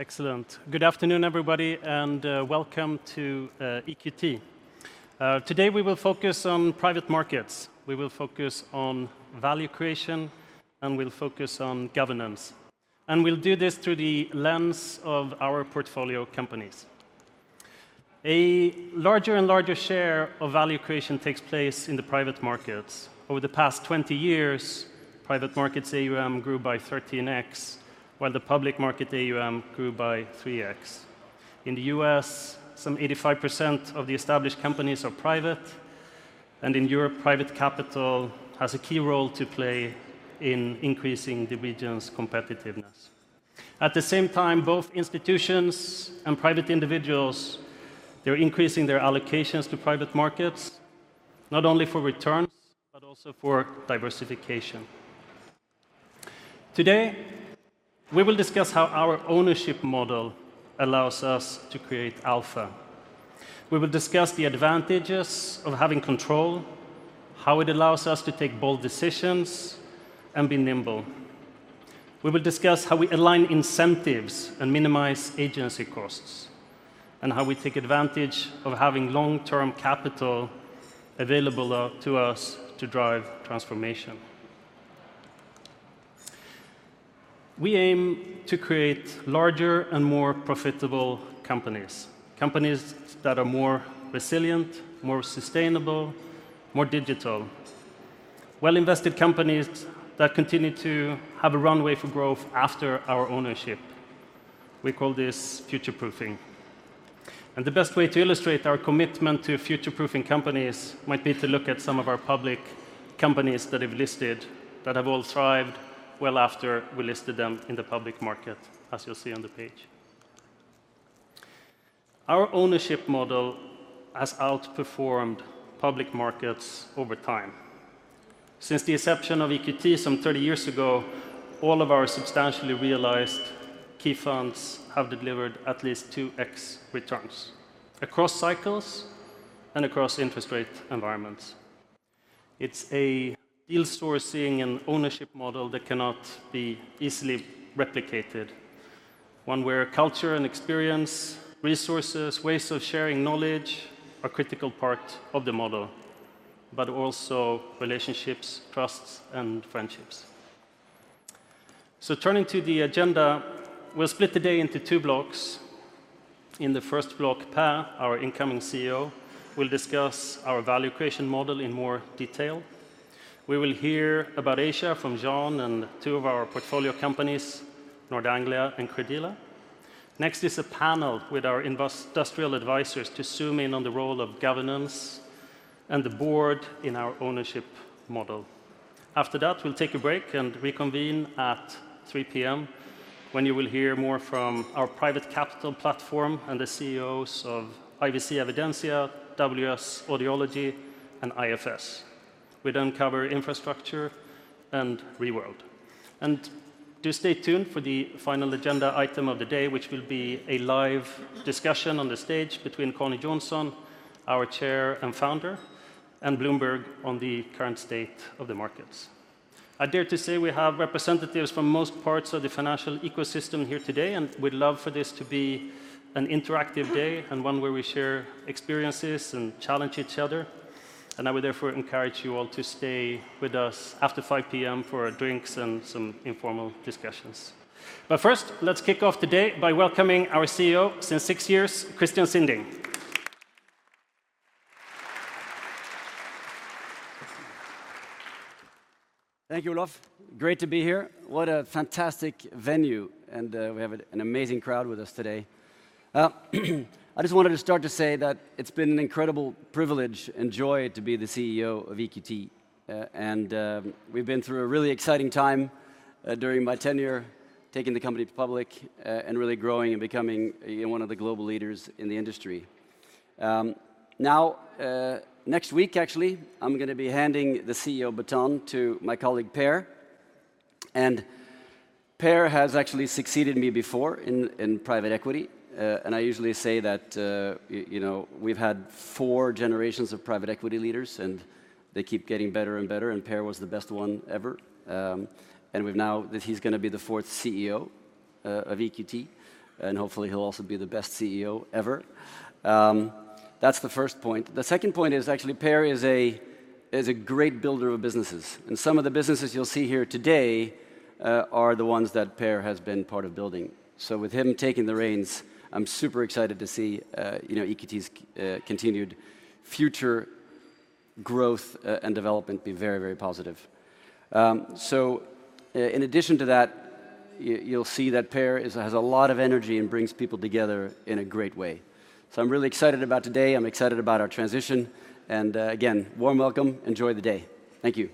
Excellent. Good afternoon, everybody, and welcome to EQT. Today we will focus on private markets. We will focus on value creation, and we will focus on governance. We will do this through the lens of our portfolio companies. A larger and larger share of value creation takes place in the private markets. Over the past 20 years, private markets AUM grew by 13x, while the public market AUM grew by 3x. In the U.S., some 85% of the established companies are private, and in Europe, private capital has a key role to play in increasing the region's competitiveness. At the same time, both institutions and private individuals, they are increasing their allocations to private markets, not only for returns, but also for diversification. Today, we will discuss how our ownership model allows us to create alpha. We will discuss the advantages of having control, how it allows us to take bold decisions, and be nimble. We will discuss how we align incentives and minimize agency costs, and how we take advantage of having long-term capital available to us to drive transformation. We aim to create larger and more profitable companies. Companies that are more resilient, more sustainable, more digital. Well-invested companies that continue to have a runway for growth after our ownership. We call this future-proofing. The best way to illustrate our commitment to future-proofing companies might be to look at some of our public companies that have listed, that have all thrived well after we listed them in the public market, as you'll see on the page. Our ownership model has outperformed public markets over time. Since the inception of EQT some 30 years ago, all of our substantially realized key funds have delivered at least 2x returns across cycles and across interest rate environments. It is a deal-sourcing and ownership model that cannot be easily replicated. One where culture and experience, resources, ways of sharing knowledge are a critical part of the model, but also relationships, trust, and friendships. Turning to the agenda, we will split the day into two blocks. In the first block, Per, our incoming CEO, will discuss our value creation model in more detail. We will hear about Asia from John and two of our portfolio companies, Nord Anglia and Credila. Next is a panel with our industrial advisors to zoom in on the role of governance and the board in our ownership model. After that, we will take a break and reconvene at 3:00 P.M. When you will hear more from our private capital platform and the CEOs of IVC Evidensia, WS Audiology, and IFS. We then cover Infrastructure and Reworld. Do stay tuned for the final agenda item of the day, which will be a live discussion on the stage between Conni Jonsson, our Chair and founder, and Bloomberg on the current state of the markets. I dare to say we have representatives from most parts of the financial ecosystem here today, and we'd love for this to be an interactive day and one where we share experiences and challenge each other. I would therefore encourage you all to stay with us after 5:00 P.M. for drinks and some informal discussions. First, let's kick off the day by welcoming our CEO since six years, Christian Sinding. Thank you, Olof. Great to be here. What a fantastic venue, and we have an amazing crowd with us today. I just wanted to start to say that it's been an incredible privilege and joy to be the CEO of EQT. We've been through a really exciting time during my tenure, taking the company public and really growing and becoming one of the global leaders in the industry. Now, next week, actually, I'm going to be handing the CEO baton to my colleague Per. Per has actually succeeded me before in private equity. I usually say that we've had four generations of private equity leaders, and they keep getting better and better, and Per was the best one ever. Now he's going to be the fourth CEO of EQT, and hopefully he'll also be the best CEO ever. That's the first point. The second point is actually Per is a great builder of businesses. And some of the businesses you'll see here today are the ones that Per has been part of building. With him taking the reins, I'm super excited to see EQT's continued future growth and development be very, very positive. In addition to that, you'll see that Per has a lot of energy and brings people together in a great way. I'm really excited about today. I'm excited about our transition. Again, warm welcome. Enjoy the day. Thank you.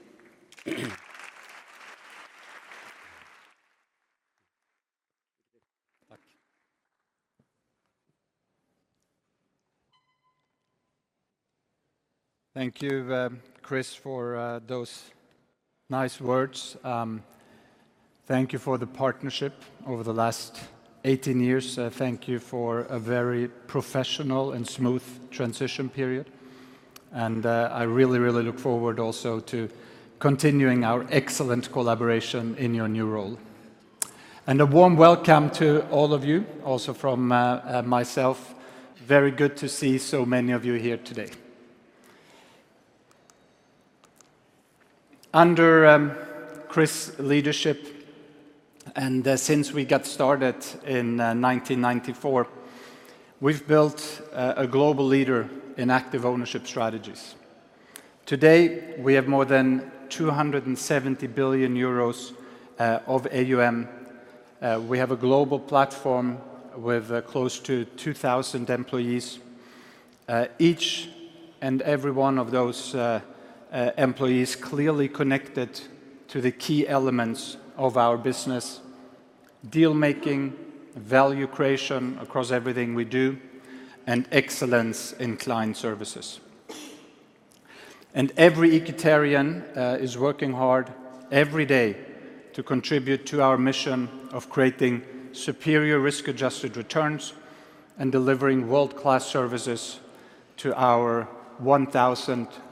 Thank you, Chris, for those nice words. Thank you for the partnership over the last 18 years. Thank you for a very professional and smooth transition period. I really, really look forward also to continuing our excellent collaboration in your new role. A warm welcome to all of you, also from myself. Very good to see so many of you here today. Under Chris's leadership, and since we got started in 1994, we've built a global leader in active ownership strategies. Today, we have more than 270 billion euros of AUM. We have a global platform with close to 2,000 employees. Each and every one of those employees is clearly connected to the key elements of our business: deal-making, value creation across everything we do, and excellence in client services. Every EQTarian is working hard every day to contribute to our mission of creating superior risk-adjusted returns and delivering world-class services to our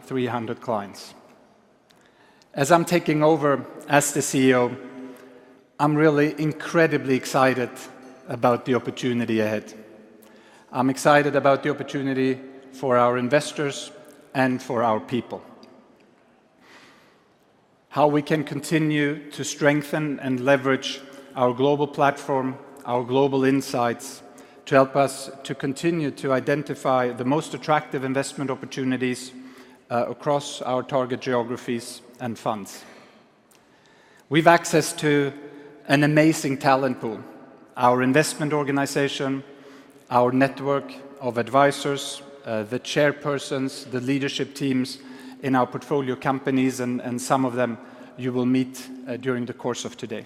1,300 clients. As I'm taking over as the CEO, I'm really incredibly excited about the opportunity ahead. I'm excited about the opportunity for our investors and for our people. How we can continue to strengthen and leverage our global platform, our global insights to help us to continue to identify the most attractive investment opportunities across our target geographies and funds. We have access to an amazing talent pool: our investment organization, our network of advisors, the chairpersons, the leadership teams in our portfolio companies, and some of them you will meet during the course of today.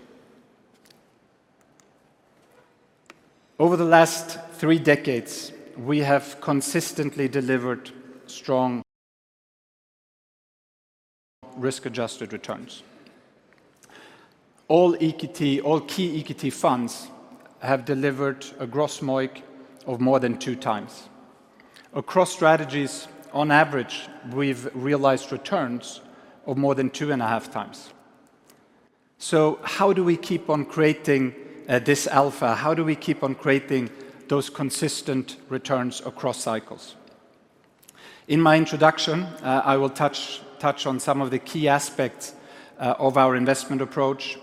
Over the last three decades, we have consistently delivered strong risk-adjusted returns. All key EQT funds have delivered a gross MOIC of more than two times. Across strategies, on average, we have realized returns of more than two and a half times. How do we keep on creating this alpha? How do we keep on creating those consistent returns across cycles? In my introduction, I will touch on some of the key aspects of our investment approach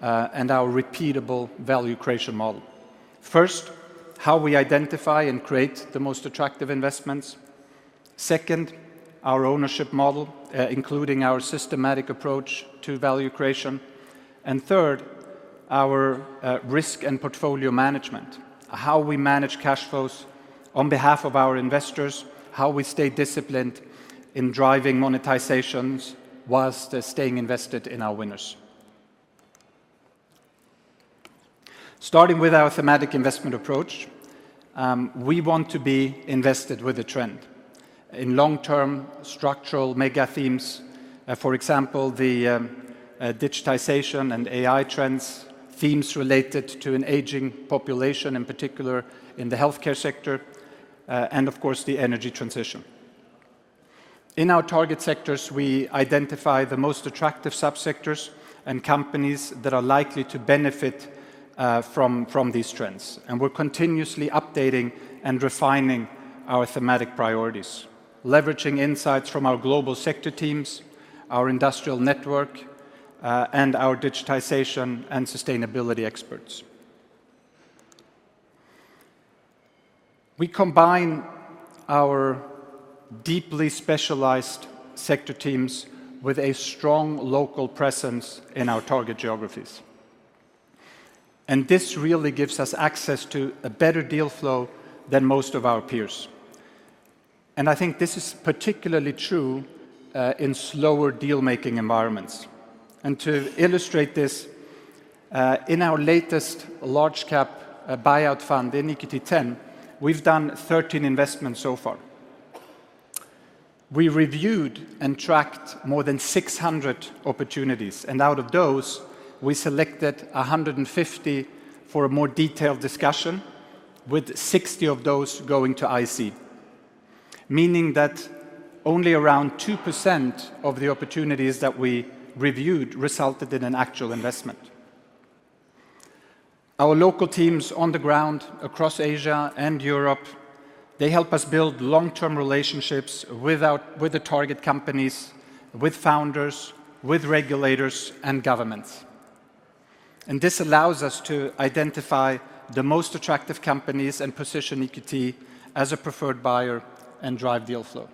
and our repeatable value creation model. First, how we identify and create the most attractive investments. Second, our ownership model, including our systematic approach to value creation. Third, our risk and portfolio management: how we manage cash flows on behalf of our investors, how we stay disciplined in driving monetizations whilst staying invested in our winners. Starting with our thematic investment approach, we want to be invested with a trend in long-term structural mega themes. For example, the digitization and AI trends, themes related to an aging population, in particular in the healthcare sector, and of course, the energy transition. In our target sectors, we identify the most attractive subsectors and companies that are likely to benefit from these trends. We are continuously updating and refining our thematic priorities, leveraging insights from our global sector teams, our industrial network, and our digitization and sustainability experts. We combine our deeply specialized sector teams with a strong local presence in our target geographies. This really gives us access to a better deal flow than most of our peers. I think this is particularly true in slower deal-making environments. To illustrate this, in our latest large-cap buyout fund in EQT X, we have done 13 investments so far. We reviewed and tracked more than 600 opportunities. Out of those, we selected 150 for a more detailed discussion, with 60 of those going to IC, meaning that only around 2% of the opportunities that we reviewed resulted in an actual investment. Our local teams on the ground across Asia and Europe, they help us build long-term relationships with the target companies, with founders, with regulators, and governments. This allows us to identify the most attractive companies and position EQT as a preferred buyer and drive deal flow.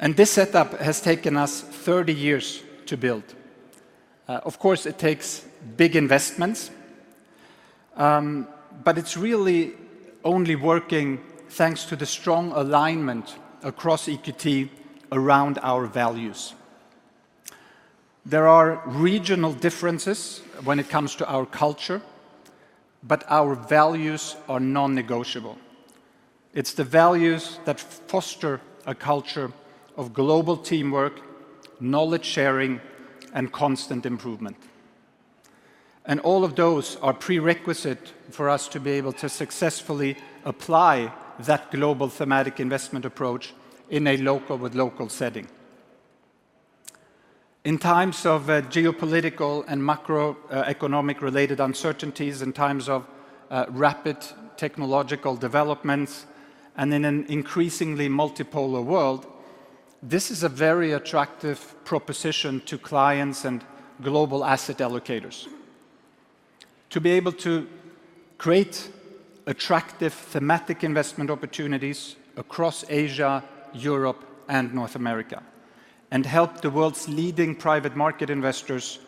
This setup has taken us 30 years to build. Of course, it takes big investments, but it is really only working thanks to the strong alignment across EQT around our values. There are regional differences when it comes to our culture, but our values are non-negotiable. It is the values that foster a culture of global teamwork, knowledge sharing, and constant improvement. All of those are prerequisites for us to be able to successfully apply that global thematic investment approach in a local with local setting. In times of geopolitical and macroeconomic related uncertainties, in times of rapid technological developments, and in an increasingly multipolar world, this is a very attractive proposition to clients and global asset allocators. To be able to create attractive thematic investment opportunities across Asia, Europe, and North America, and help the world's leading private market investors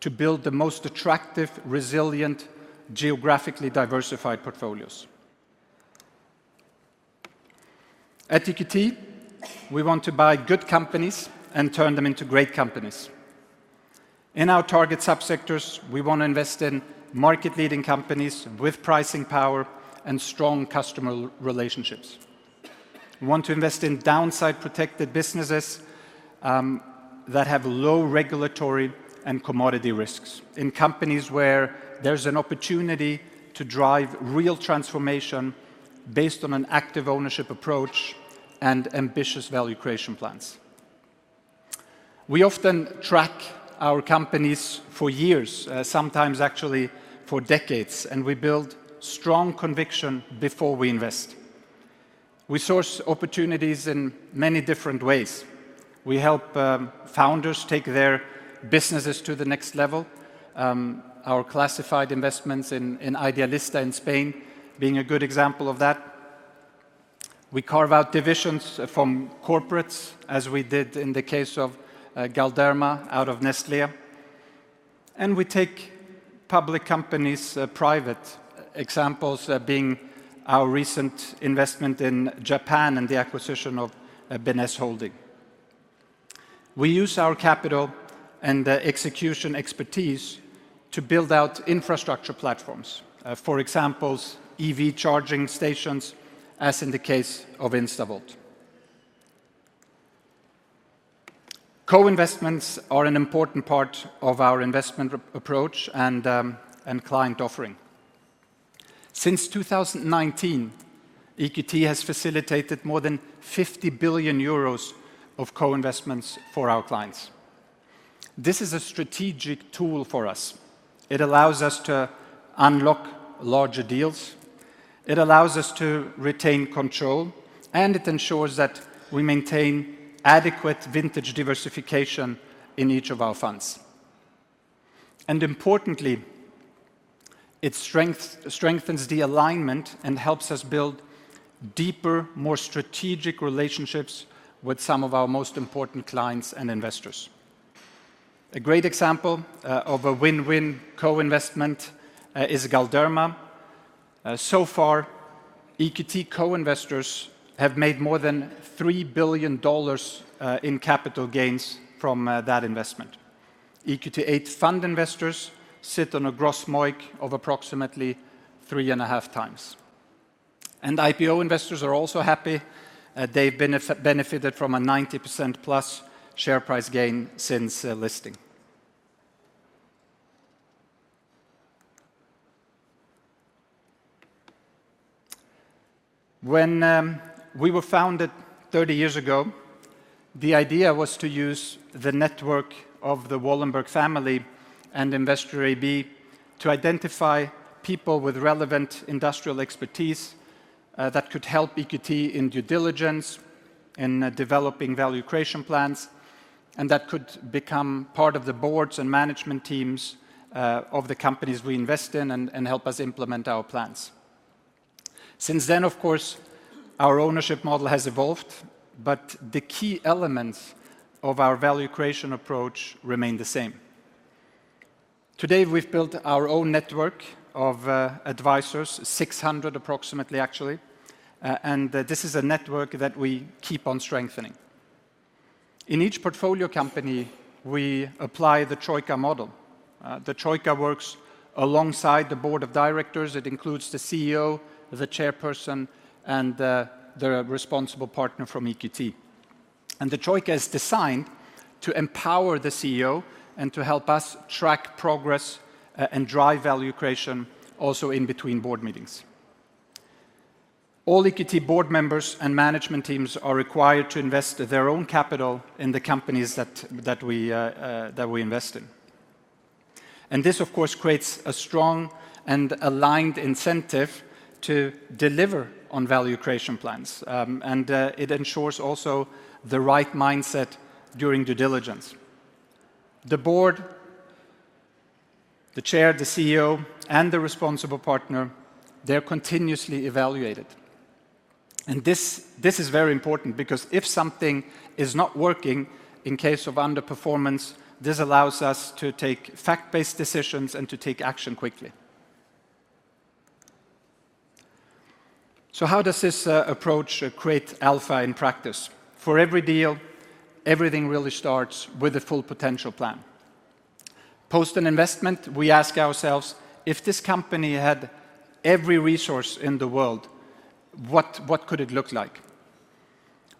to build the most attractive, resilient, geographically diversified portfolios. At EQT, we want to buy good companies and turn them into great companies. In our target subsectors, we want to invest in market-leading companies with pricing power and strong customer relationships. We want to invest in downside-protected businesses that have low regulatory and commodity risks in companies where there's an opportunity to drive real transformation based on an active ownership approach and ambitious value creation plans. We often track our companies for years, sometimes actually for decades, and we build strong conviction before we invest. We source opportunities in many different ways. We help founders take their businesses to the next level. Our classified investments in Idealista in Spain being a good example of that. We carve out divisions from corporates as we did in the case of Galderma out of Nestlé. We take public companies private, examples being our recent investment in Japan and the acquisition of Benesse Holding. We use our capital and execution expertise to build out infrastructure platforms, for example, EV charging stations, as in the case of InstaVolt. Co-investments are an important part of our investment approach and client offering. Since 2019, EQT has facilitated more than 50 billion euros of co-investments for our clients. This is a strategic tool for us. It allows us to unlock larger deals. It allows us to retain control, and it ensures that we maintain adequate vintage diversification in each of our funds. Importantly, it strengthens the alignment and helps us build deeper, more strategic relationships with some of our most important clients and investors. A great example of a win-win co-investment is Galderma. So far, EQT co-investors have made more than $3 billion in capital gains from that investment. EQT VIII fund investors sit on a gross MOIC of approximately 3.5x. IPO investors are also happy. They have benefited from a 90%+ share price gain since listing. When we were founded 30 years ago, the idea was to use the network of the Wallenberg family and Investor AB to identify people with relevant industrial expertise that could help EQT in due diligence in developing value creation plans and that could become part of the boards and management teams of the companies we invest in and help us implement our plans. Since then, of course, our ownership model has evolved, but the key elements of our value creation approach remain the same. Today, we've built our own network of advisors, 600 approximately, actually. This is a network that we keep on strengthening. In each portfolio company, we apply the TROIKA model. The TROIKA works alongside the board of directors. It includes the CEO, the chairperson, and the responsible partner from EQT. The TROIKA is designed to empower the CEO and to help us track progress and drive value creation also in between board meetings. All EQT board members and management teams are required to invest their own capital in the companies that we invest in. This, of course, creates a strong and aligned incentive to deliver on value creation plans. It ensures also the right mindset during due diligence. The board, the chair, the CEO, and the responsible partner, they're continuously evaluated. This is very important because if something is not working in case of underperformance, this allows us to take fact-based decisions and to take action quickly. How does this approach create alpha in practice? For every deal, everything really starts with a Full Potential Plan. Post an investment, we ask ourselves, if this company had every resource in the world, what could it look like?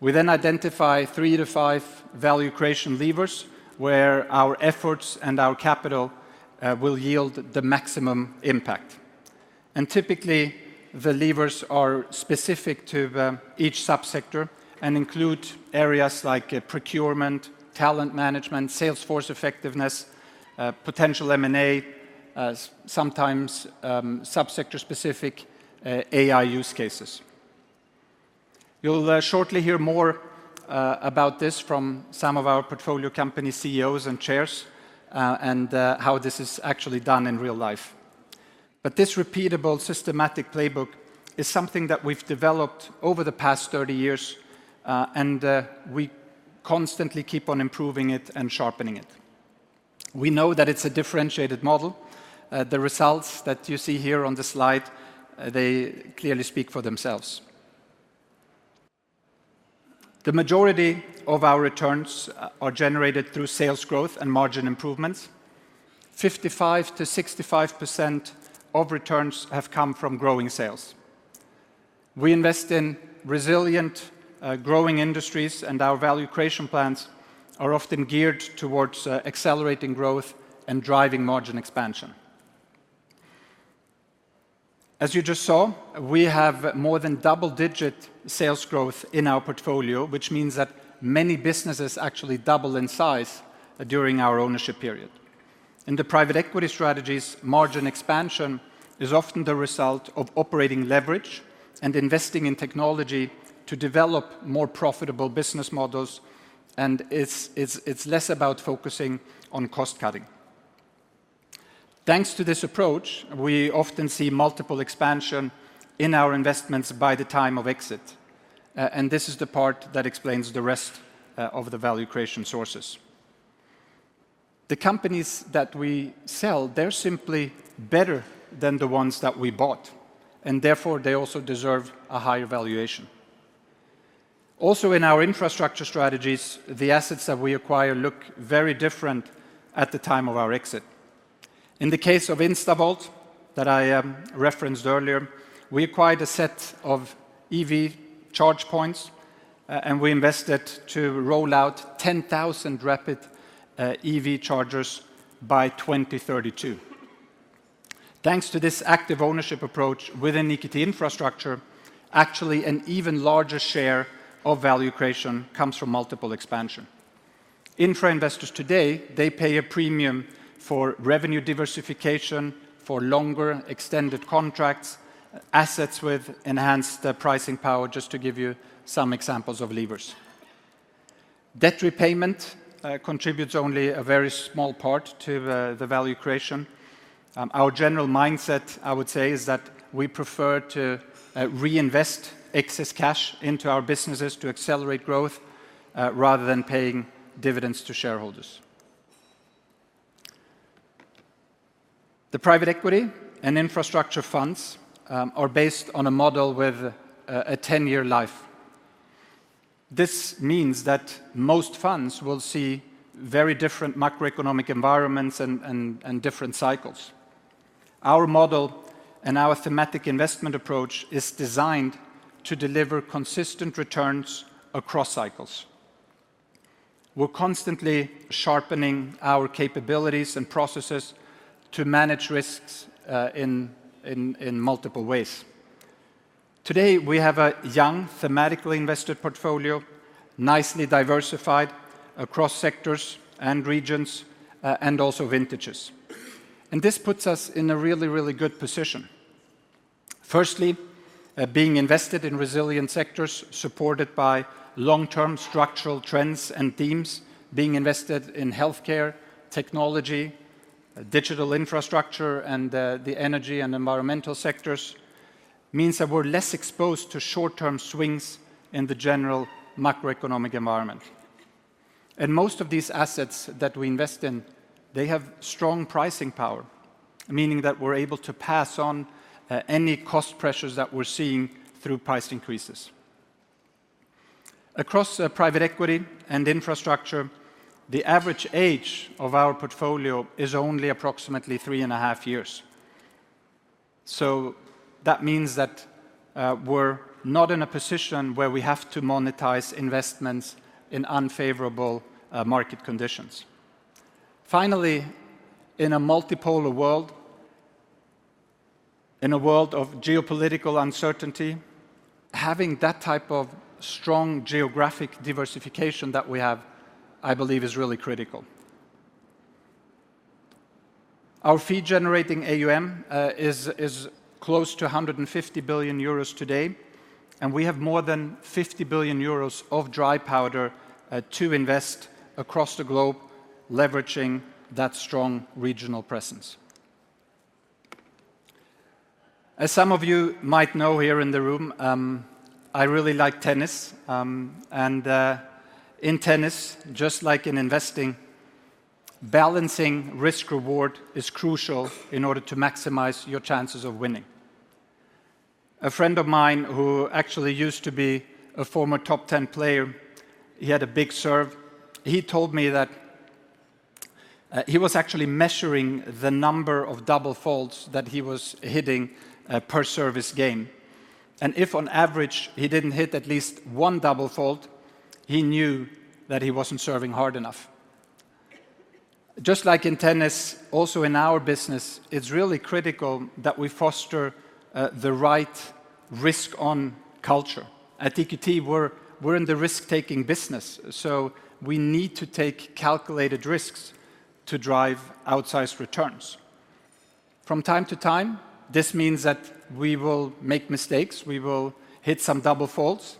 We then identify three to five value creation levers where our efforts and our capital will yield the maximum impact. Typically, the levers are specific to each subsector and include areas like procurement, talent management, salesforce effectiveness, potential M&A, sometimes subsector-specific AI use cases. You'll shortly hear more about this from some of our portfolio company CEOs and chairs and how this is actually done in real life. This repeatable systematic playbook is something that we've developed over the past 30 years, and we constantly keep on improving it and sharpening it. We know that it's a differentiated model. The results that you see here on the slide, they clearly speak for themselves. The majority of our returns are generated through sales growth and margin improvements. 55%-65% of returns have come from growing sales. We invest in resilient growing industries, and our value creation plans are often geared towards accelerating growth and driving margin expansion. As you just saw, we have more than double-digit sales growth in our portfolio, which means that many businesses actually double in size during our ownership period. In the private equity strategies, margin expansion is often the result of operating leverage and investing in technology to develop more profitable business models, and it's less about focusing on cost cutting. Thanks to this approach, we often see multiple expansions in our investments by the time of exit. This is the part that explains the rest of the value creation sources. The companies that we sell, they're simply better than the ones that we bought, and therefore they also deserve a higher valuation. Also, in our Infrastructure strategies, the assets that we acquire look very different at the time of our exit. In the case of InstaVolt that I referenced earlier, we acquired a set of EV charge points, and we invested to roll out 10,000 Rapid EV chargers by 2032. Thanks to this active ownership approach within EQT Infrastructure, actually an even larger share of value creation comes from multiple expansion. Infra investors today, they pay a premium for revenue diversification for longer extended contracts, assets with enhanced pricing power, just to give you some examples of levers. Debt repayment contributes only a very small part to the value creation. Our general mindset, I would say, is that we prefer to reinvest excess cash into our businesses to accelerate growth rather than paying dividends to shareholders. The private equity and Infrastructure funds are based on a model with a 10-year life. This means that most funds will see very different macroeconomic environments and different cycles. Our model and our thematic investment approach is designed to deliver consistent returns across cycles. We're constantly sharpening our capabilities and processes to manage risks in multiple ways. Today, we have a young thematically invested portfolio, nicely diversified across sectors and regions and also vintages. This puts us in a really, really good position. Firstly, being invested in resilient sectors supported by long-term structural trends and themes, being invested in healthcare, technology, digital infrastructure, and the energy and environmental sectors means that we're less exposed to short-term swings in the general macroeconomic environment. Most of these assets that we invest in, they have strong pricing power, meaning that we're able to pass on any cost pressures that we're seeing through price increases. Across private equity and Infrastructure, the average age of our portfolio is only approximately three and a half years. That means that we're not in a position where we have to monetize investments in unfavorable market conditions. Finally, in a multipolar world, in a world of geopolitical uncertainty, having that type of strong geographic diversification that we have, I believe, is really critical. Our fee-generating AUM is close to 150 billion euros today, and we have more than 50 billion euros of dry powder to invest across the globe, leveraging that strong regional presence. As some of you might know here in the room, I really like tennis. In tennis, just like in investing, balancing risk-reward is crucial in order to maximize your chances of winning. A friend of mine who actually used to be a former top 10 player, he had a big serve. He told me that he was actually measuring the number of double faults that he was hitting per service game. If on average he did not hit at least one double fault, he knew that he was not serving hard enough. Just like in tennis, also in our business, it is really critical that we foster the right risk-on culture. At EQT, we are in the risk-taking business, so we need to take calculated risks to drive outsized returns. From time to time, this means that we will make mistakes. We will hit some double faults,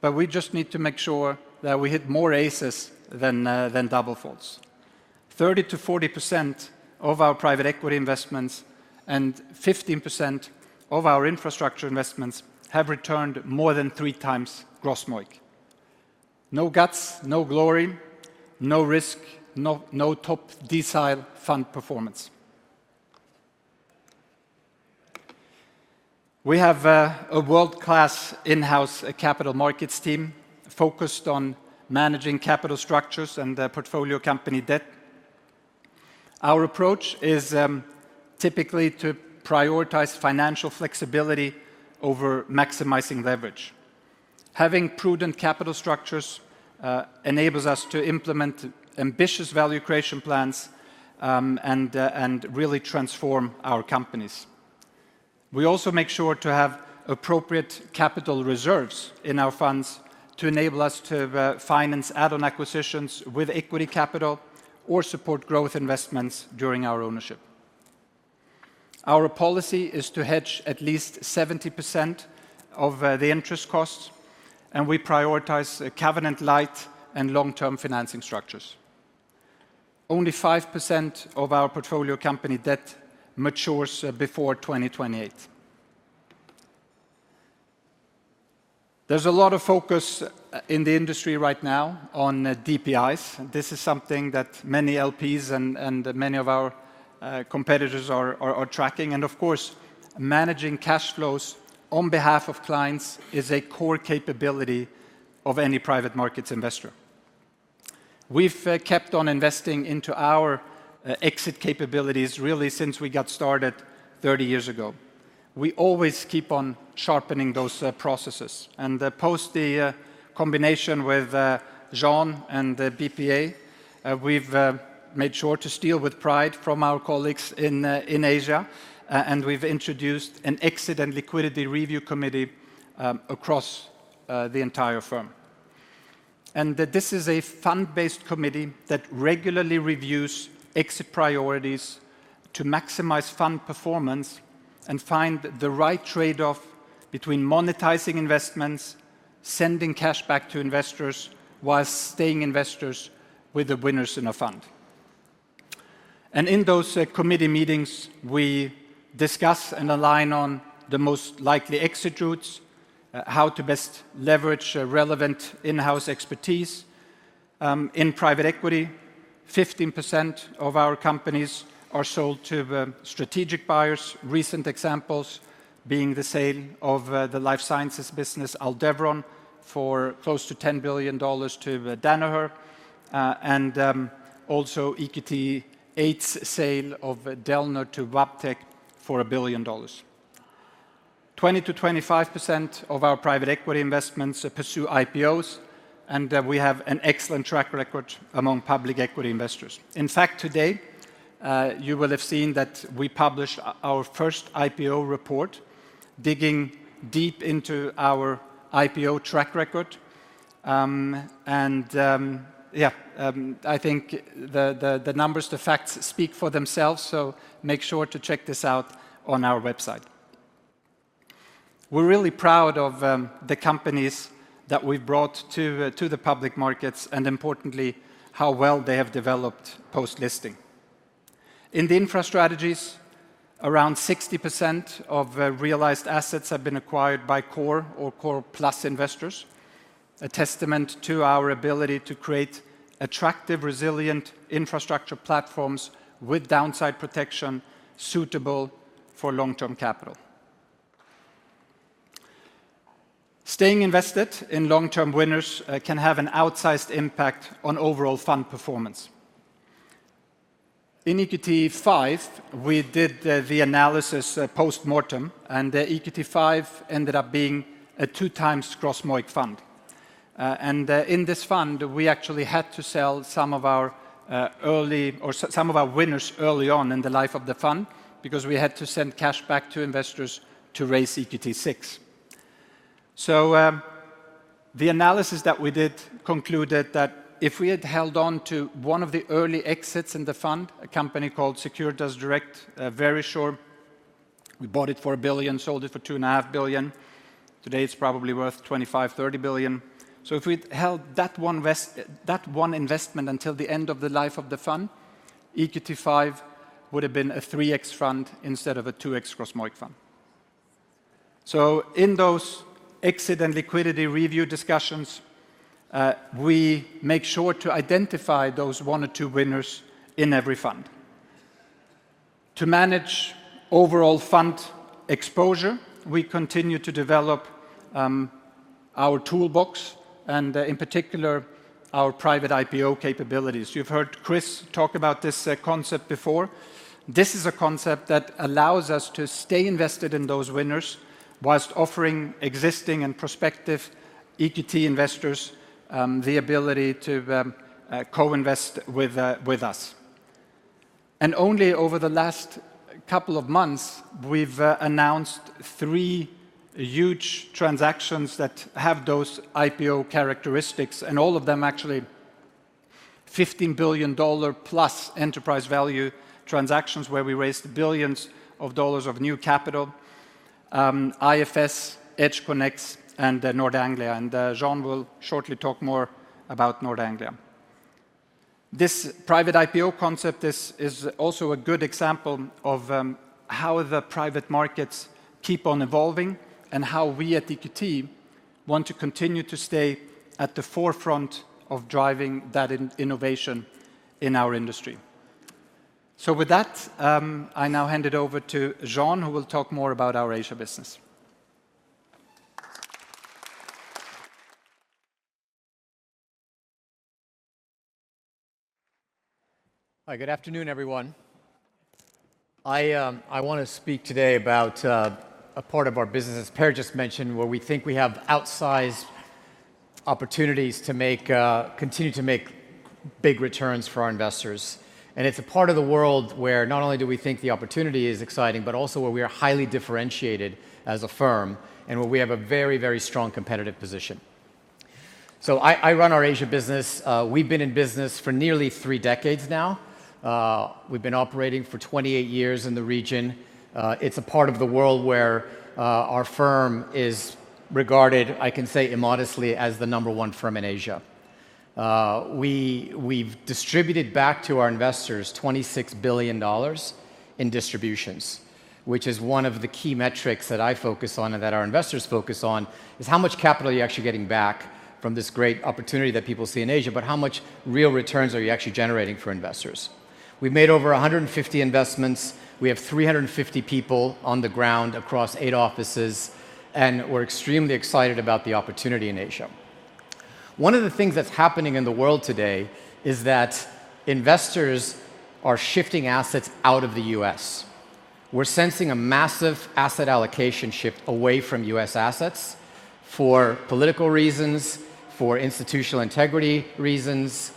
but we just need to make sure that we hit more aces than double faults. 30%-40% of our private equity investments and 15% of our Infrastructure investments have returned more than three times gross MOIC. No guts, no glory, no risk, no top decile fund performance. We have a world-class in-house capital markets team focused on managing capital structures and portfolio company debt. Our approach is typically to prioritize financial flexibility over maximizing leverage. Having prudent capital structures enables us to implement ambitious value creation plans and really transform our companies. We also make sure to have appropriate capital reserves in our funds to enable us to finance add-on acquisitions with equity capital or support growth investments during our ownership. Our policy is to hedge at least 70% of the interest costs, and we prioritize Covenant Light and long-term financing structures. Only 5% of our portfolio company debt matures before 2028. There is a lot of focus in the industry right now on DPIs. This is something that many LPs and many of our competitors are tracking. Of course, managing cash flows on behalf of clients is a core capability of any private markets investor. We've kept on investing into our exit capabilities really since we got started 30 years ago. We always keep on sharpening those processes. Post the combination with Jean and BPA, we've made sure to steal with pride from our colleagues in Asia, and we've introduced an exit and liquidity review committee across the entire firm. This is a fund-based committee that regularly reviews exit priorities to maximize fund performance and find the right trade-off between monetizing investments, sending cash back to investors while staying investors with the winners in a fund. In those committee meetings, we discuss and align on the most likely exit routes, how to best leverage relevant in-house expertise. In private equity, 15% of our companies are sold to strategic buyers. Recent examples being the sale of the life sciences business Aldevron for close to $10 billion to Danaher, and also EQT 8's sale of Dellner to Wabtec for $1 billion. 20%-25% of our private equity investments pursue IPOs, and we have an excellent track record among public equity investors. In fact, today, you will have seen that we published our first IPO report, digging deep into our IPO track record. Yeah, I think the numbers, the facts speak for themselves, so make sure to check this out on our website. We're really proud of the companies that we've brought to the public markets and importantly, how well they have developed post-listing. In the infrastrategies, around 60% of realized assets have been acquired by core or core plus investors, a testament to our ability to create attractive, resilient Infrastructure platforms with downside protection suitable for long-term capital. Staying invested in long-term winners can have an outsized impact on overall fund performance. In EQT V, we did the analysis post-mortem, and EQT V ended up being a two-times gross MOIC fund. In this fund, we actually had to sell some of our early or some of our winners early on in the life of the fund because we had to send cash back to investors to raise EQT VI. The analysis that we did concluded that if we had held on to one of the early exits in the fund, a company called Securitas Direct, we bought it for $1 billion, sold it for $2.5 billion. Today, it is probably worth $25 billion-$30 billion. If we held that one investment until the end of the life of the fund, EQT V would have been a 3x fund instead of a 2x gross MOIC fund. In those exit and liquidity review discussions, we make sure to identify those one or two winners in every fund. To manage overall fund exposure, we continue to develop our toolbox and in particular, our private IPO capabilities. You've heard Chris talk about this concept before. This is a concept that allows us to stay invested in those winners whilst offering existing and prospective EQT investors the ability to co-invest with us. Only over the last couple of months, we've announced three huge transactions that have those IPO characteristics, and all of them actually $15 billion+ enterprise value transactions where we raised billions of dollars of new capital, IFS, EdgeConneX, and Nord Anglia. Jean will shortly talk more about Nord Anglia. This private IPO concept is also a good example of how the private markets keep on evolving and how we at EQT want to continue to stay at the forefront of driving that innovation in our industry. With that, I now hand it over to Jean, who will talk more about our Asia business. Hi, good afternoon, everyone. I want to speak today about a part of our business, as Per just mentioned, where we think we have outsized opportunities to continue to make big returns for our investors. It is a part of the world where not only do we think the opportunity is exciting, but also where we are highly differentiated as a firm and where we have a very, very strong competitive position. I run our Asia business. We've been in business for nearly three decades now. We've been operating for 28 years in the region. It's a part of the world where our firm is regarded, I can say immodestly, as the number one firm in Asia. We've distributed back to our investors $26 billion in distributions, which is one of the key metrics that I focus on and that our investors focus on, is how much capital are you actually getting back from this great opportunity that people see in Asia, but how much real returns are you actually generating for investors? We've made over 150 investments. We have 350 people on the ground across eight offices, and we're extremely excited about the opportunity in Asia. One of the things that's happening in the world today is that investors are shifting assets out of the U.S. We're sensing a massive asset allocation shift away from U.S. assets for political reasons, for institutional integrity reasons,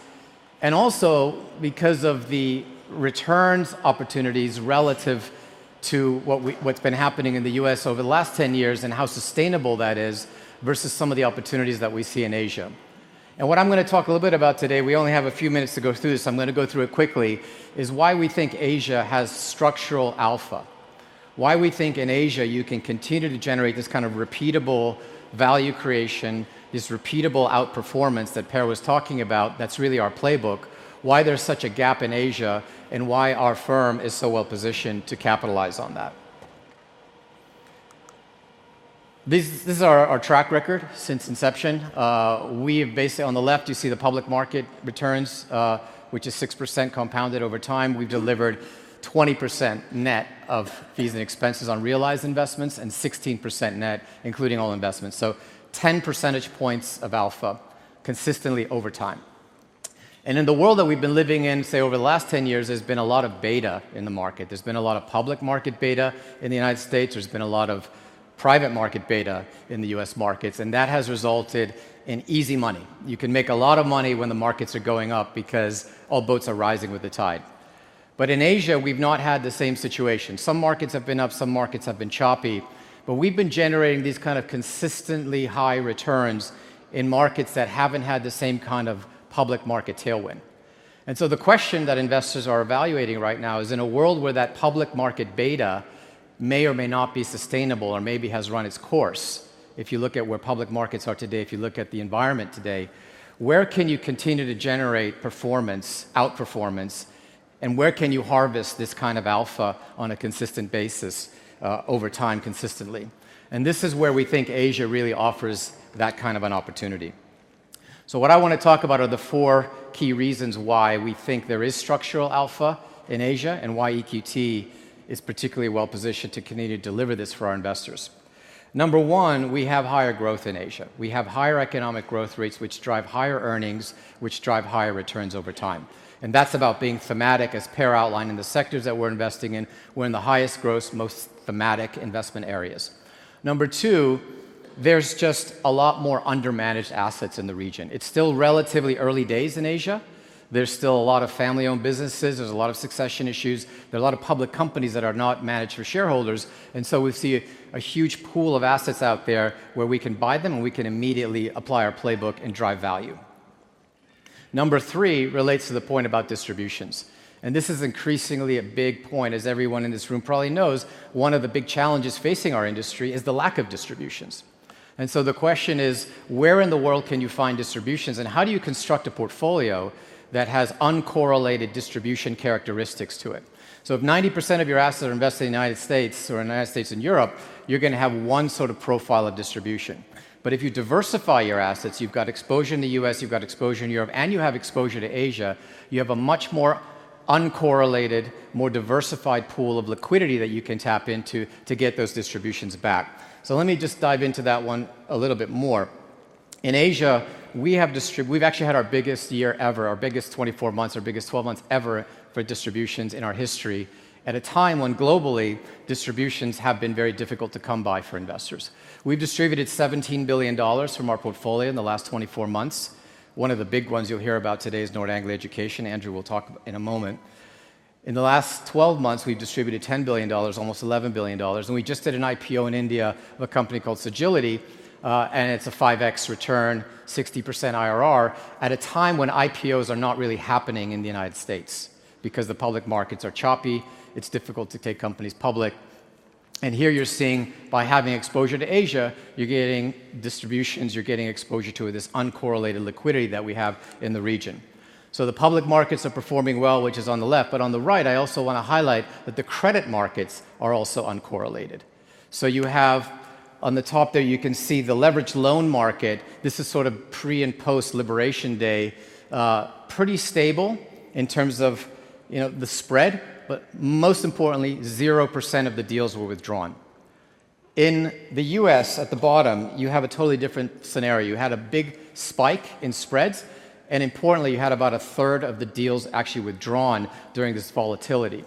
and also because of the returns opportunities relative to what's been happening in the U.S. over the last 10 years and how sustainable that is versus some of the opportunities that we see in Asia. What I'm going to talk a little bit about today, we only have a few minutes to go through this. I'm going to go through it quickly, is why we think Asia has structural alpha, why we think in Asia you can continue to generate this kind of repeatable value creation, this repeatable outperformance that Per was talking about that's really our playbook, why there's such a gap in Asia and why our firm is so well positioned to capitalize on that. This is our track record since inception. On the left, you see the public market returns, which is 6% compounded over time. We've delivered 20% net of fees and expenses on realized investments and 16% net, including all investments. So 10 percentage points of alpha consistently over time. In the world that we've been living in, say, over the last 10 years, there's been a lot of beta in the market. There's been a lot of public market beta in the U.S. There's been a lot of private market beta in the U.S. markets, and that has resulted in easy money. You can make a lot of money when the markets are going up because all boats are rising with the tide. In Asia, we've not had the same situation. Some markets have been up, some markets have been choppy, but we've been generating these kind of consistently high returns in markets that haven't had the same kind of public market tailwind. The question that investors are evaluating right now is, in a world where that public market beta may or may not be sustainable or maybe has run its course, if you look at where public markets are today, if you look at the environment today, where can you continue to generate performance, outperformance, and where can you harvest this kind of alpha on a consistent basis over time consistently? This is where we think Asia really offers that kind of an opportunity. What I want to talk about are the four key reasons why we think there is structural alpha in Asia and why EQT is particularly well positioned to continue to deliver this for our investors. Number one, we have higher growth in Asia. We have higher economic growth rates, which drive higher earnings, which drive higher returns over time. That is about being thematic, as Per outlined in the sectors that we are investing in. We are in the highest growth, most thematic investment areas. Number two, there is just a lot more undermanaged assets in the region. It is still relatively early days in Asia. There are still a lot of family-owned businesses. There are a lot of succession issues. There are a lot of public companies that are not managed for shareholders. We see a huge pool of assets out there where we can buy them and we can immediately apply our playbook and drive value. Number three relates to the point about distributions. This is increasingly a big point, as everyone in this room probably knows. One of the big challenges facing our industry is the lack of distributions. The question is, where in the world can you find distributions and how do you construct a portfolio that has uncorrelated distribution characteristics to it? If 90% of your assets are invested in the U.S. or in the U.S. and Europe, you're going to have one sort of profile of distribution. If you diversify your assets, you've got exposure in the U.S., you've got exposure in Europe, and you have exposure to Asia, you have a much more uncorrelated, more diversified pool of liquidity that you can tap into to get those distributions back. Let me just dive into that one a little bit more. In Asia, we've actually had our biggest year ever, our biggest 24 months, our biggest 12 months ever for distributions in our history at a time when globally distributions have been very difficult to come by for investors. We've distributed $17 billion from our portfolio in the last 24 months. One of the big ones you'll hear about today is Nord Anglia Education. Andrew will talk in a moment. In the last 12 months, we've distributed $10 billion, almost $11 billion. We just did an IPO in India of a company called Sagility, and it's a 5x return, 60% IRR at a time when IPOs are not really happening in the U.S. because the public markets are choppy. It's difficult to take companies public. Here you're seeing, by having exposure to Asia, you're getting distributions, you're getting exposure to this uncorrelated liquidity that we have in the region. The public markets are performing well, which is on the left. On the right, I also want to highlight that the credit markets are also uncorrelated. You have on the top there, you can see the leveraged loan market. This is sort of pre and post-liberation day, pretty stable in terms of the spread, but most importantly, 0% of the deals were withdrawn. In the U.S., at the bottom, you have a totally different scenario. You had a big spike in spreads, and importantly, you had about a third of the deals actually withdrawn during this volatility.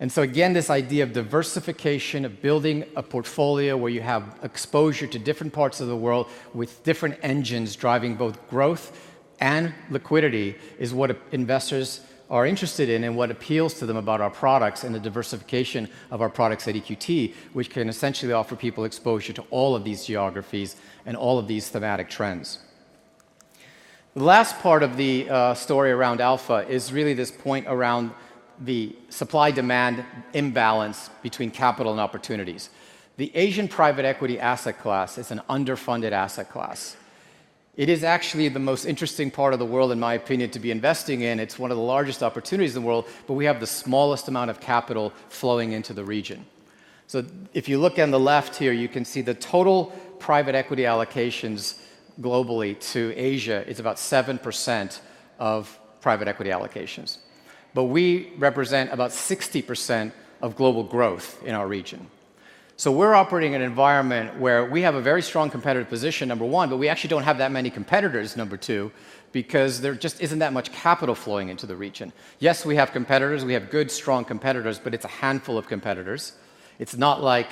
Again, this idea of diversification, of building a portfolio where you have exposure to different parts of the world with different engines driving both growth and liquidity is what investors are interested in and what appeals to them about our products and the diversification of our products at EQT, which can essentially offer people exposure to all of these geographies and all of these thematic trends. The last part of the story around alpha is really this point around the supply-demand imbalance between capital and opportunities. The Asian private equity asset class is an underfunded asset class. It is actually the most interesting part of the world, in my opinion, to be investing in. It's one of the largest opportunities in the world, but we have the smallest amount of capital flowing into the region. If you look on the left here, you can see the total private equity allocations globally to Asia is about 7% of private equity allocations. We represent about 60% of global growth in our region. We're operating in an environment where we have a very strong competitive position, number one, but we actually do not have that many competitors, number two, because there just is not that much capital flowing into the region. Yes, we have competitors. We have good, strong competitors, but it's a handful of competitors. It's not like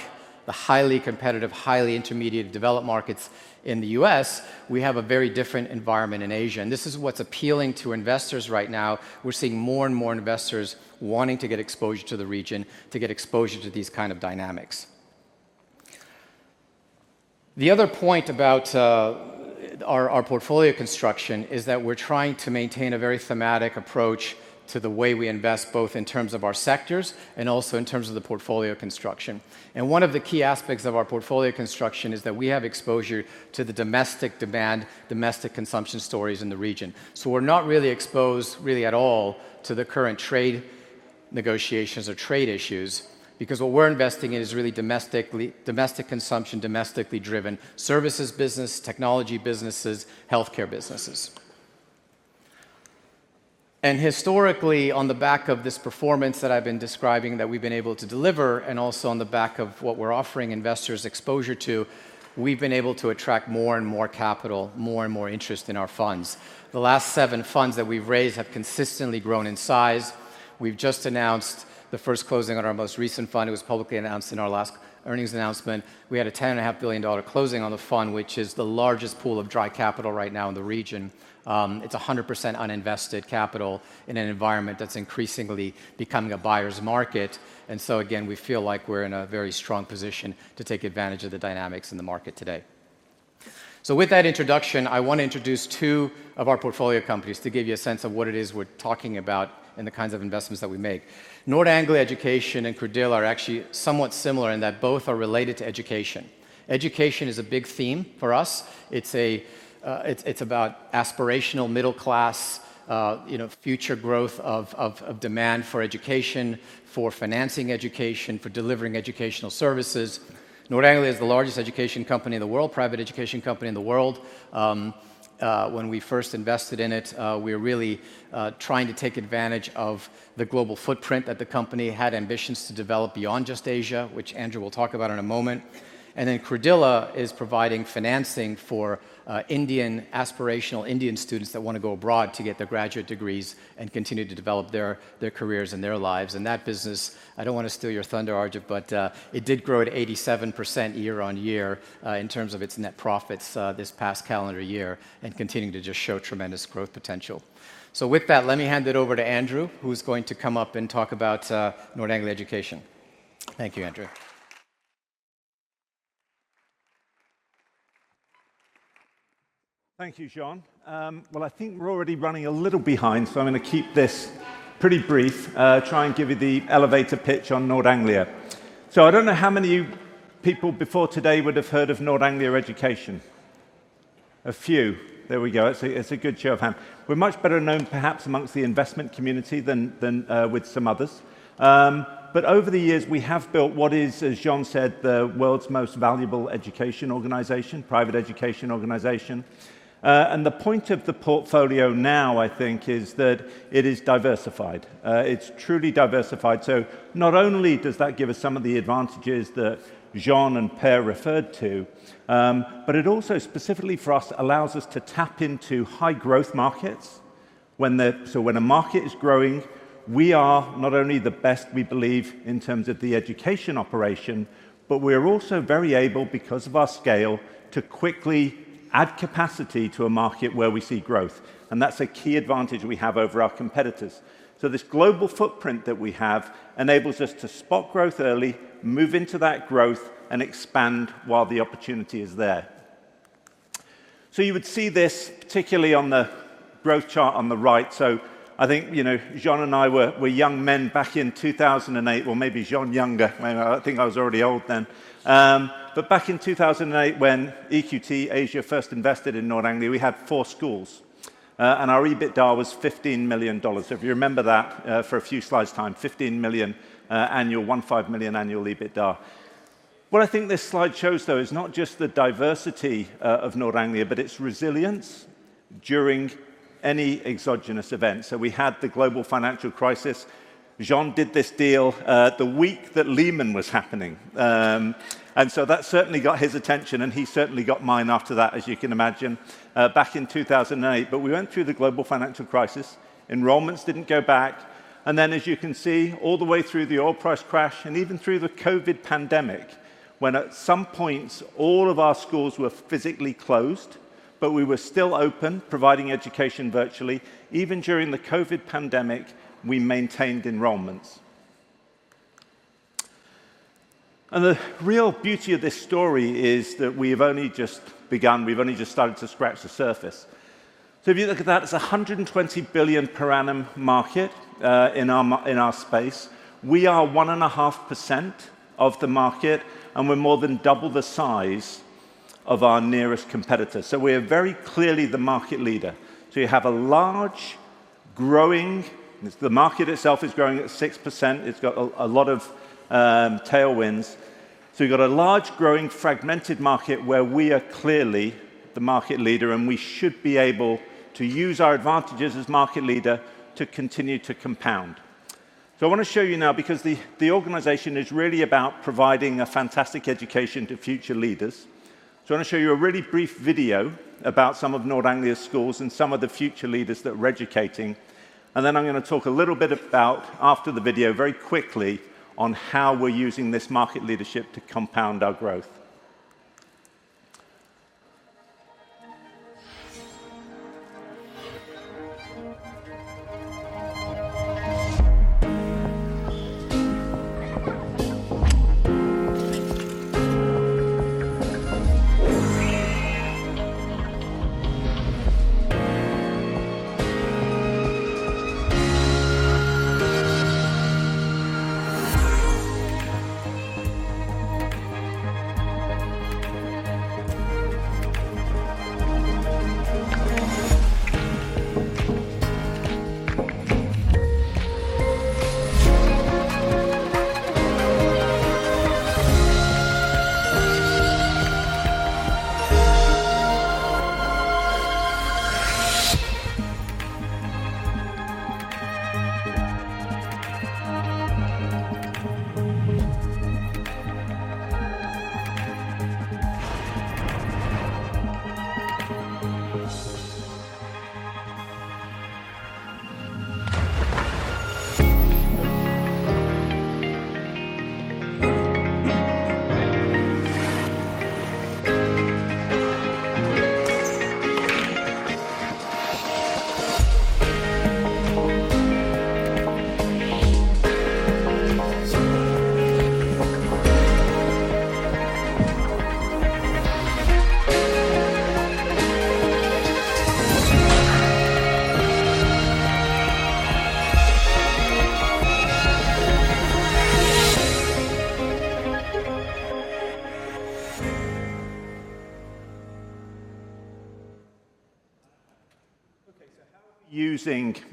the highly competitive, highly intermediate developed markets in the U.S. We have a very different environment in Asia. This is what's appealing to investors right now. We're seeing more and more investors wanting to get exposure to the region, to get exposure to these kinds of dynamics. The other point about our portfolio construction is that we're trying to maintain a very thematic approach to the way we invest, both in terms of our sectors and also in terms of the portfolio construction. One of the key aspects of our portfolio construction is that we have exposure to the domestic demand, domestic consumption stories in the region. We're not really exposed really at all to the current trade negotiations or trade issues because what we're investing in is really domestic consumption, domestically driven services business, technology businesses, healthcare businesses. Historically, on the back of this performance that I've been describing that we've been able to deliver, and also on the back of what we're offering investors exposure to, we've been able to attract more and more capital, more and more interest in our funds. The last seven funds that we've raised have consistently grown in size. We've just announced the first closing on our most recent fund. It was publicly announced in our last earnings announcement. We had a $10.5 billion closing on the fund, which is the largest pool of dry capital right now in the region. It's 100% uninvested capital in an environment that's increasingly becoming a buyer's market. Again, we feel like we're in a very strong position to take advantage of the dynamics in the market today. With that introduction, I want to introduce two of our portfolio companies to give you a sense of what it is we're talking about and the kinds of investments that we make. Nord Anglia Education and Credila are actually somewhat similar in that both are related to education. Education is a big theme for us. It's about aspirational middle-class future growth of demand for education, for financing education, for delivering educational services. Nord Anglia is the largest private education company in the world. When we first invested in it, we were really trying to take advantage of the global footprint that the company had ambitions to develop beyond just Asia, which Andrew will talk about in a moment. And then Credila is providing financing for aspirational Indian students that want to go abroad to get their graduate degrees and continue to develop their careers and their lives. That business, I do not want to steal your thunder, Arjit, but it did grow at 87% year on year in terms of its net profits this past calendar year and continuing to just show tremendous growth potential. With that, let me hand it over to Andrew, who is going to come up and talk about Nord Anglia Education. Thank you, Andrew. Thank you, Jean. I think we are already running a little behind, so I am going to keep this pretty brief, try and give you the elevator pitch on Nord Anglia. I do not know how many people before today would have heard of Nord Anglia Education. A few. There we go. It is a good show of hands. We're much better known, perhaps, amongst the investment community than with some others. Over the years, we have built what is, as Jean said, the world's most valuable private education organization. The point of the portfolio now, I think, is that it is diversified. It's truly diversified. Not only does that give us some of the advantages that Jean and Per referred to, it also, specifically for us, allows us to tap into high growth markets. When a market is growing, we are not only the best, we believe, in terms of the education operation, we are also very able, because of our scale, to quickly add capacity to a market where we see growth. That's a key advantage we have over our competitors. This global footprint that we have enables us to spot growth early, move into that growth, and expand while the opportunity is there. You would see this, particularly on the growth chart on the right. I think Jean and I were young men back in 2008, or maybe Jean younger. I think I was already old then. Back in 2008, when EQT Asia first invested in Nord Anglia, we had four schools. Our EBITDA was $15 million. If you remember that for a few slides' time, $15 million, annual $1.5 million annual EBITDA. What I think this slide shows, though, is not just the diversity of Nord Anglia, but its resilience during any exogenous event. We had the global financial crisis. Jean did this deal the week that Lehman was happening. That certainly got his attention, and he certainly got mine after that, as you can imagine, back in 2008. We went through the global financial crisis. Enrollments did not go back. As you can see, all the way through the oil price crash and even through the COVID pandemic, when at some points all of our schools were physically closed, we were still open, providing education virtually. Even during the COVID pandemic, we maintained enrollments. The real beauty of this story is that we have only just begun. We have only just started to scratch the surface. If you look at that, it is a $120 billion per annum market in our space. We are 1.5% of the market, and we are more than double the size of our nearest competitor. We are very clearly the market leader. You have a large, growing market. The market itself is growing at 6%. It has a lot of tailwinds. We have a large, growing, fragmented market where we are clearly the market leader, and we should be able to use our advantages as market leader to continue to compound. I want to show you now, because the organization is really about providing a fantastic education to future leaders. I want to show you a really brief video about some of Nord Anglia's schools and some of the future leaders that we are educating. I am going to talk a little bit about, after the video, very quickly on how we are using this market leadership to compound our growth.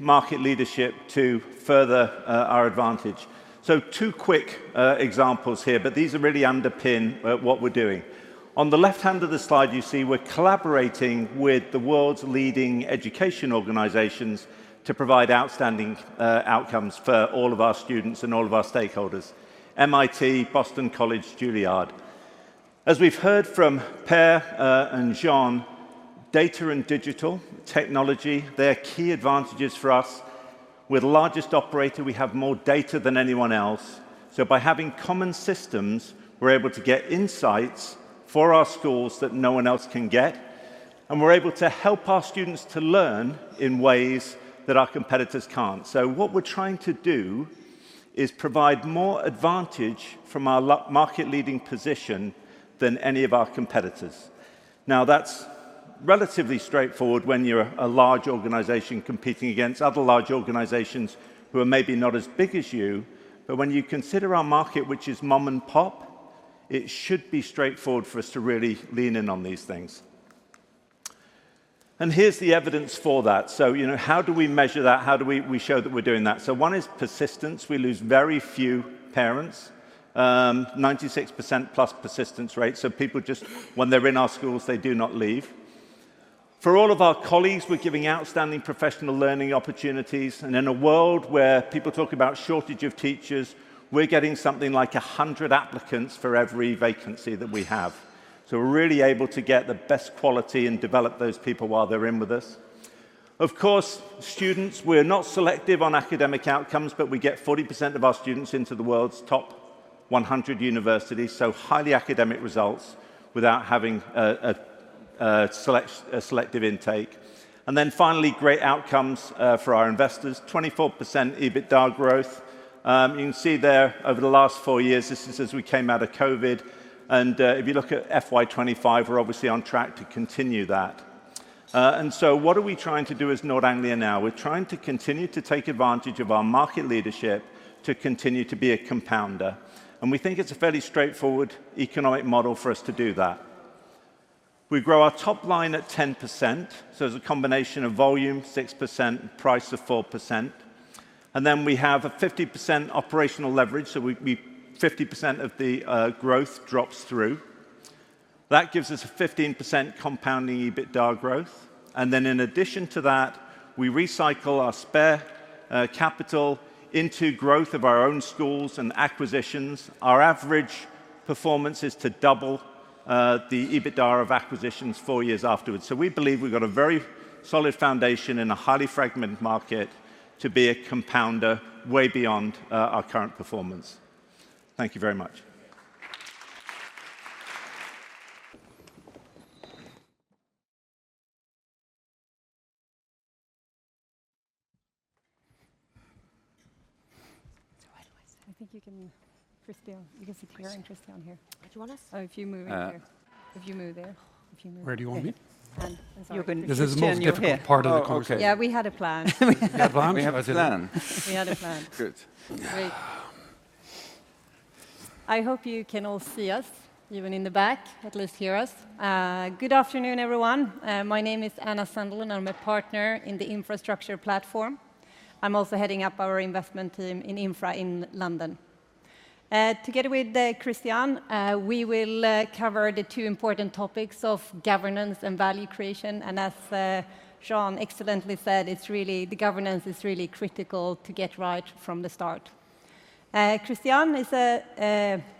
Okay. How are we using market leadership to further our advantage? Two quick examples here, but these really underpin what we are doing. On the left hand of the slide, you see we're collaborating with the world's leading education organizations to provide outstanding outcomes for all of our students and all of our stakeholders: MIT, Boston College, Juilliard. As we've heard from Per and Jean, data and digital technology, they're key advantages for us. With the largest operator, we have more data than anyone else. By having common systems, we're able to get insights for our schools that no one else can get. We're able to help our students to learn in ways that our competitors can't. What we're trying to do is provide more advantage from our market-leading position than any of our competitors. Now, that's relatively straightforward when you're a large organization competing against other large organizations who are maybe not as big as you. When you consider our market, which is mom and pop, it should be straightforward for us to really lean in on these things. Here's the evidence for that. How do we measure that? How do we show that we're doing that? One is persistence. We lose very few parents, 96%+ persistence rate. People, just when they're in our schools, they do not leave. For all of our colleagues, we're giving outstanding professional learning opportunities. In a world where people talk about shortage of teachers, we're getting something like 100 applicants for every vacancy that we have. We're really able to get the best quality and develop those people while they're in with us. Of course, students, we're not selective on academic outcomes, but we get 40% of our students into the world's top 100 universities, so highly academic results without having a selective intake. Finally, great outcomes for our investors, 24% EBITDA growth. You can see there over the last four years, this is as we came out of COVID. If you look at FY 2025, we're obviously on track to continue that. What are we trying to do as Nord Anglia now? We're trying to continue to take advantage of our market leadership to continue to be a compounder. We think it's a fairly straightforward economic model for us to do that. We grow our top line at 10%. It's a combination of volume, 6%, price of 4%. We have a 50% operational leverage. So 50% of the growth drops through. That gives us a 15% compounding EBITDA growth. In addition to that, we recycle our spare capital into growth of our own schools and acquisitions. Our average performance is to double the EBITDA of acquisitions four years afterwards. We believe we've got a very solid foundation in a highly fragmented market to be a compounder way beyond our current performance. Thank you very much. Where do I stand? I think you can see Christian and Jonas on here. Do you want us? Oh, if you move over here. If you move there. Where do you want me? Hand. I'm sorry. This is the most difficult part of the call. Yeah, we had a plan. We had a plan. We have a plan. We had a plan. Good. Great. I hope you can all see us, even in the back, at least hear us. Good afternoon, everyone. My name is Anna Sandel and I'm a partner in the Infrastructure platform. I'm also heading up our investment team in INFRA in London. Together with Christian, we will cover the two important topics of governance and value creation. As Jean excellently said, the governance is really critical to get right from the start. Christian is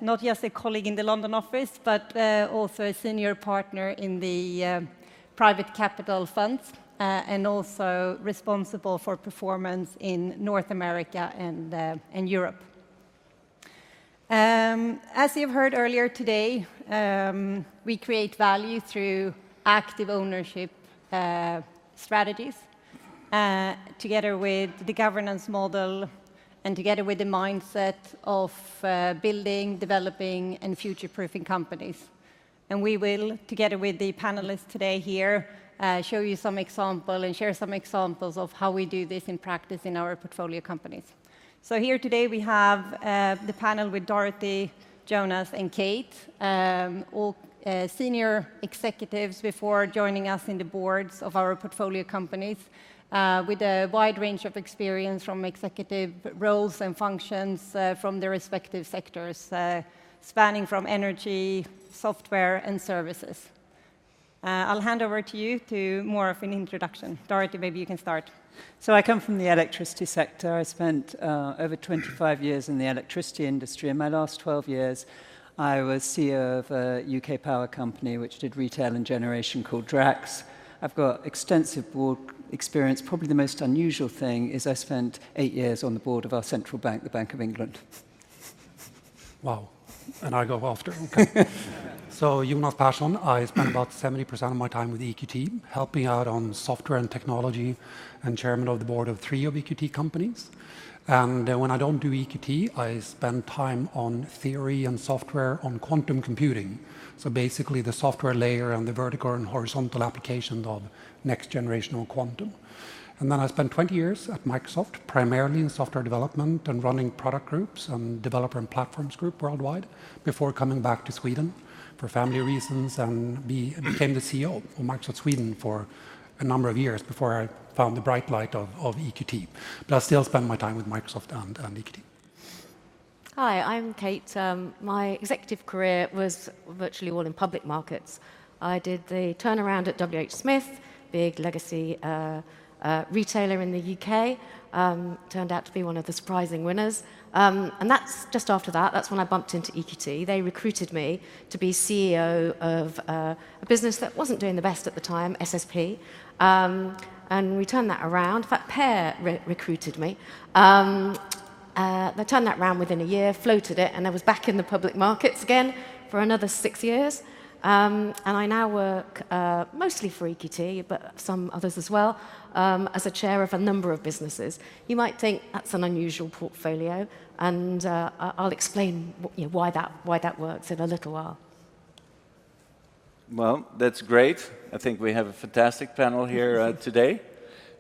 not just a colleague in the London office, but also a senior partner in the private capital funds and also responsible for performance in North America and Europe. As you've heard earlier today, we create value through active ownership strategies together with the governance model and together with the mindset of building, developing, and future-proofing companies. We will, together with the panelists today here, show you some examples and share some examples of how we do this in practice in our portfolio companies. Here today, we have the panel with Dorothy, Jonas, and Kate, all senior executives before joining us in the boards of our portfolio companies with a wide range of experience from executive roles and functions from their respective sectors spanning from energy, software, and services. I'll hand over to you to more of an introduction. Dorothy, maybe you can start. I come from the electricity sector. I spent over 25 years in the electricity industry. In my last 12 years, I was CEO of a U.K. power company, which did retail and generation called Drax. I've got extensive board experience. Probably the most unusual thing is I spent eight years on the board of our central bank, the Bank of England. Wow. I go after. You're not passionate. I spend about 70% of my time with EQT, helping out on software and technology, and Chairman of the Board of three of EQT companies. When I do not do EQT, I spend time on theory and software on quantum computing. Basically, the software layer and the vertical and horizontal application of next generational quantum. I spent 20 years at Microsoft, primarily in software development and running product groups and developer and platforms group worldwide before coming back to Sweden for family reasons. I became the CEO of Microsoft Sweden for a number of years before I found the bright light of EQT. I still spend my time with Microsoft and EQT. Hi, I'm Kate. My executive career was virtually all in public markets. I did the turnaround at WH Smith, big legacy retailer in the U.K. Turned out to be one of the surprising winners. That's just after that. That's when I bumped into EQT. They recruited me to be CEO of a business that wasn't doing the best at the time, SSP. We turned that around. In fact, Per recruited me. They turned that around within a year, floated it, and I was back in the public markets again for another six years. I now work mostly for EQT, but some others as well, as a chair of a number of businesses. You might think that's an unusual portfolio. I'll explain why that works in a little while. I think we have a fantastic panel here today.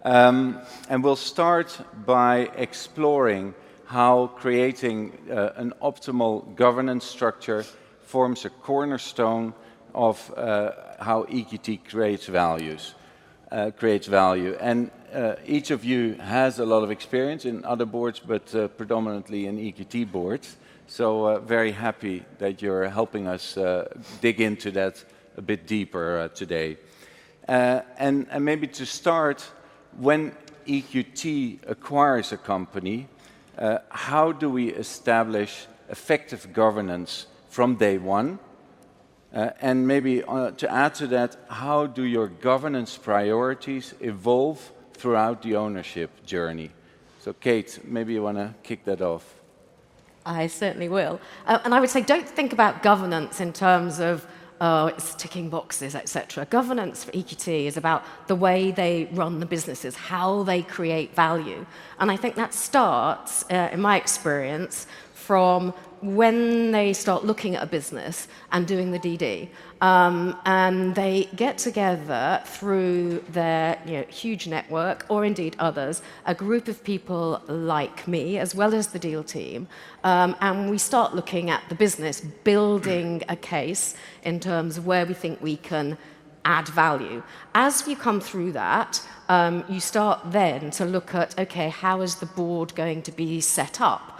We will start by exploring how creating an optimal governance structure forms a cornerstone of how EQT creates value. Each of you has a lot of experience in other boards, but predominantly in EQT boards. I am very happy that you are helping us dig into that a bit deeper today. Maybe to start, when EQT acquires a company, how do we establish effective governance from day one? Maybe to add to that, how do your governance priorities evolve throughout the ownership journey? Kate, maybe you want to kick that off. I certainly will. I would say do not think about governance in terms of ticking boxes, et cetera. Governance for EQT is about the way they run the businesses, how they create value. I think that starts, in my experience, from when they start looking at a business and doing the DD. They get together through their huge network, or indeed others, a group of people like me, as well as the deal team. We start looking at the business, building a case in terms of where we think we can add value. As you come through that, you start then to look at, OK, how is the board going to be set up?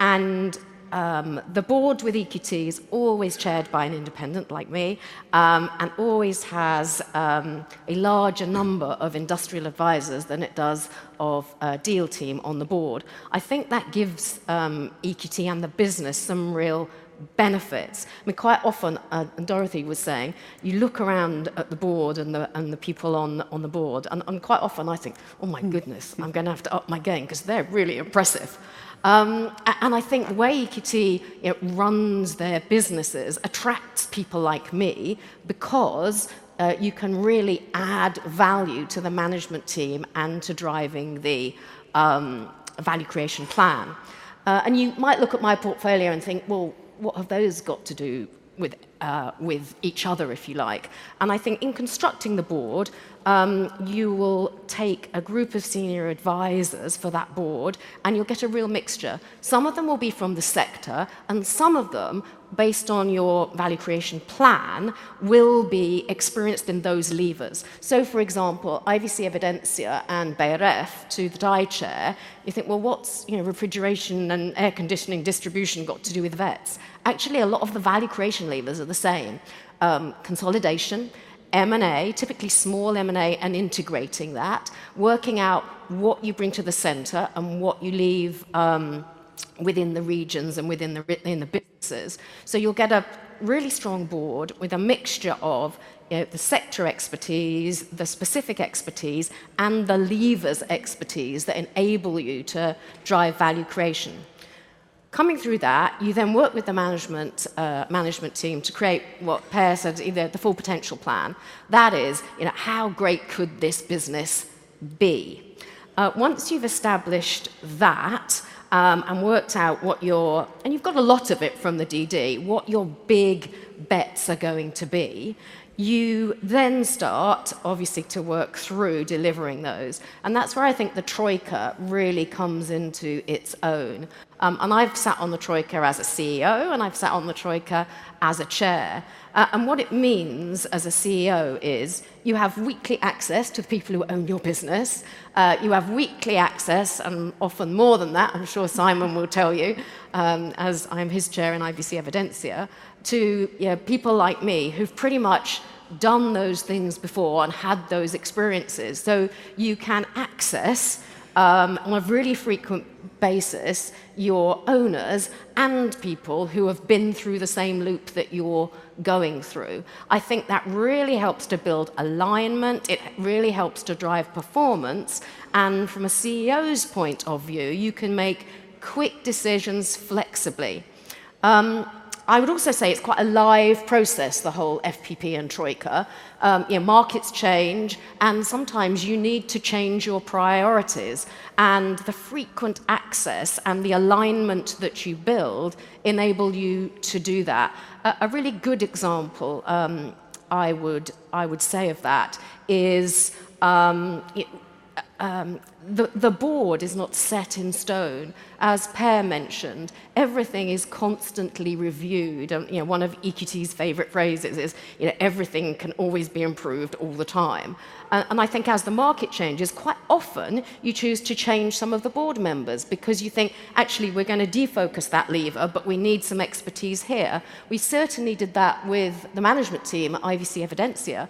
The board with EQT is always chaired by an independent like me and always has a larger number of industrial advisors than it does of a deal team on the board. I think that gives EQT and the business some real benefits. I mean, quite often, and Dorothy was saying, you look around at the board and the people on the board. Quite often, I think, oh my goodness, I'm going to have to up my game because they're really impressive. I think the way EQT runs their businesses attracts people like me because you can really add value to the management team and to driving the value creation plan. You might look at my portfolio and think, well, what have those got to do with each other, if you like? I think in constructing the board, you will take a group of senior advisors for that board, and you'll get a real mixture. Some of them will be from the sector, and some of them, based on your value creation plan, will be experienced in those levers. For example, IVC Evidensia and Beijer Ref, you think, what's refrigeration and air conditioning distribution got to do with vets? Actually, a lot of the value creation levers are the same. Consolidation, M&A, typically small M&A and integrating that, working out what you bring to the center and what you leave within the regions and within the businesses. You get a really strong board with a mixture of the sector expertise, the specific expertise, and the levers expertise that enable you to drive value creation. Coming through that, you then work with the management team to create what Per said is either the Full Potential Plan. That is, how great could this business be? Once you've established that and worked out what your, and you've got a lot of it from the DD, what your big bets are going to be, you then start, obviously, to work through delivering those. That is where I think the TROIKA really comes into its own. I have sat on the TROIKA as a CEO, and I have sat on the TROIKA as a chair. What it means as a CEO is you have weekly access to people who own your business. You have weekly access, and often more than that, I am sure Simon will tell you, as I am his chair in IVC Evidensia, to people like me who have pretty much done those things before and had those experiences. You can access, on a really frequent basis, your owners and people who have been through the same loop that you are going through. I think that really helps to build alignment. It really helps to drive performance. From a CEO's point of view, you can make quick decisions flexibly. I would also say it's quite a live process, the whole FPP and TROIKA. Markets change, and sometimes you need to change your priorities. The frequent access and the alignment that you build enable you to do that. A really good example, I would say of that, is the board is not set in stone. As Per mentioned, everything is constantly reviewed. One of EQT's favorite phrases is everything can always be improved all the time. I think as the market changes, quite often you choose to change some of the board members because you think, actually, we're going to defocus that lever, but we need some expertise here. We certainly did that with the management team, IVC Evidensia.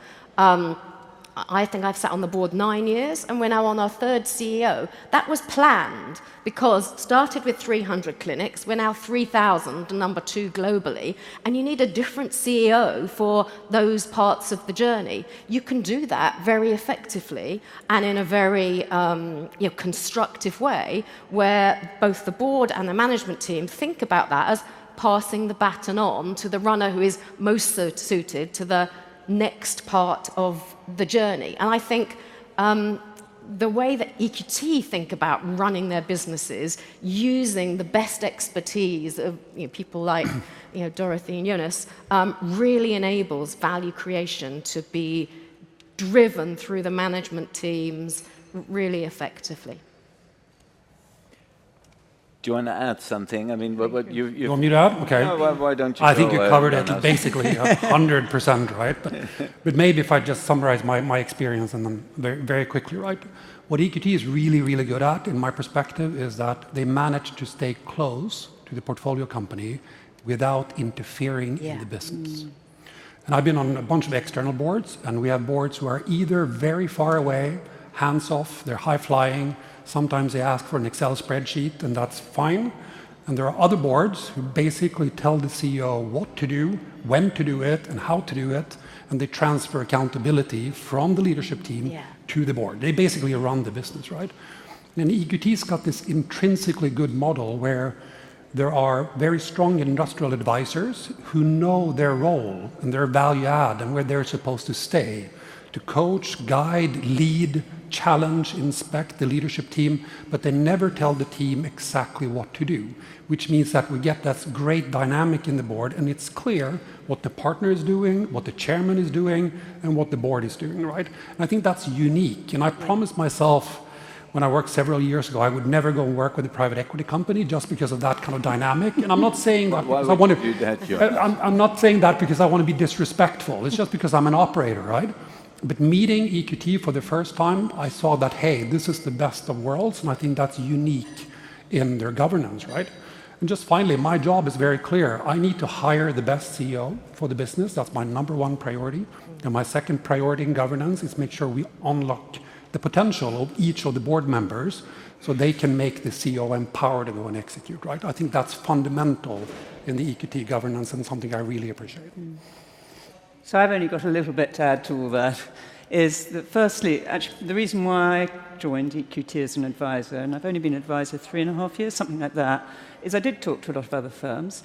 I think I've sat on the board nine years, and we're now on our third CEO. That was planned because it started with 300 clinics. We're now 3,000, the number two globally. You need a different CEO for those parts of the journey. You can do that very effectively and in a very constructive way where both the board and the management team think about that as passing the baton on to the runner who is most suited to the next part of the journey. I think the way that EQT think about running their businesses, using the best expertise of people like Dorothy and Jonas, really enables value creation to be driven through the management teams really effectively. Do you want to add something? I mean. You want me to add? Why don't you start? I think you covered it basically 100%, right? Maybe if I just summarize my experience and then very quickly, right? What EQT is really, really good at, in my perspective, is that they manage to stay close to the portfolio company without interfering in the business. I have been on a bunch of external boards, and we have boards who are either very far away, hands-off, they are high-flying. Sometimes they ask for an Excel spreadsheet, and that is fine. There are other boards who basically tell the CEO what to do, when to do it, and how to do it. They transfer accountability from the leadership team to the board. They basically run the business, right? EQT's got this intrinsically good model where there are very strong industrial advisors who know their role and their value add and where they're supposed to stay to coach, guide, lead, challenge, inspect the leadership team, but they never tell the team exactly what to do, which means that we get this great dynamic in the board, and it's clear what the partner is doing, what the chairman is doing, and what the board is doing, right? I think that's unique. I promised myself when I worked several years ago, I would never go and work with a private equity company just because of that kind of dynamic. I'm not saying that. I want to do that, Joe. I'm not saying that because I want to be disrespectful. It's just because I'm an operator, right? Meeting EQT for the first time, I saw that, hey, this is the best of worlds, and I think that's unique in their governance, right? Just finally, my job is very clear. I need to hire the best CEO for the business. That's my number one priority. My second priority in governance is to make sure we unlock the potential of each of the board members so they can make the CEO empowered to go and execute, right? I think that's fundamental in the EQT governance and something I really appreciate. I've only got a little bit to add to all that. Firstly, actually, the reason why I joined EQT as an advisor, and I've only been an advisor three and a half years, something like that, is I did talk to a lot of other firms.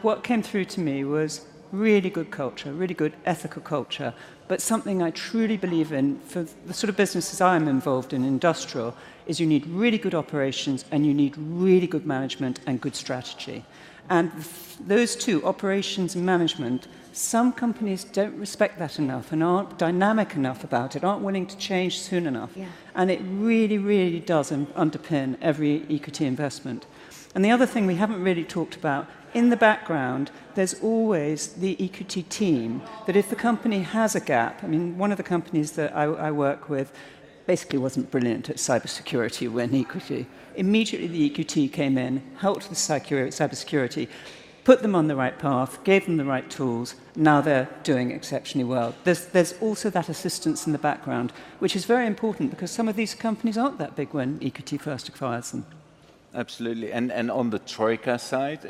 What came through to me was really good culture, really good ethical culture. Something I truly believe in for the sort of businesses I'm involved in, industrial, is you need really good operations, and you need really good management and good strategy. Those two, operations and management, some companies do not respect that enough and are not dynamic enough about it, are not willing to change soon enough. It really, really does underpin every EQT investment. The other thing we haven't really talked about, in the background, there's always the EQT team that if the company has a gap, I mean, one of the companies that I work with basically wasn't brilliant at cybersecurity when EQT. Immediately, EQT came in, helped with cybersecurity, put them on the right path, gave them the right tools. Now they're doing exceptionally well. There's also that assistance in the background, which is very important because some of these companies aren't that big when EQT first acquires them. Absolutely. On the TROIKA side,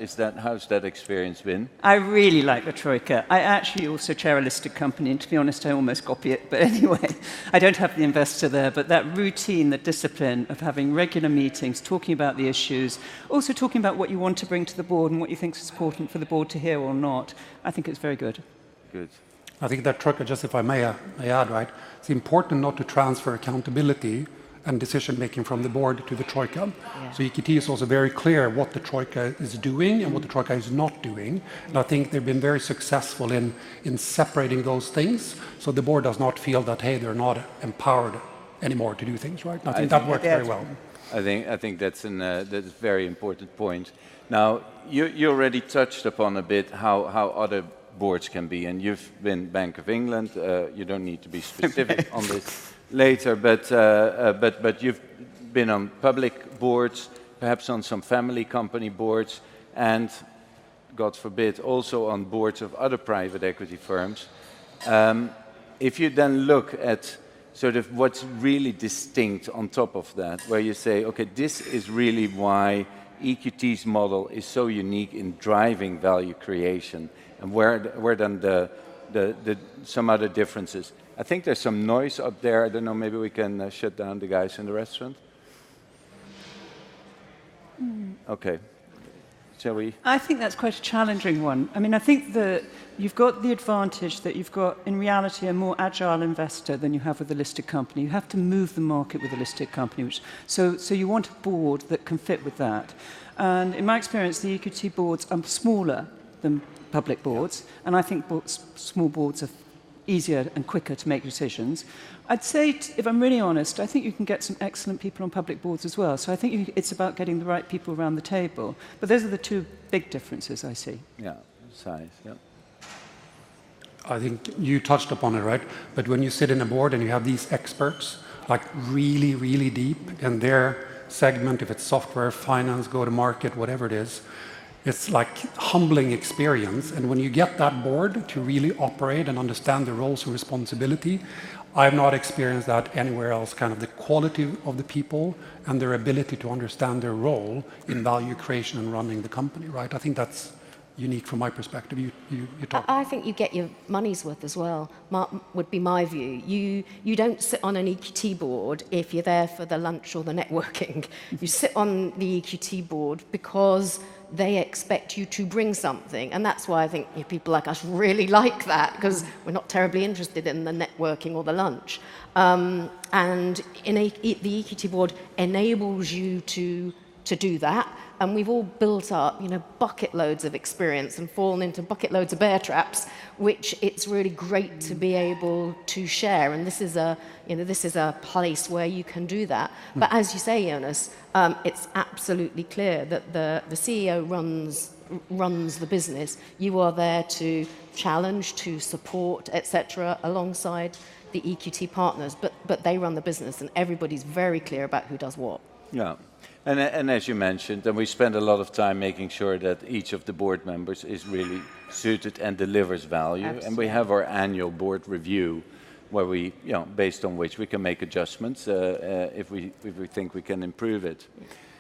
how's that experience been? I really like the TROIKA. I actually also chair a listed company. To be honest, I almost copy it. Anyway, I do not have the investor there. That routine, the discipline of having regular meetings, talking about the issues, also talking about what you want to bring to the board and what you think is important for the board to hear or not, I think it is very good. Good. I think that TROIKA, just if I may add, right, it's important not to transfer accountability and decision-making from the board to the TROIKA. EQT is also very clear what the TROIKA is doing and what the TROIKA is not doing. I think they've been very successful in separating those things so the board does not feel that, hey, they're not empowered anymore to do things, right? I think that worked very well. I think that's a very important point. Now, you already touched upon a bit how other boards can be. And you've been Bank of England. You don't need to be specific on this later. But you've been on public boards, perhaps on some family company boards, and God forbid, also on boards of other private equity firms. If you then look at sort of what's really distinct on top of that, where you say, OK, this is really why EQT's model is so unique in driving value creation and where then some other differences. I think there's some noise up there. I don't know. Maybe we can shut down the guys in the restaurant. OK. Shall we? I think that's quite a challenging one. I mean, I think you've got the advantage that you've got, in reality, a more agile investor than you have with a listed company. You have to move the market with a listed company. You want a board that can fit with that. In my experience, the EQT boards are smaller than public boards. I think small boards are easier and quicker to make decisions. I'd say, if I'm really honest, I think you can get some excellent people on public boards as well. I think it's about getting the right people around the table. Those are the two big differences I see. Yeah. I think you touched upon it, right? When you sit in a board and you have these experts, like really, really deep in their segment, if it's software, finance, go-to-market, whatever it is, it's like a humbling experience. When you get that board to really operate and understand the roles and responsibility, I've not experienced that anywhere else, kind of the quality of the people and their ability to understand their role in value creation and running the company, right? I think that's unique from my perspective. You talk. I think you get your money's worth as well, would be my view. You don't sit on an EQT board if you're there for the lunch or the networking. You sit on the EQT board because they expect you to bring something. That's why I think people like us really like that because we're not terribly interested in the networking or the lunch. The EQT board enables you to do that. We've all built up bucket loads of experience and fallen into bucket loads of bear traps, which it's really great to be able to share. This is a place where you can do that. As you say, Jonas, it's absolutely clear that the CEO runs the business. You are there to challenge, to support, et cetera, alongside the EQT partners. They run the business, and everybody's very clear about who does what. Yeah. As you mentioned, we spend a lot of time making sure that each of the board members is really suited and delivers value. We have our annual board review, based on which we can make adjustments if we think we can improve it.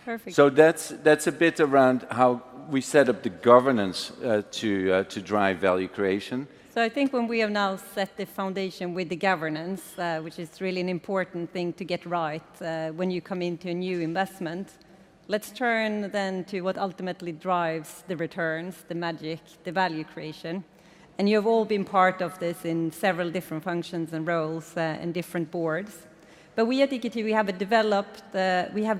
Perfect. That's a bit around how we set up the governance to drive value creation. I think when we have now set the foundation with the governance, which is really an important thing to get right when you come into a new investment, let's turn then to what ultimately drives the returns, the magic, the value creation. You have all been part of this in several different functions and roles in different boards. We at EQT, we have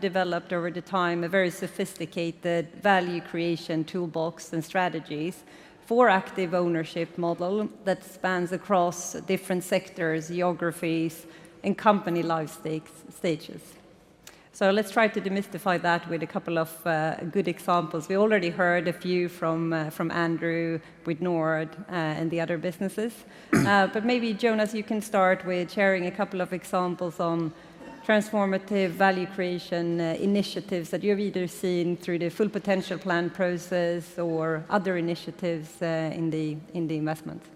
developed over the time a very sophisticated value creation toolbox and strategies for active ownership model that spans across different sectors, geographies, and company life stages. Let's try to demystify that with a couple of good examples. We already heard a few from Andrew with Nord and the other businesses. Maybe, Jonas, you can start with sharing a couple of examples on transformative value creation initiatives that you've either seen through the Full Potential Plan process or other initiatives in the investments.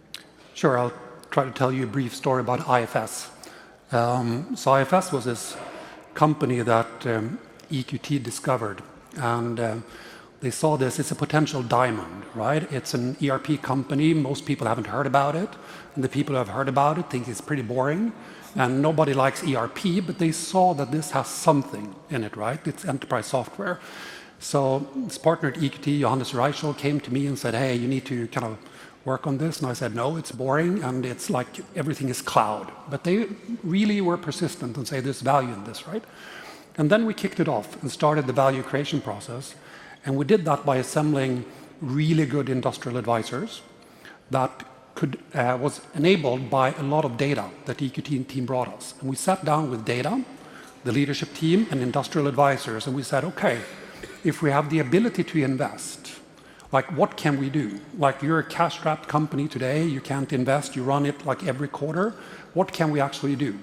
Sure. I'll try to tell you a brief story about IFS. IFS was this company that EQT discovered. They saw this as a potential diamond, right? It's an ERP company. Most people haven't heard about it. The people who have heard about it think it's pretty boring. Nobody likes ERP, but they saw that this has something in it, right? It's enterprise software. This partner at EQT, Johannes Reischel, came to me and said, hey, you need to kind of work on this. I said, no, it's boring. It's like everything is cloud. They really were persistent and said, there's value in this, right? We kicked it off and started the value creation process. We did that by assembling really good industrial advisors that was enabled by a lot of data that the EQT team brought us. We sat down with data, the leadership team, and industrial advisors. We said, OK, if we have the ability to invest, what can we do? You're a cash-strapped company today. You can't invest. You run it like every quarter. What can we actually do?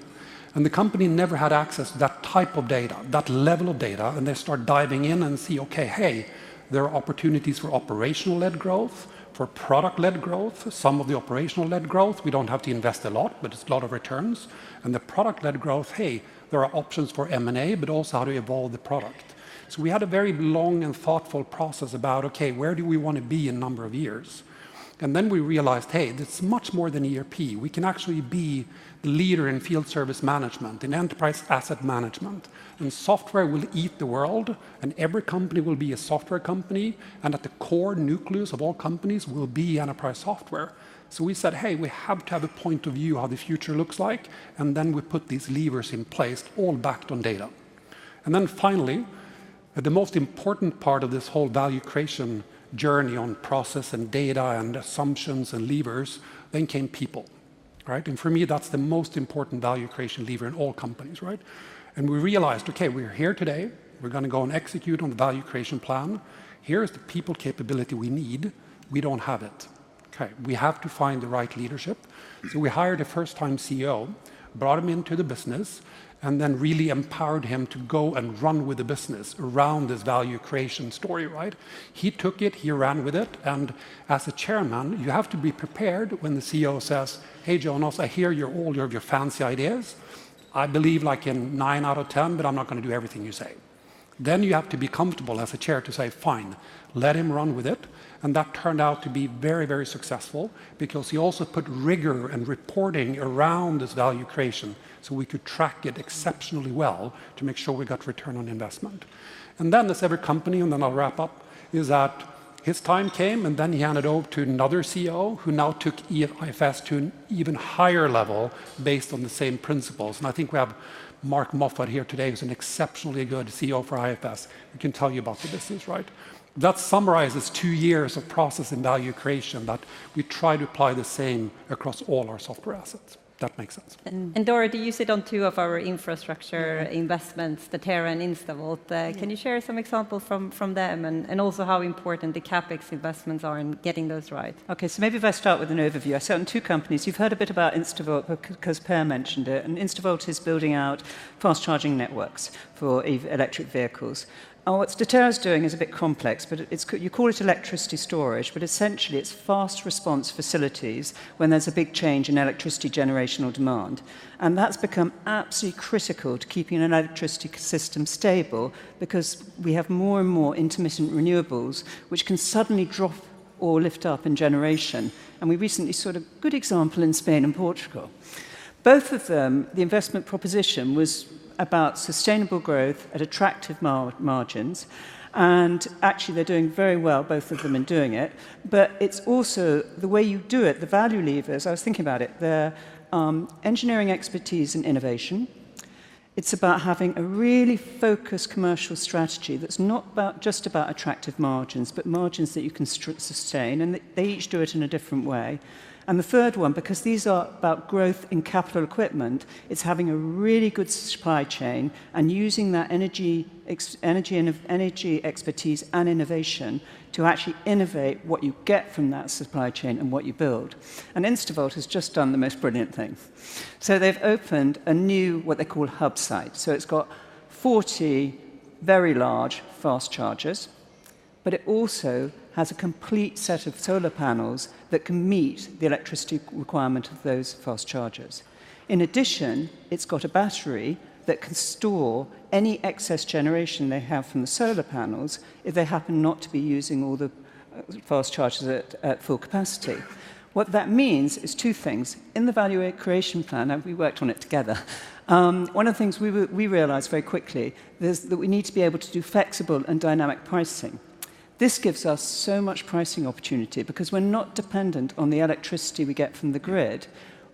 The company never had access to that type of data, that level of data. They start diving in and see, OK, hey, there are opportunities for operational-led growth, for product-led growth. Some of the operational-led growth, we don't have to invest a lot, but it's a lot of returns. The product-led growth, hey, there are options for M&A, but also how to evolve the product. We had a very long and thoughtful process about, OK, where do we want to be in a number of years? We realized, hey, it's much more than ERP. We can actually be the leader in field service management, in enterprise asset management. Software will eat the world. Every company will be a software company. At the core nucleus of all companies will be enterprise software. We said, hey, we have to have a point of view how the future looks like. We put these levers in place, all backed on data. Finally, the most important part of this whole value creation journey on process and data and assumptions and levers, then came people, right? For me, that's the most important value creation lever in all companies, right? We realized, OK, we're here today. We're going to go and execute on the value creation plan. Here is the people capability we need. We don't have it. OK. We have to find the right leadership. We hired a first-time CEO, brought him into the business, and then really empowered him to go and run with the business around this value creation story, right? He took it. He ran with it. As a chairman, you have to be prepared when the CEO says, hey, Jonas, I hear all your fancy ideas. I believe like a nine out of 10, but I'm not going to do everything you say. You have to be comfortable as a chair to say, fine, let him run with it. That turned out to be very, very successful because he also put rigor and reporting around this value creation so we could track it exceptionally well to make sure we got return on investment. This other company, and then I'll wrap up, is that his time came, and then he handed over to another CEO who now took IFS to an even higher level based on the same principles. I think we have Mark Moffat here today, who's an exceptionally good CEO for IFS. He can tell you about the business, right? That summarizes two years of process and value creation that we try to apply the same across all our software assets. That makes sense. Dora, you sit on two of our Infrastructure investments, Oterra and InstaVolt. Can you share some examples from them and also how important the CapEx investments are in getting those right? OK. Maybe if I start with an overview. I sat on two companies. You've heard a bit about InstaVolt because Per mentioned it. InstaVolt is building out fast charging networks for electric vehicles. What Oterra is doing is a bit complex. You call it electricity storage, but essentially, it's fast response facilities when there's a big change in electricity generation or demand. That's become absolutely critical to keeping an electricity system stable because we have more and more intermittent renewables, which can suddenly drop or lift up in generation. We recently saw a good example in Spain and Portugal. Both of them, the investment proposition was about sustainable growth at attractive margins. Actually, they're doing very well, both of them, in doing it. It's also the way you do it, the value levers. I was thinking about it. They're engineering expertise and innovation. It's about having a really focused commercial strategy that's not just about attractive margins, but margins that you can sustain. They each do it in a different way. The third one, because these are about growth in capital equipment, is having a really good supply chain and using that energy expertise and innovation to actually innovate what you get from that supply chain and what you build. InstaVolt has just done the most brilliant thing. They have opened a new, what they call, hub site. It has 40 very large fast chargers. It also has a complete set of solar panels that can meet the electricity requirement of those fast chargers. In addition, it has a battery that can store any excess generation they have from the solar panels if they happen not to be using all the fast chargers at full capacity. What that means is two things. In the value creation plan, and we worked on it together, one of the things we realized very quickly is that we need to be able to do flexible and dynamic pricing. This gives us so much pricing opportunity because we're not dependent on the electricity we get from the grid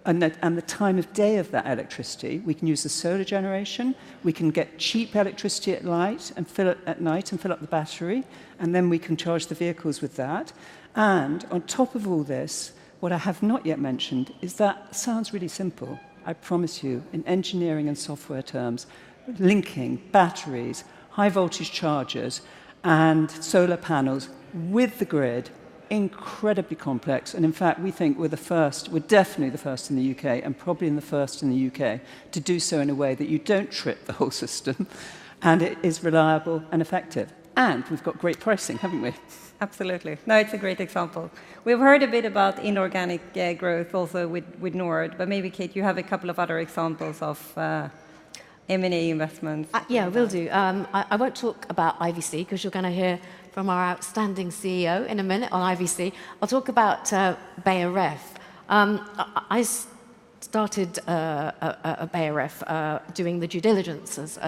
and the time of day of that electricity. We can use the solar generation. We can get cheap electricity at night and fill up the battery. We can charge the vehicles with that. On top of all this, what I have not yet mentioned is that sounds really simple. I promise you, in engineering and software terms, linking batteries, high-voltage chargers, and solar panels with the grid is incredibly complex. In fact, we think we're the first, we're definitely the first in the U.K. and probably the first in the U.K. to do so in a way that you don't trip the whole system. It is reliable and effective. We've got great pricing, haven't we? Absolutely. No, it's a great example. We've heard a bit about inorganic growth also with Nord. Maybe, Kate, you have a couple of other examples of M&A investments. Yeah, will do. I won't talk about IVC because you're going to hear from our outstanding CEO in a minute on IVC. I'll talk about Beijer Ref. I started Beijer Ref doing the due diligences.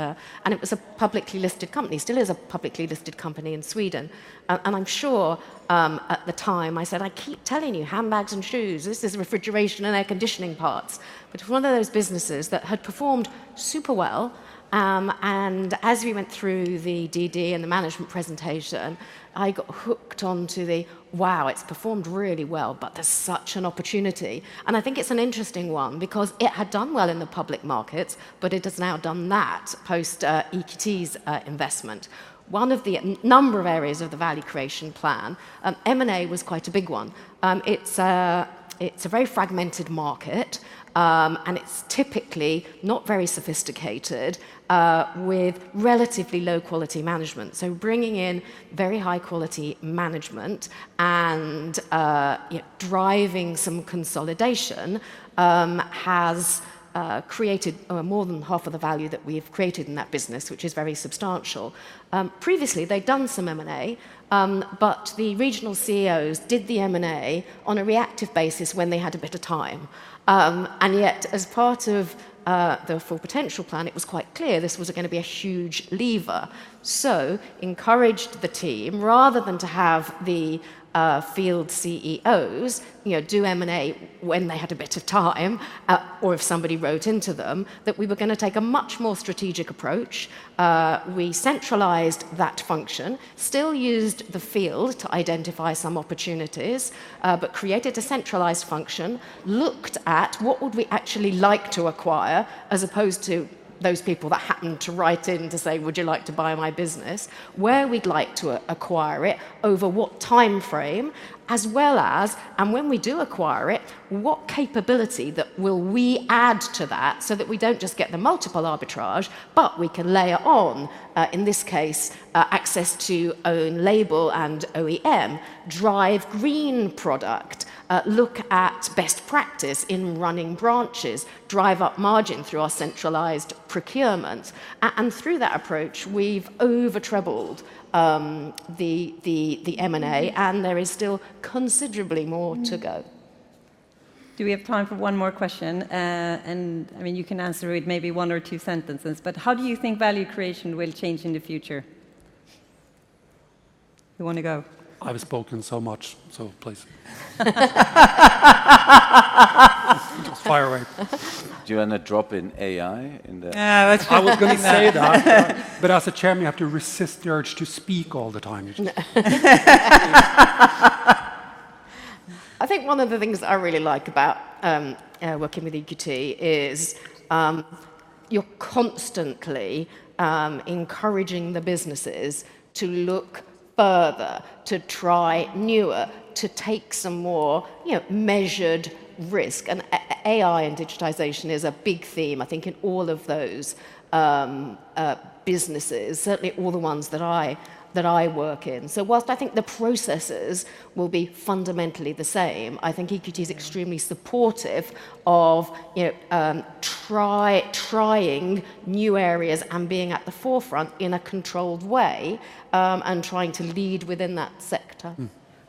And it was a publicly listed company. It still is a publicly listed company in Sweden. I'm sure at the time I said, I keep telling you, handbags and shoes, this is refrigeration and air conditioning parts. It was one of those businesses that had performed super well. As we went through the DD and the management presentation, I got hooked onto the, wow, it's performed really well, but there's such an opportunity. I think it's an interesting one because it had done well in the public markets, but it has now done that post-EQT's investment. One of the number of areas of the value creation plan, M&A was quite a big one. It's a very fragmented market. And it's typically not very sophisticated with relatively low-quality management. So bringing in very high-quality management and driving some consolidation has created more than half of the value that we've created in that business, which is very substantial. Previously, they'd done some M&A. But the regional CEOs did the M&A on a reactive basis when they had a bit of time. Yet, as part of the Full Potential Plan, it was quite clear this was going to be a huge lever. I encouraged the team, rather than to have the field CEOs do M&A when they had a bit of time or if somebody wrote into them, that we were going to take a much more strategic approach. We centralized that function, still used the field to identify some opportunities, but created a centralized function, looked at what would we actually like to acquire as opposed to those people that happened to write in to say, would you like to buy my business, where we'd like to acquire it, over what time frame, as well as, and when we do acquire it, what capability that will we add to that so that we do not just get the multiple arbitrage, but we can layer on, in this case, access to own label and OEM, drive green product, look at best practice in running branches, drive up margin through our centralized procurement. Through that approach, we have over-troubled the M&A. There is still considerably more to go. Do we have time for one more question? I mean, you can answer it maybe one or two sentences. How do you think value creation will change in the future? You want to go. I've spoken so much, so please. Fire away. Do you want to drop in AI? I was going to say that. As a chairman, you have to resist the urge to speak all the time. I think one of the things I really like about working with EQT is you're constantly encouraging the businesses to look further, to try newer, to take some more measured risk. AI and digitization is a big theme, I think, in all of those businesses, certainly all the ones that I work in. Whilst I think the processes will be fundamentally the same, I think EQT is extremely supportive of trying new areas and being at the forefront in a controlled way and trying to lead within that sector.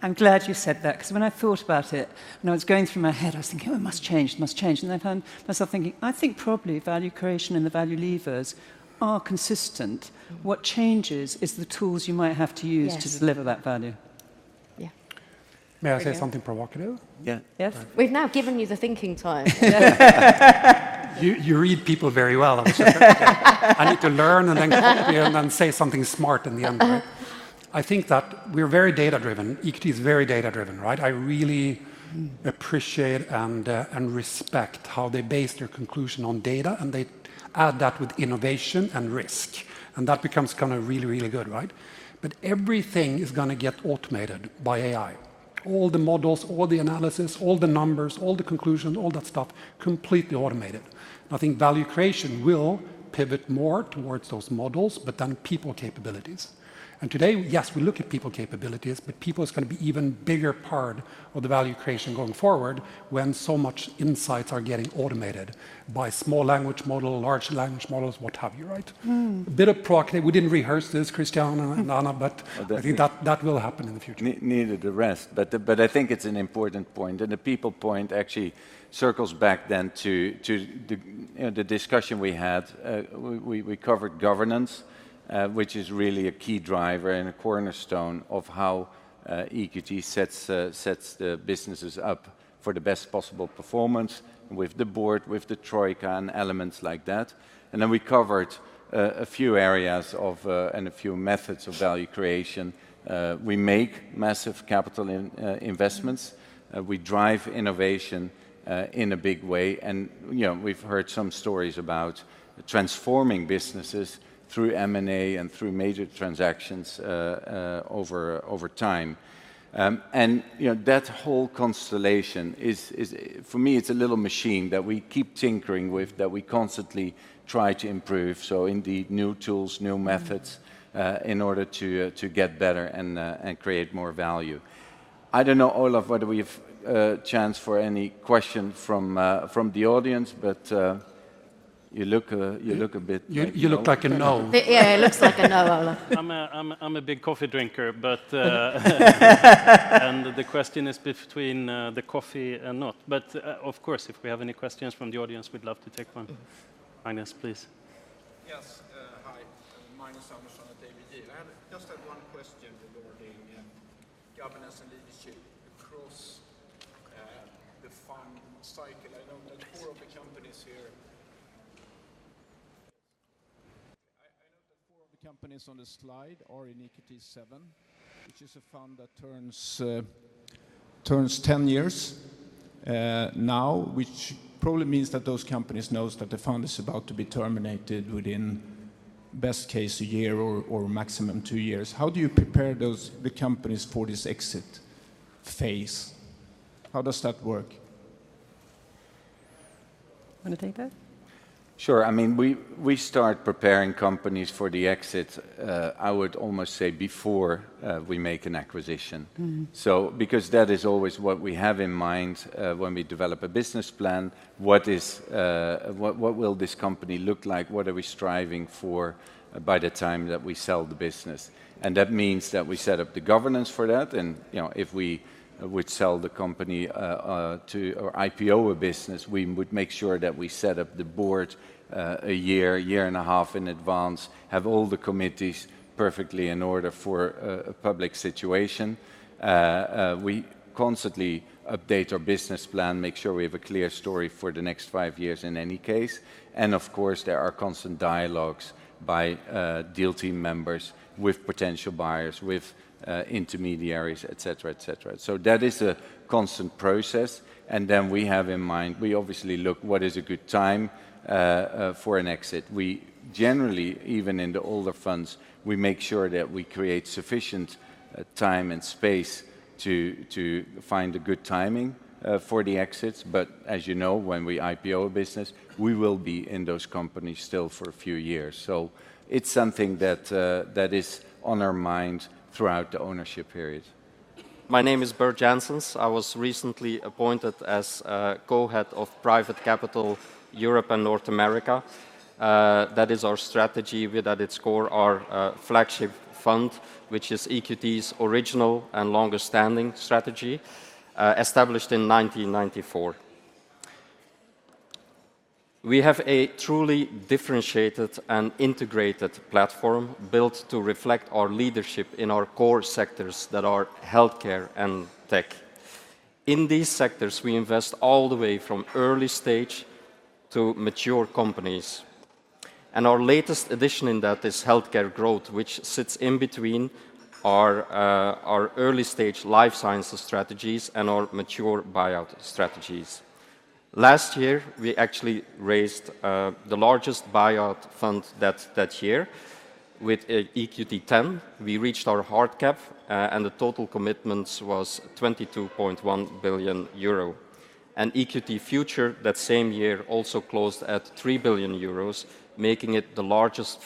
I'm glad you said that because when I thought about it, when I was going through my head, I was thinking, oh, it must change, it must change. I found myself thinking, I think probably value creation and the value levers are consistent. What changes is the tools you might have to use to deliver that value. Yeah. May I say something provocative? Yeah. Yes. We've now given you the thinking time. You read people very well. I need to learn and then say something smart in the end. I think that we're very data-driven. EQT is very data-driven, right? I really appreciate and respect how they base their conclusion on data. They add that with innovation and risk. That becomes kind of really, really good, right? Everything is going to get automated by AI. All the models, all the analysis, all the numbers, all the conclusions, all that stuff, completely automated. I think value creation will pivot more towards those models, but then people capabilities. Today, yes, we look at people capabilities, but people is going to be an even bigger part of the value creation going forward when so much insights are getting automated by small language models, large language models, what have you, right? A bit of provocative. We didn't rehearse this, Christian and Anna, but I think that will happen in the future. Neither the rest. I think it's an important point. The people point actually circles back then to the discussion we had. We covered governance, which is really a key driver and a cornerstone of how EQT sets the businesses up for the best possible performance with the board, with the TROIKA and elements like that. We covered a few areas and a few methods of value creation. We make massive capital investments. We drive innovation in a big way. We've heard some stories about transforming businesses through M&A and through major transactions over time. That whole constellation, for me, it's a little machine that we keep tinkering with, that we constantly try to improve. Indeed, new tools, new methods in order to get better and create more value. I don't know, Olof, whether we have a chance for any question from the audience, but you look a bit confused. You look like a no. Yeah, it looks like a no, Olof. I'm a big coffee drinker. The question is between the coffee and not. Of course, if we have any questions from the audience, we'd love to take one. Magnus, please. Yes, hi. Magnus Andersson at ABG. I just had one question regarding governance and leadership across the fund cycle. I know that four of the companies here, I know that four of the companies on the slide are in EQT VII, which is a fund that turns 10 years now, which probably means that those companies know that the fund is about to be terminated within, best case, a year or maximum two years. How do you prepare the companies for this exit phase? How does that work? Want to take that? Sure. I mean, we start preparing companies for the exit, I would almost say, before we make an acquisition. Because that is always what we have in mind when we develop a business plan. What will this company look like? What are we striving for by the time that we sell the business? That means that we set up the governance for that. If we would sell the company or IPO a business, we would make sure that we set up the board a year, year and a half in advance, have all the committees perfectly in order for a public situation. We constantly update our business plan, make sure we have a clear story for the next five years in any case. Of course, there are constant dialogues by deal team members with potential buyers, with intermediaries, et cetera, et cetera. That is a constant process. We have in mind, we obviously look at what is a good time for an exit. Generally, even in the older funds, we make sure that we create sufficient time and space to find a good timing for the exits. As you know, when we IPO a business, we will be in those companies still for a few years. It is something that is on our mind throughout the ownership period. My name is Bert Janssens. I was recently appointed as co-head of Private Capital Europe and North America. That is our strategy that would score our flagship fund, which is EQT's original and longest-standing strategy, established in 1994. We have a truly differentiated and integrated platform built to reflect our leadership in our core sectors that are healthcare and tech. In these sectors, we invest all the way from early stage to mature companies. Our latest addition in that is healthcare growth, which sits in between our early stage life sciences strategies and our mature buyout strategies. Last year, we actually raised the largest buyout fund that year with EQT X. We reached our hard cap, and the total commitments was 22.1 billion euro. EQT Future that same year also closed at 3 billion euros, making it the largest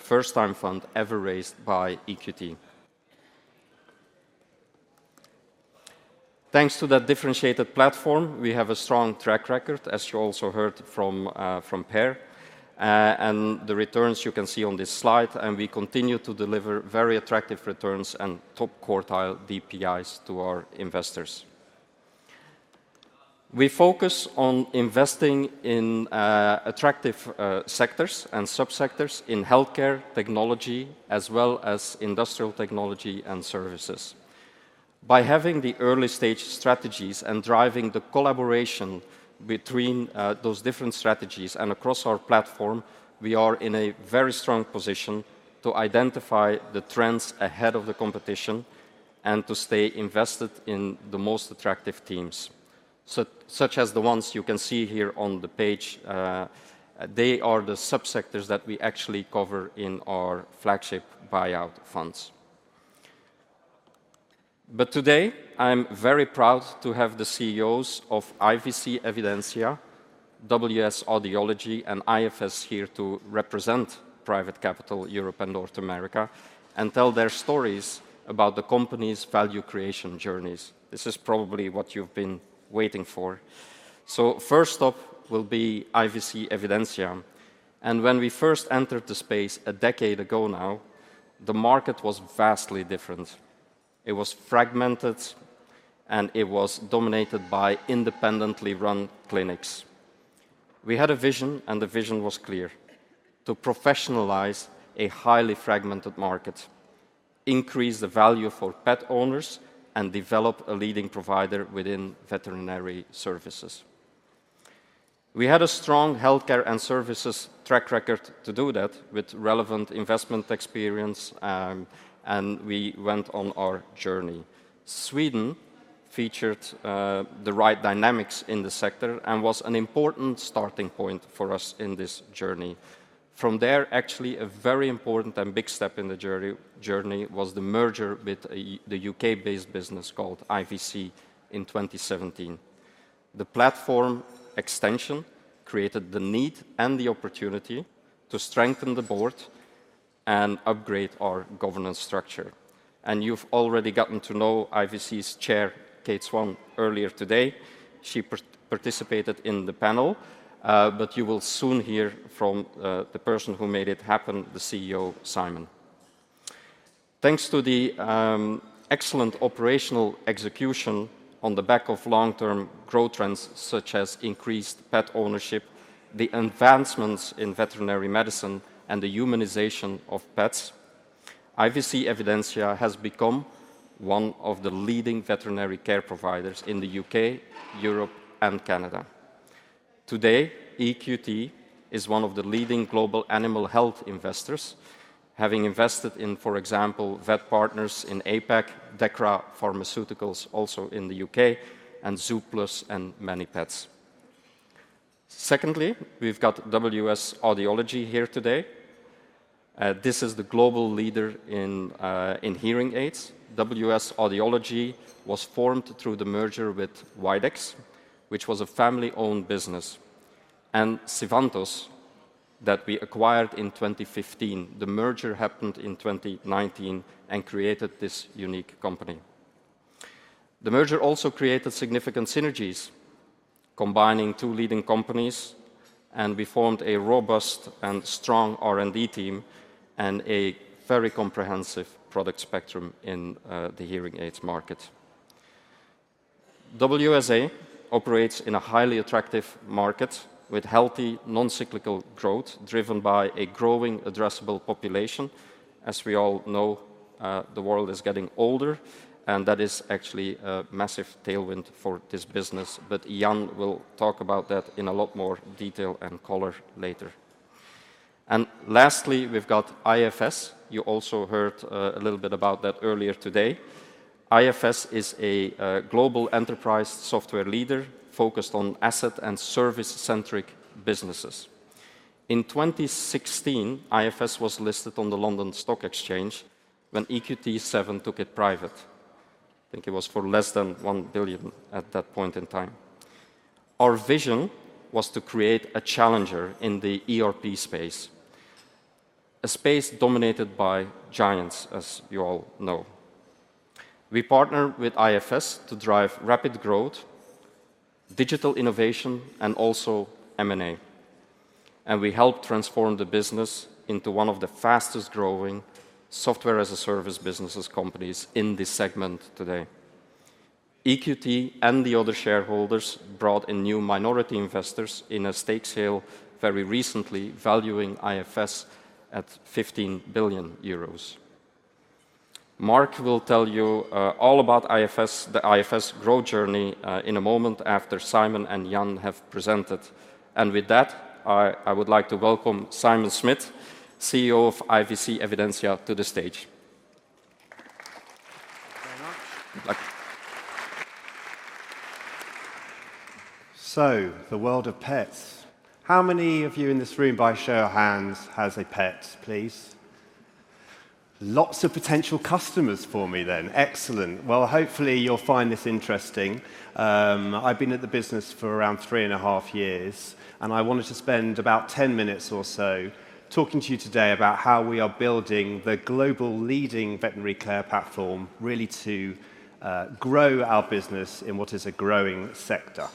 first-time fund ever raised by EQT. Thanks to that differentiated platform, we have a strong track record, as you also heard from Per. The returns you can see on this slide. We continue to deliver very attractive returns and top quartile DPIs to our investors. We focus on investing in attractive sectors and subsectors in healthcare technology, as well as industrial technology and services. By having the early stage strategies and driving the collaboration between those different strategies and across our platform, we are in a very strong position to identify the trends ahead of the competition and to stay invested in the most attractive teams, such as the ones you can see here on the page. They are the subsectors that we actually cover in our flagship buyout funds. Today, I'm very proud to have the CEOs of IVC Evidensia, WS Audiology, and IFS here to represent Private Capital Europe and North America and tell their stories about the company's value creation journeys. This is probably what you've been waiting for. First up will be IVC Evidensia. When we first entered the space a decade ago now, the market was vastly different. It was fragmented, and it was dominated by independently run clinics. We had a vision, and the vision was clear: to professionalize a highly fragmented market, increase the value for pet owners, and develop a leading provider within veterinary services. We had a strong healthcare and services track record to do that with relevant investment experience, and we went on our journey. Sweden featured the right dynamics in the sector and was an important starting point for us in this journey. From there, actually, a very important and big step in the journey was the merger with the U.K.-based business called IVC in 2017. The platform extension created the need and the opportunity to strengthen the board and upgrade our governance structure. You have already gotten to know IVC's Chair, Kate Swann, earlier today. She participated in the panel, but you will soon hear from the person who made it happen, the CEO, Simon. Thanks to the excellent operational execution on the back of long-term growth trends such as increased pet ownership, the advancements in veterinary medicine, and the humanization of pets, IVC Evidensia has become one of the leading veterinary care providers in the U.K., Europe, and Canada. Today, EQT is one of the leading global animal health investors, having invested in, for example, VetPartners in APAC, Dechra Pharmaceuticals, also in the U.K., and zooplus and ManyPets. Secondly, we've got WS Audiology here today. This is the global leader in hearing aids. WS Audiology was formed through the merger with Widex, which was a family-owned business, and Sivantos, that we acquired in 2015. The merger happened in 2019 and created this unique company. The merger also created significant synergies, combining two leading companies. We formed a robust and strong R&D team and a very comprehensive product spectrum in the hearing aids market. WSA operates in a highly attractive market with healthy non-cyclical growth driven by a growing addressable population. As we all know, the world is getting older, and that is actually a massive tailwind for this business. Ian will talk about that in a lot more detail and color later. Lastly, we've got IFS. You also heard a little bit about that earlier today. IFS is a global enterprise software leader focused on asset and service-centric businesses. In 2016, IFS was listed on the London Stock Exchange when EQT VII took it private. I think it was for less than $1 billion at that point in time. Our vision was to create a challenger in the ERP space, a space dominated by giants, as you all know. We partner with IFS to drive rapid growth, digital innovation, and also M&A. We helped transform the business into one of the fastest-growing software-as-a-service companies in this segment today. EQT and the other shareholders brought in new minority investors in a stake sale very recently, valuing IFS at 15 billion euros. Mark will tell you all about the IFS growth journey in a moment after Simon and Ian have presented. With that, I would like to welcome Simon Smith, CEO of IVC Evidensia, to the stage. The world of pets. How many of you in this room, by a show of hands, has a pet, please? Lots of potential customers for me then. Excellent. Hopefully, you'll find this interesting. I've been at the business for around three and a half years, and I wanted to spend about 10 minutes or so talking to you today about how we are building the global leading veterinary care platform, really to grow our business in what is a growing sector.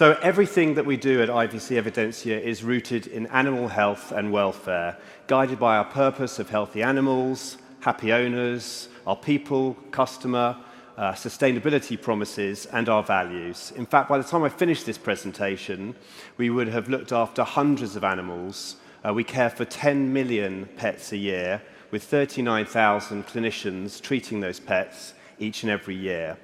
Everything that we do at IVC Evidensia is rooted in animal health and welfare, guided by our purpose of healthy animals, happy owners, our people, customer, sustainability promises, and our values. In fact, by the time I finish this presentation, we would have looked after hundreds of animals. We care for 10 million pets a year, with 39,000 clinicians treating those pets each and every year.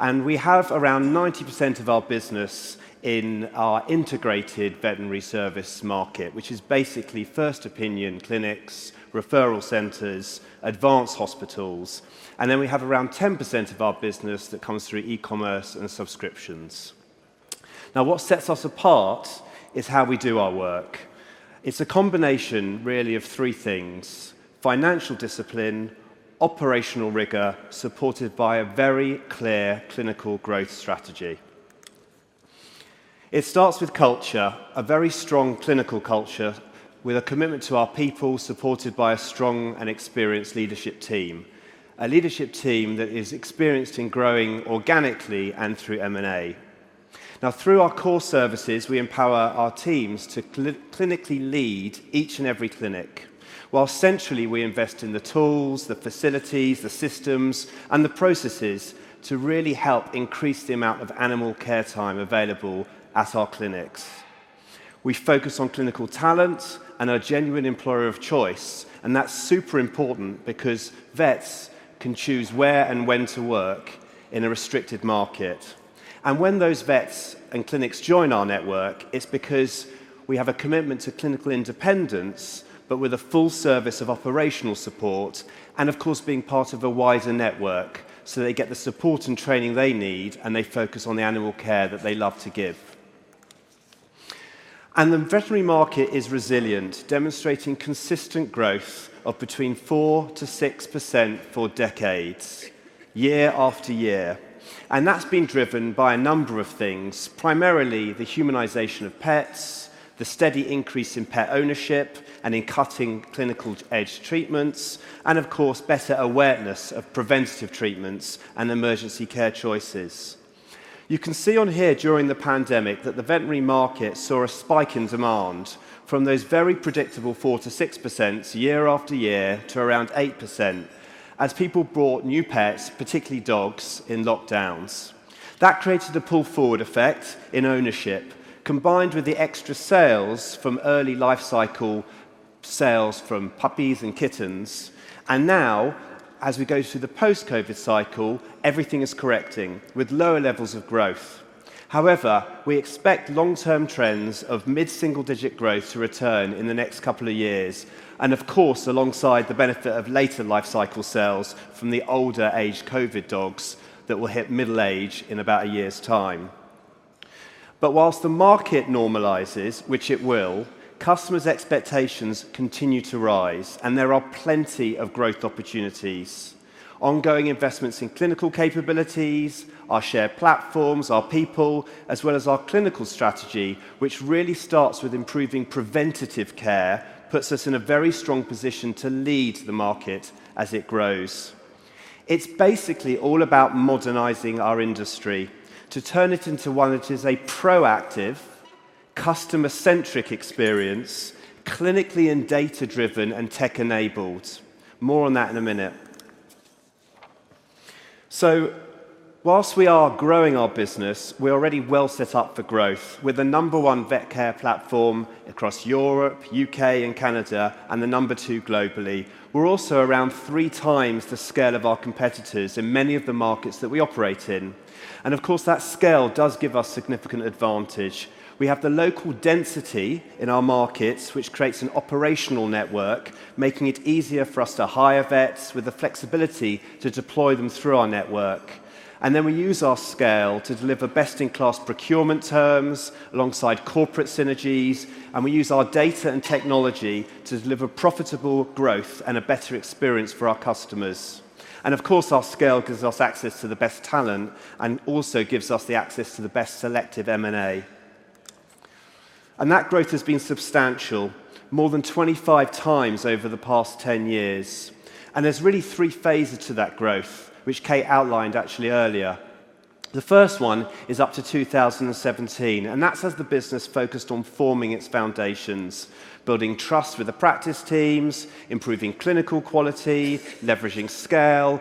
We have around 90% of our business in our integrated veterinary service market, which is basically first opinion clinics, referral centers, advanced hospitals. We have around 10% of our business that comes through e-commerce and subscriptions. What sets us apart is how we do our work. It is a combination, really, of three things: financial discipline, operational rigor, supported by a very clear clinical growth strategy. It starts with culture, a very strong clinical culture with a commitment to our people, supported by a strong and experienced leadership team, a leadership team that is experienced in growing organically and through M&A. Through our core services, we empower our teams to clinically lead each and every clinic, while centrally we invest in the tools, the facilities, the systems, and the processes to really help increase the amount of animal care time available at our clinics. We focus on clinical talent and a genuine employer of choice. That is super important because vets can choose where and when to work in a restricted market. When those vets and clinics join our network, it is because we have a commitment to clinical independence, but with a full service of operational support and, of course, being part of a wider network so they get the support and training they need, and they focus on the animal care that they love to give. The veterinary market is resilient, demonstrating consistent growth of between 4%-6% for decades, year after year. That has been driven by a number of things, primarily the humanization of pets, the steady increase in pet ownership and in cutting clinical-edge treatments, and, of course, better awareness of preventative treatments and emergency care choices. You can see on here during the pandemic that the veterinary market saw a spike in demand from those very predictable 4%-6% year after year to around 8% as people brought new pets, particularly dogs, in lockdowns. That created a pull-forward effect in ownership, combined with the extra sales from early life cycle sales from puppies and kittens. Now, as we go through the post-COVID cycle, everything is correcting with lower levels of growth. However, we expect long-term trends of mid-single-digit growth to return in the next couple of years, and, of course, alongside the benefit of later life cycle sales from the older-aged COVID dogs that will hit middle age in about a year's time. Whilst the market normalizes, which it will, customers' expectations continue to rise, and there are plenty of growth opportunities. Ongoing investments in clinical capabilities, our shared platforms, our people, as well as our clinical strategy, which really starts with improving preventative care, puts us in a very strong position to lead the market as it grows. It is basically all about modernizing our industry to turn it into one that is a proactive, customer-centric experience, clinically and data-driven and tech-enabled. More on that in a minute. Whilst we are growing our business, we are already well set up for growth with the number one vet care platform across Europe, the U.K., and Canada, and the number two globally. We are also around three times the scale of our competitors in many of the markets that we operate in. Of course, that scale does give us significant advantage. We have the local density in our markets, which creates an operational network, making it easier for us to hire vets with the flexibility to deploy them through our network. We use our scale to deliver best-in-class procurement terms alongside corporate synergies. We use our data and technology to deliver profitable growth and a better experience for our customers. Of course, our scale gives us access to the best talent and also gives us access to the best selective M&A. That growth has been substantial, more than 25x over the past 10 years. There are really three phases to that growth, which Kate outlined actually earlier. The first one is up to 2017, and that's as the business focused on forming its foundations, building trust with the practice teams, improving clinical quality, leveraging scale,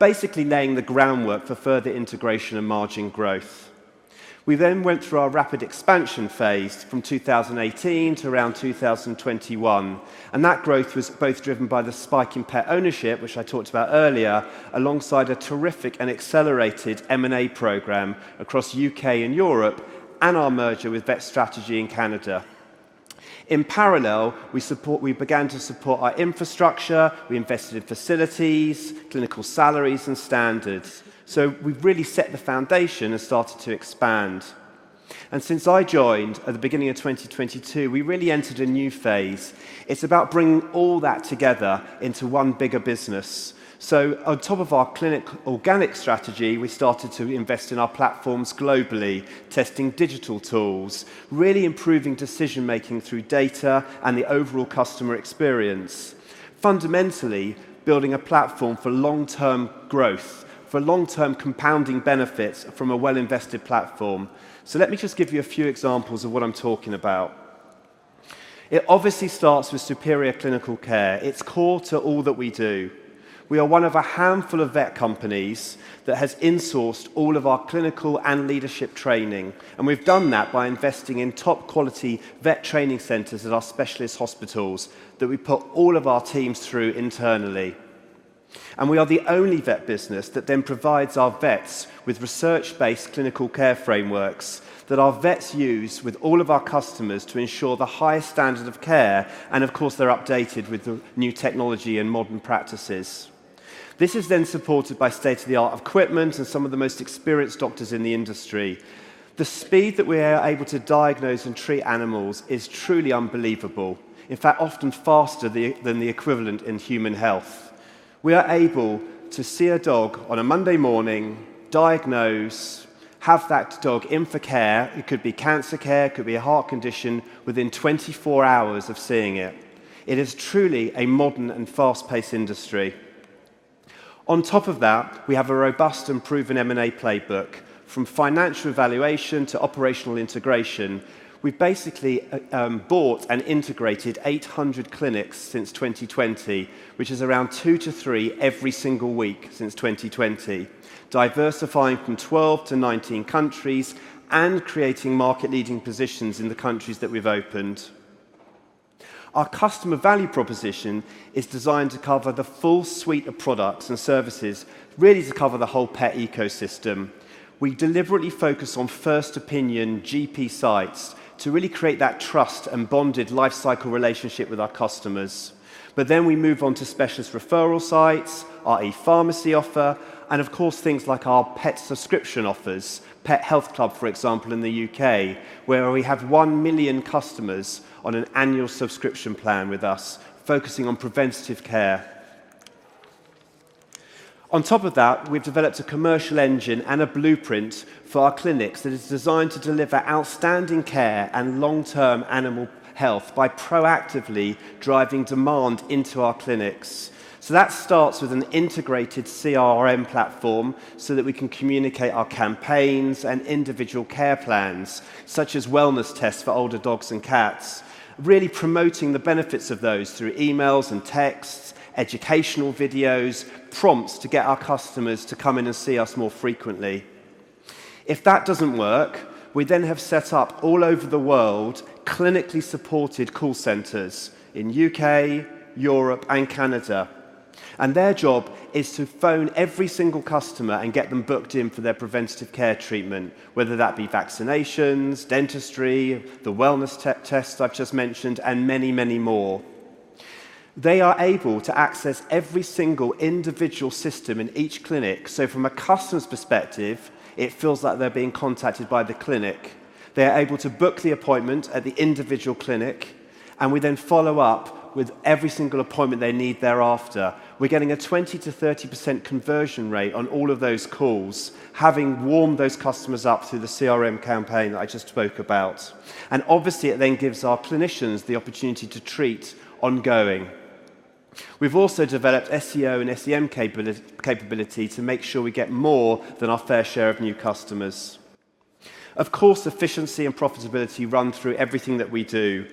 basically laying the groundwork for further integration and margin growth. We then went through our rapid expansion phase from 2018 to around 2021. That growth was both driven by the spike in pet ownership, which I talked about earlier, alongside a terrific and accelerated M&A program across the U.K. and Europe and our merger with VetStrategy in Canada. In parallel, we began to support our Infrastructure. We invested in facilities, clinical salaries, and standards. We have really set the foundation and started to expand. Since I joined at the beginning of 2022, we really entered a new phase. It is about bringing all that together into one bigger business. On top of our clinic organic strategy, we started to invest in our platforms globally, testing digital tools, really improving decision-making through data and the overall customer experience, fundamentally building a platform for long-term growth, for long-term compounding benefits from a well-invested platform. Let me just give you a few examples of what I'm talking about. It obviously starts with superior clinical care. It's core to all that we do. We are one of a handful of vet companies that has insourced all of our clinical and leadership training. We've done that by investing in top-quality vet training centers at our specialist hospitals that we put all of our teams through internally. We are the only vet business that then provides our vets with research-based clinical care frameworks that our vets use with all of our customers to ensure the highest standard of care. Of course, they're updated with new technology and modern practices. This is then supported by state-of-the-art equipment and some of the most experienced doctors in the industry. The speed that we are able to diagnose and treat animals is truly unbelievable, in fact, often faster than the equivalent in human health. We are able to see a dog on a Monday morning, diagnose, have that dog in for care. It could be cancer care. It could be a heart condition within 24 hours of seeing it. It is truly a modern and fast-paced industry. On top of that, we have a robust and proven M&A playbook from financial evaluation to operational integration. We've basically bought and integrated 800 clinics since 2020, which is around two to three every single week since 2020, diversifying from 12 to 19 countries and creating market-leading positions in the countries that we've opened. Our customer value proposition is designed to cover the full suite of products and services, really to cover the whole pet ecosystem. We deliberately focus on first opinion GP sites to really create that trust and bonded life cycle relationship with our customers. We move on to specialist referral sites, i.e., pharmacy offer, and, of course, things like our pet subscription offers, Pet Health Club, for example, in the U.K., where we have one million customers on an annual subscription plan with us, focusing on preventative care. On top of that, we've developed a commercial engine and a blueprint for our clinics that is designed to deliver outstanding care and long-term animal health by proactively driving demand into our clinics. That starts with an integrated CRM platform so that we can communicate our campaigns and individual care plans, such as wellness tests for older dogs and cats, really promoting the benefits of those through emails and texts, educational videos, prompts to get our customers to come in and see us more frequently. If that does not work, we then have set up all over the world clinically supported call centers in the U.K., Europe, and Canada. Their job is to phone every single customer and get them booked in for their preventative care treatment, whether that be vaccinations, dentistry, the wellness test I have just mentioned, and many, many more. They are able to access every single individual system in each clinic. From a customer's perspective, it feels like they are being contacted by the clinic. They are able to book the appointment at the individual clinic, and we then follow up with every single appointment they need thereafter. We are getting a 20%-30% conversion rate on all of those calls, having warmed those customers up through the CRM campaign that I just spoke about. It then gives our clinicians the opportunity to treat ongoing. We have also developed SEO and SEM capability to make sure we get more than our fair share of new customers. Of course, efficiency and profitability run through everything that we do.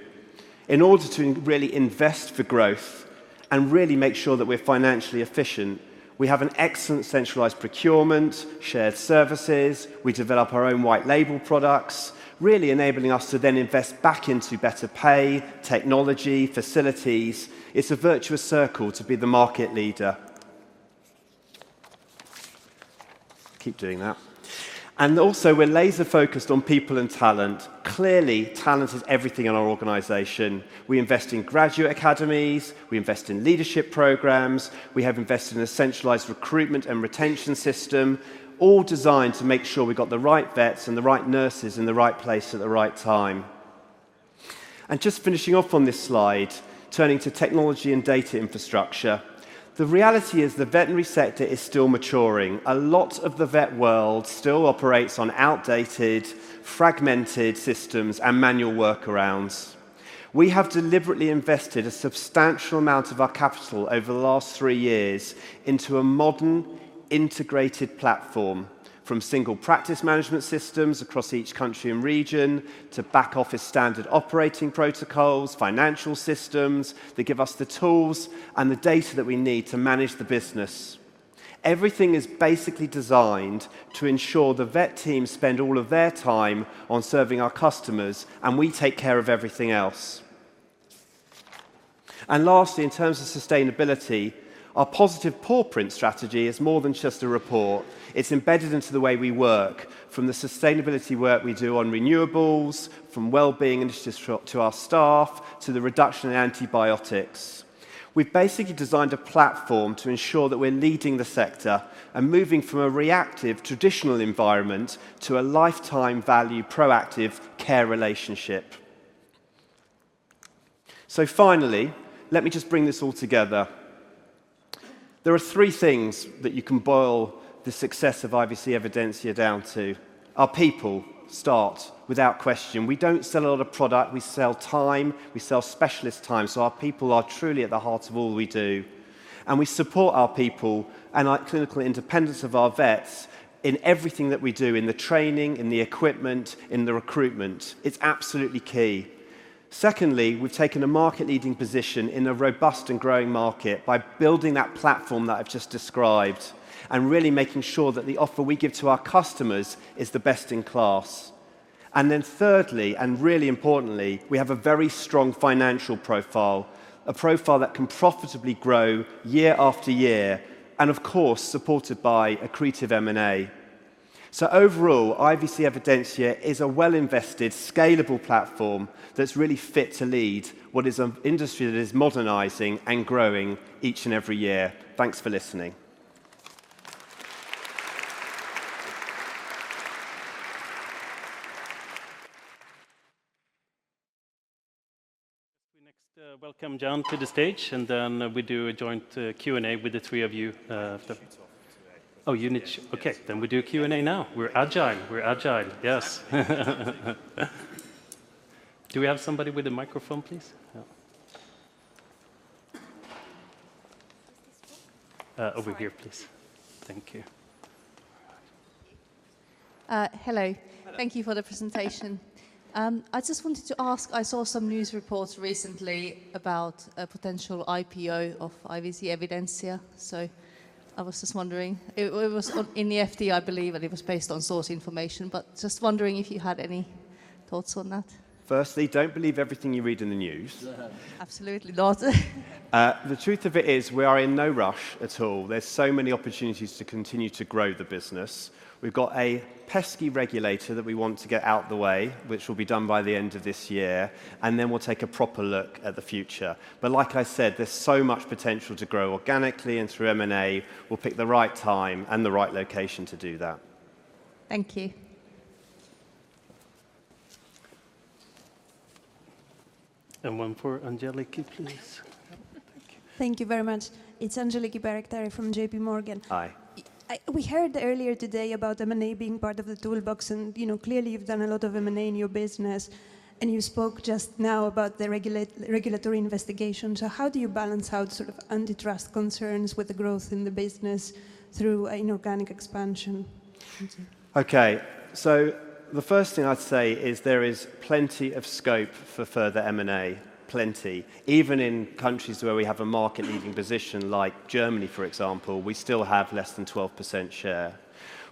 In order to really invest for growth and really make sure that we are financially efficient, we have an excellent centralized procurement, shared services. We develop our own white-label products, really enabling us to then invest back into better pay, technology, facilities. It is a virtuous circle to be the market leader. Keep doing that. We are laser-focused on people and talent. Clearly, talent is everything in our organization. We invest in graduate academies. We invest in leadership programs. We have invested in a centralized recruitment and retention system, all designed to make sure we have the right vets and the right nurses in the right place at the right time. Just finishing off on this slide, turning to technology and data infrastructure, the reality is the veterinary sector is still maturing. A lot of the vet world still operates on outdated, fragmented systems and manual workarounds. We have deliberately invested a substantial amount of our capital over the last three years into a modern, integrated platform, from single practice management systems across each country and region to back-office standard operating protocols, financial systems that give us the tools and the data that we need to manage the business. Everything is basically designed to ensure the vet team spends all of their time on serving our customers, and we take care of everything else. Lastly, in terms of sustainability, our positive pawprint strategy is more than just a report. It is embedded into the way we work, from the sustainability work we do on renewables, from well-being initiatives to our staff, to the reduction in antibiotics. We have basically designed a platform to ensure that we are leading the sector and moving from a reactive, traditional environment to a lifetime-value, proactive care relationship. Finally, let me just bring this all together. There are three things that you can boil the success of IVC Evidensia down to. Our people start, without question. We do not sell a lot of product. We sell time. We sell specialist time. Our people are truly at the heart of all we do. We support our people and our clinical independence of our vets in everything that we do, in the training, in the equipment, in the recruitment. It is absolutely key. Secondly, we have taken a market-leading position in a robust and growing market by building that platform that I have just described and really making sure that the offer we give to our customers is the best in class. Thirdly, and really importantly, we have a very strong financial profile, a profile that can profitably grow year after year and, of course, supported by accretive M&A. Overall, IVC Evidensia is a well-invested, scalable platform that is really fit to lead what is an industry that is modernizing and growing each and every year. Thanks for listening. Next, welcome John to the stage, and then we do a joint Q&A with the three of you. Oh, you need to. Okay, then we do Q&A now. We're agile. We're agile. Yes. Do we have somebody with a microphone, please? Over here, please. Thank you. Hello. Thank you for the presentation. I just wanted to ask, I saw some news reports recently about a potential IPO of IVC Evidensia. I was just wondering. It was in the FD, I believe, and it was based on source information. Just wondering if you had any thoughts on that. Firstly, don't believe everything you read in the news. Absolutely not. The truth of it is we are in no rush at all. There's so many opportunities to continue to grow the business. We've got a pesky regulator that we want to get out of the way, which will be done by the end of this year. We will take a proper look at the future. Like I said, there's so much potential to grow organically and through M&A. We will pick the right time and the right location to do that. Thank you. One for Angeliki, please. Thank you very much. It's Angeliki Bairaktari from JPMorgan. Hi. We heard earlier today about M&A being part of the toolbox. Clearly, you've done a lot of M&A in your business. You spoke just now about the regulatory investigation. How do you balance out sort of antitrust concerns with the growth in the business through inorganic expansion? Okay. The first thing I'd say is there is plenty of scope for further M&A, plenty. Even in countries where we have a market-leading position, like Germany, for example, we still have less than 12% share.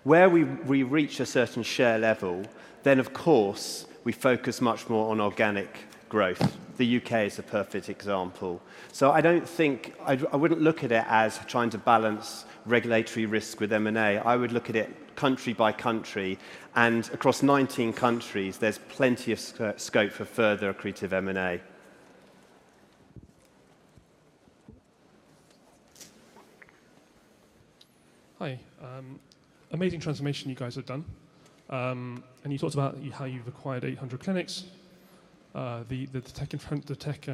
Where we reach a certain share level, then, of course, we focus much more on organic growth. The U.K. is a perfect example. I do not think I would look at it as trying to balance regulatory risk with M&A. I would look at it country by country. Across 19 countries, there is plenty of scope for further accretive M&A. Hi. Amazing transformation you guys have done. You talked about how you've acquired 800 clinics. The tech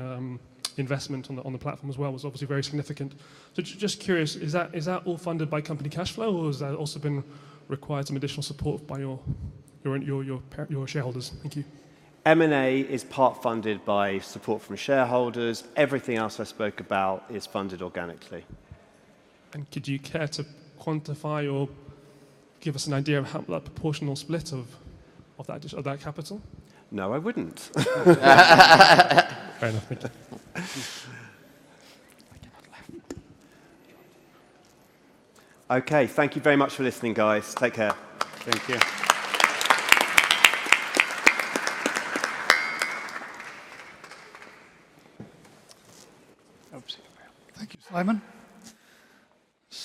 investment on the platform as well was obviously very significant. Just curious, is that all funded by company cash flow, or has that also required some additional support by your shareholders? Thank you. M&A is part funded by support from shareholders. Everything else I spoke about is funded organically. Could you care to quantify or give us an idea of how proportional split of that capital? No, I wouldn't. Okay. Thank you very much for listening, guys. Take care. Thank you. Thank you, Simon.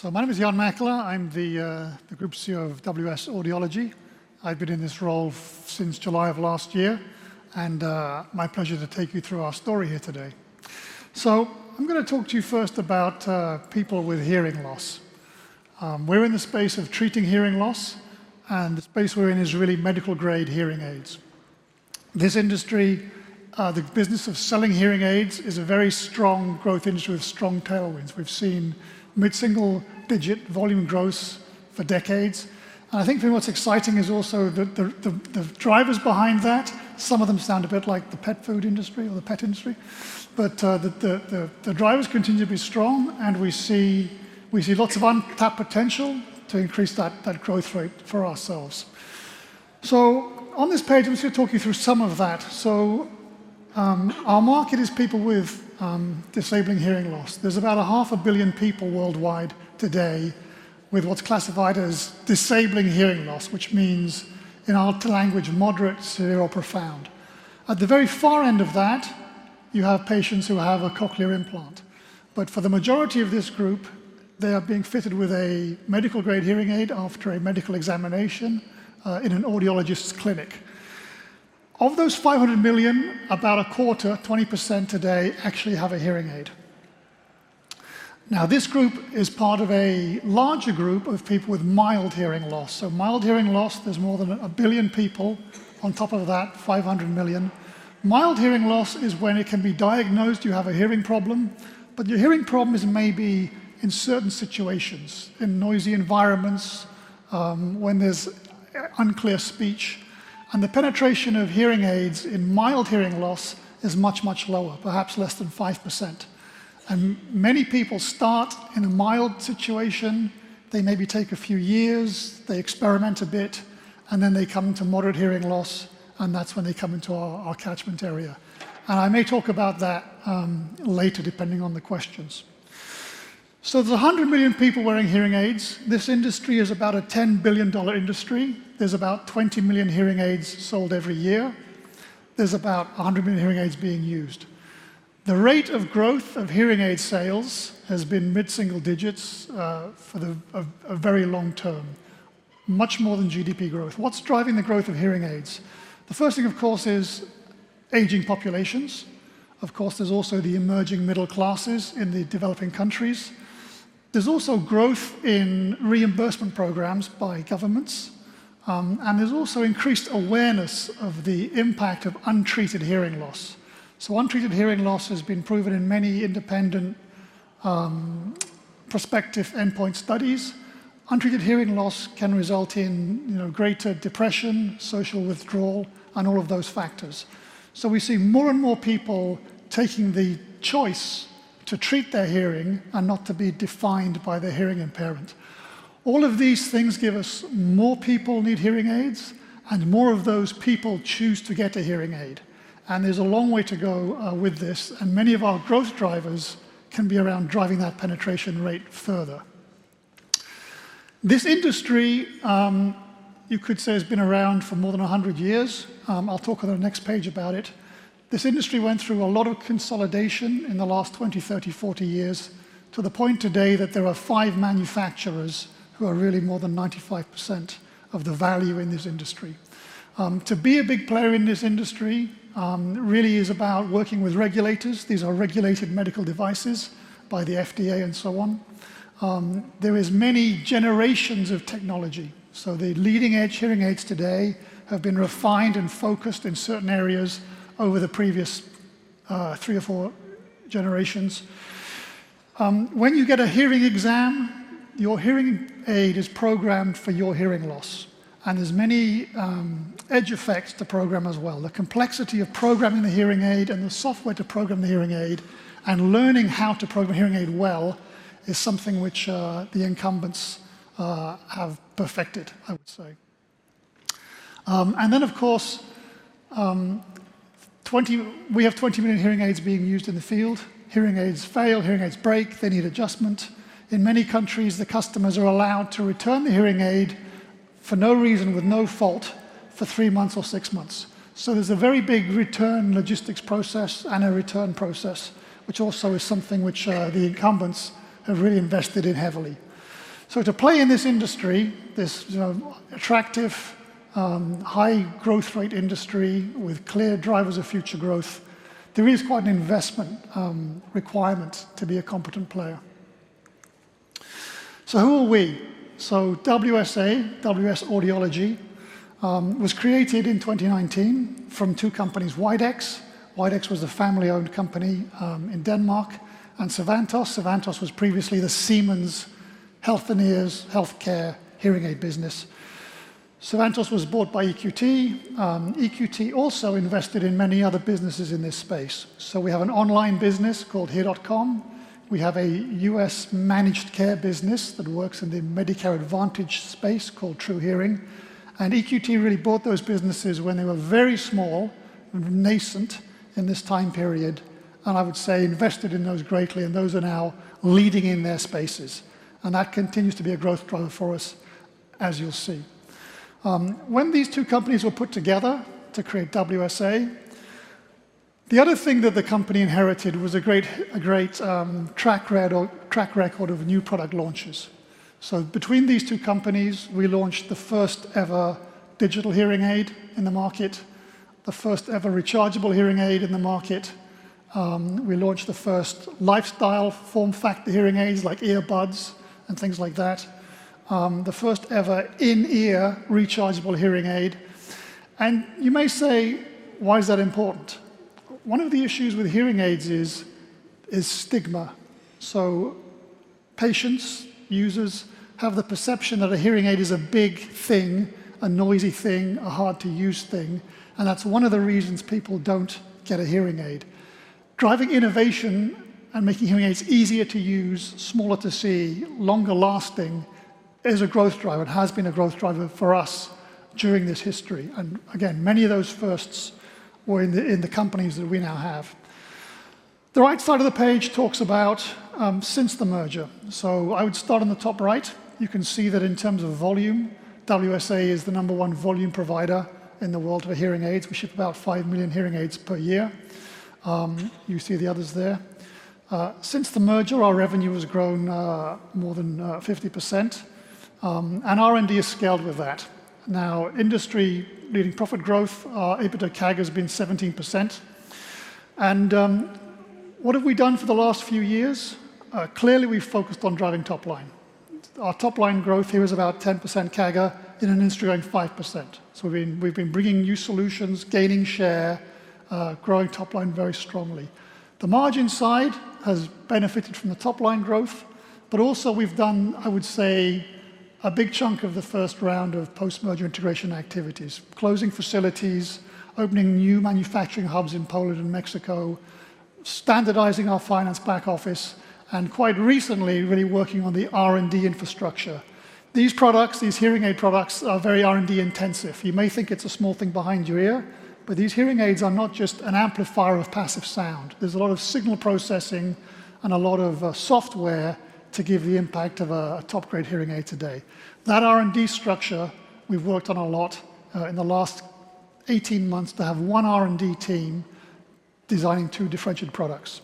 My name is Jan Makela. I'm the Group CEO of WS Audiology. I've been in this role since July of last year. It is my pleasure to take you through our story here today. I'm going to talk to you first about people with hearing loss. We're in the space of treating hearing loss. The space we're in is really medical-grade hearing aids. This industry, the business of selling hearing aids, is a very strong growth industry with strong tailwinds. We've seen mid-single-digit volume growth for decades. I think what's exciting is also that the drivers behind that, some of them sound a bit like the pet food industry or the pet industry. The drivers continue to be strong. We see lots of untapped potential to increase that growth rate for ourselves. On this page, I'm just going to talk you through some of that. Our market is people with disabling hearing loss. There's about half a billion people worldwide today with what's classified as disabling hearing loss, which means in our language, moderate, severe, or profound. At the very far end of that, you have patients who have a cochlear implant. For the majority of this group, they are being fitted with a medical-grade hearing aid after a medical examination in an audiologist's clinic. Of those 500 million, about a quarter, 20%, today actually have a hearing aid. This group is part of a larger group of people with mild hearing loss. Mild hearing loss, there's more than a billion people. On top of that, 500 million. Mild hearing loss is when it can be diagnosed you have a hearing problem. Your hearing problem is maybe in certain situations, in noisy environments, when there's unclear speech. The penetration of hearing aids in mild hearing loss is much, much lower, perhaps less than 5%. Many people start in a mild situation. They maybe take a few years. They experiment a bit. Then they come to moderate hearing loss. That's when they come into our catchment area. I may talk about that later, depending on the questions. There are 100 million people wearing hearing aids. This industry is about a $10 billion industry. There are about 20 million hearing aids sold every year. There are about 100 million hearing aids being used. The rate of growth of hearing aid sales has been mid-single digits for a very long term, much more than GDP growth. What's driving the growth of hearing aids? The first thing, of course, is aging populations. Of course, there's also the emerging middle classes in the developing countries. There's also growth in reimbursement programs by governments. There's also increased awareness of the impact of untreated hearing loss. Untreated hearing loss has been proven in many independent prospective endpoint studies. Untreated hearing loss can result in greater depression, social withdrawal, and all of those factors. We see more and more people taking the choice to treat their hearing and not to be defined by their hearing impairment. All of these things give us more people need hearing aids, and more of those people choose to get a hearing aid. There's a long way to go with this. Many of our growth drivers can be around driving that penetration rate further. This industry, you could say, has been around for more than 100 years. I'll talk on the next page about it. This industry went through a lot of consolidation in the last 20, 30, 40 years to the point today that there are five manufacturers who are really more than 95% of the value in this industry. To be a big player in this industry really is about working with regulators. These are regulated medical devices by the FDA and so on. There are many generations of technology. The leading-edge hearing aids today have been refined and focused in certain areas over the previous three or four generations. When you get a hearing exam, your hearing aid is programmed for your hearing loss. There are many edge effects to program as well. The complexity of programming the hearing aid and the software to program the hearing aid and learning how to program a hearing aid well is something which the incumbents have perfected, I would say. Of course, we have 20 million hearing aids being used in the field. Hearing aids fail. Hearing aids break. They need adjustment. In many countries, the customers are allowed to return the hearing aid for no reason, with no fault, for three months or six months. There is a very big return logistics process and a return process, which also is something which the incumbents have really invested in heavily. To play in this industry, this attractive, high-growth rate industry with clear drivers of future growth, there is quite an investment requirement to be a competent player. Who are we? WSA, WS Audiology, was created in 2019 from two companies, Widex. Widex was a family-owned company in Denmark. And Sivantos. Sivantos was previously the Siemens Healthineers Healthcare hearing aid business. Sivantos was bought by EQT. EQT also invested in many other businesses in this space. We have an online business called hear.com. We have a US managed care business that works in the Medicare Advantage space called True Hearing. EQT really bought those businesses when they were very small, nascent in this time period. I would say invested in those greatly. Those are now leading in their spaces. That continues to be a growth driver for us, as you'll see. When these two companies were put together to create WSA, the other thing that the company inherited was a great track record of new product launches. Between these two companies, we launched the first ever digital hearing aid in the market, the first ever rechargeable hearing aid in the market. We launched the first lifestyle form factor hearing aids, like earbuds and things like that, the first ever in-ear rechargeable hearing aid. You may say, why is that important? One of the issues with hearing aids is stigma. Patients, users, have the perception that a hearing aid is a big thing, a noisy thing, a hard-to-use thing. That is one of the reasons people do not get a hearing aid. Driving innovation and making hearing aids easier to use, smaller to see, longer lasting is a growth driver. It has been a growth driver for us during this history. Many of those firsts were in the companies that we now have. The right side of the page talks about since the merger. I would start on the top right. You can see that in terms of volume, WS Audiology is the number one volume provider in the world for hearing aids. We ship about 5 million hearing aids per year. You see the others there. Since the merger, our revenue has grown more than 50%. R&D has scaled with that. Now, industry-leading profit growth, EBITDA CAGR has been 17%. What have we done for the last few years? Clearly, we've focused on driving top line. Our top line growth here is about 10% CAGR in an industry of 5%. We've been bringing new solutions, gaining share, growing top line very strongly. The margin side has benefited from the top line growth. Also, we've done, I would say, a big chunk of the first round of post-merger integration activities: closing facilities, opening new manufacturing hubs in Poland and Mexico, standardizing our finance back office, and quite recently, really working on the R&D infrastructure. These products, these hearing aid products, are very R&D intensive. You may think it's a small thing behind your ear. These hearing aids are not just an amplifier of passive sound. There is a lot of signal processing and a lot of software to give the impact of a top-grade hearing aid today. That R&D structure, we have worked on a lot in the last 18 months to have one R&D team designing two differentiated products.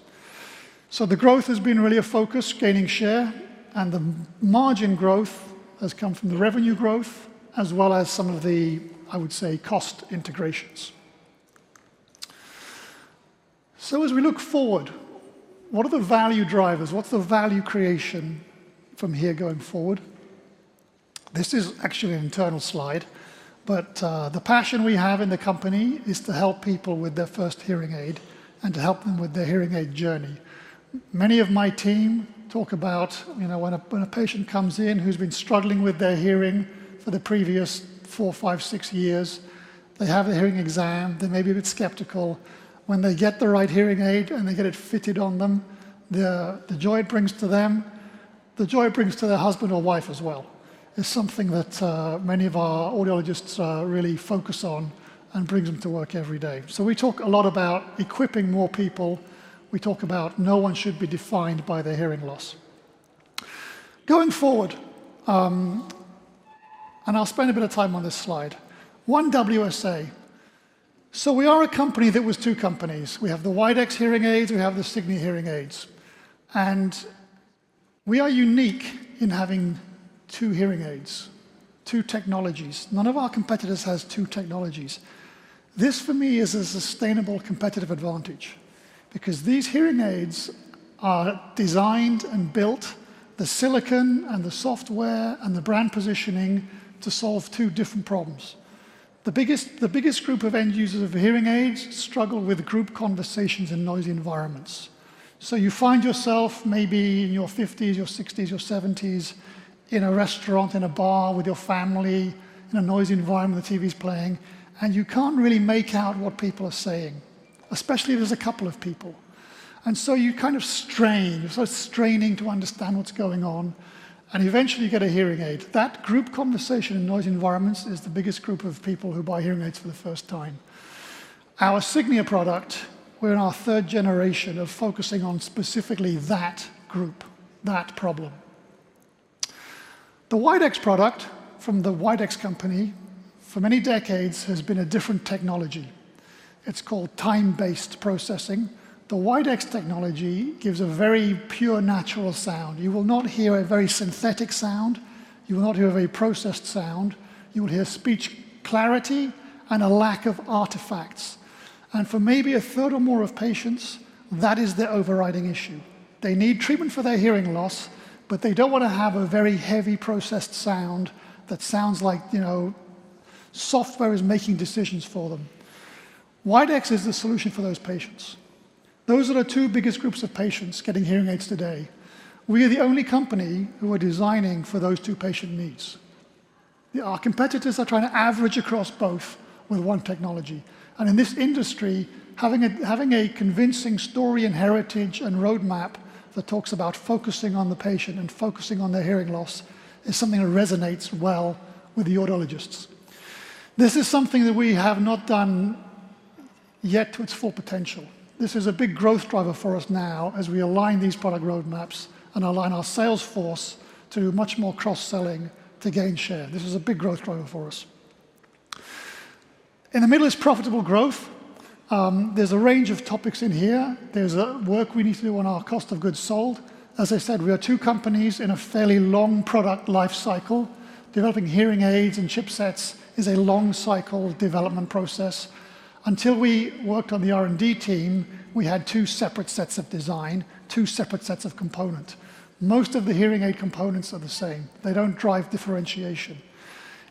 The growth has been really a focus, gaining share. The margin growth has come from the revenue growth, as well as some of the, I would say, cost integrations. As we look forward, what are the value drivers? What is the value creation from here going forward? This is actually an internal slide. The passion we have in the company is to help people with their first hearing aid and to help them with their hearing aid journey. Many of my team talk about when a patient comes in who's been struggling with their hearing for the previous four, five, six years, they have a hearing exam. They may be a bit skeptical. When they get the right hearing aid and they get it fitted on them, the joy it brings to them, the joy it brings to their husband or wife as well, is something that many of our audiologists really focus on and brings them to work every day. We talk a lot about equipping more people. We talk about no one should be defined by their hearing loss. Going forward, and I'll spend a bit of time on this slide, one WSA. We are a company that was two companies. We have the Widex hearing aids. We have the Signia hearing aids. We are unique in having two hearing aids, two technologies. None of our competitors has two technologies. This, for me, is a sustainable competitive advantage because these hearing aids are designed and built with the silicon and the software and the brand positioning to solve two different problems. The biggest group of end users of hearing aids struggle with group conversations in noisy environments. You find yourself maybe in your 50s, your 60s, your 70s in a restaurant, in a bar with your family, in a noisy environment. The TV's playing. You can't really make out what people are saying, especially if there's a couple of people. You are kind of strained. You are sort of straining to understand what's going on. Eventually, you get a hearing aid. That group conversation in noisy environments is the biggest group of people who buy hearing aids for the first time. Our Signia product, we're in our third generation of focusing on specifically that group, that problem. The Widex product from the Widex company for many decades has been a different technology. It's called time-based processing. The Widex technology gives a very pure, natural sound. You will not hear a very synthetic sound. You will not hear a very processed sound. You will hear speech clarity and a lack of artifacts. For maybe a third or more of patients, that is their overriding issue. They need treatment for their hearing loss, but they don't want to have a very heavy processed sound that sounds like software is making decisions for them. Widex is the solution for those patients. Those are the two biggest groups of patients getting hearing aids today. We are the only company who are designing for those two patient needs. Our competitors are trying to average across both with one technology. In this industry, having a convincing story and heritage and roadmap that talks about focusing on the patient and focusing on their hearing loss is something that resonates well with the audiologists. This is something that we have not done yet to its full potential. This is a big growth driver for us now as we align these product roadmaps and align our sales force to much more cross-selling to gain share. This is a big growth driver for us. In the middle is profitable growth. There is a range of topics in here. There is work we need to do on our cost of goods sold. As I said, we are two companies in a fairly long product life cycle. Developing hearing aids and chipsets is a long-cycle development process. Until we worked on the R&D team, we had two separate sets of design, two separate sets of components. Most of the hearing aid components are the same. They do not drive differentiation.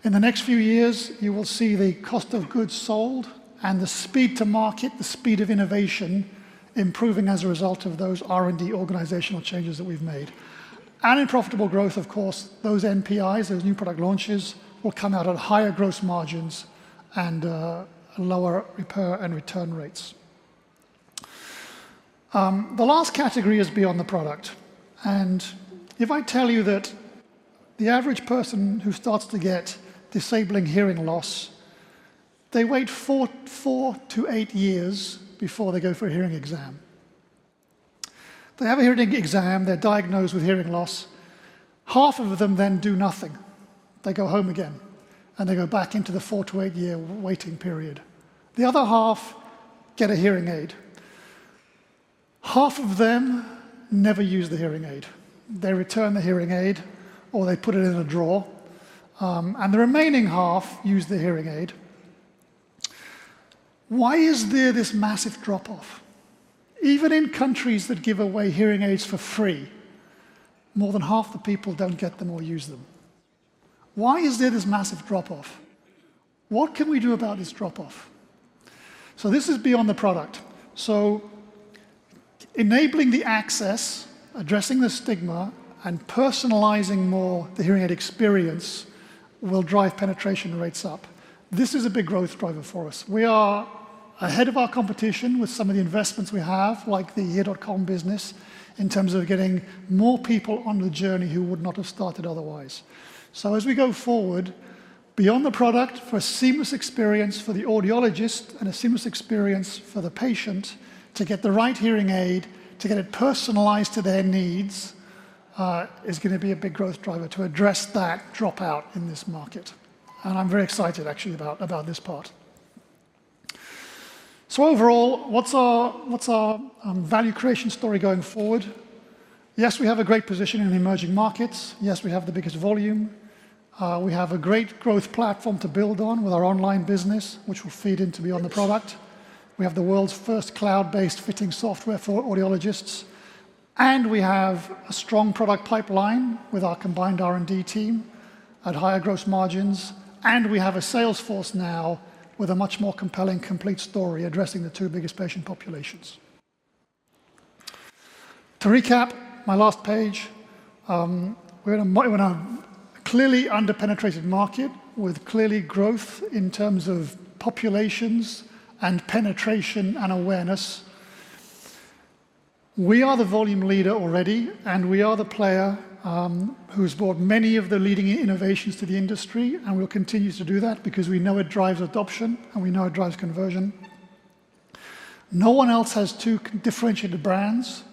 In the next few years, you will see the cost of goods sold and the speed to market, the speed of innovation improving as a result of those R&D organizational changes that we have made. In profitable growth, of course, those NPIs, those new product launches, will come out at higher gross margins and lower repair and return rates. The last category is beyond the product. If I tell you that the average person who starts to get disabling hearing loss, they wait four to eight years before they go for a hearing exam. They have a hearing exam. They are diagnosed with hearing loss. Half of them then do nothing. They go home again. They go back into the four- to eight-year waiting period. The other half get a hearing aid. Half of them never use the hearing aid. They return the hearing aid or they put it in a drawer. The remaining half use the hearing aid. Why is there this massive drop-off? Even in countries that give away hearing aids for free, more than half the people do not get them or use them. Why is there this massive drop-off? What can we do about this drop-off? This is beyond the product. Enabling the access, addressing the stigma, and personalizing more the hearing aid experience will drive penetration rates up. This is a big growth driver for us. We are ahead of our competition with some of the investments we have, like the hear.com business, in terms of getting more people on the journey who would not have started otherwise. As we go forward, beyond the product for a seamless experience for the audiologist and a seamless experience for the patient to get the right hearing aid, to get it personalized to their needs is going to be a big growth driver to address that dropout in this market. I'm very excited, actually, about this part. Overall, what's our value creation story going forward? Yes, we have a great position in emerging markets. Yes, we have the biggest volume. We have a great growth platform to build on with our online business, which will feed into beyond the product. We have the world's first cloud-based fitting software for audiologists. We have a strong product pipeline with our combined R&D team at higher gross margins. We have a sales force now with a much more compelling complete story addressing the two biggest patient populations. To recap my last page, we're in a clearly under-penetrated market with clearly growth in terms of populations and penetration and awareness. We are the volume leader already. We are the player who's brought many of the leading innovations to the industry. We will continue to do that because we know it drives adoption. We know it drives conversion. No one else has two differentiated brands.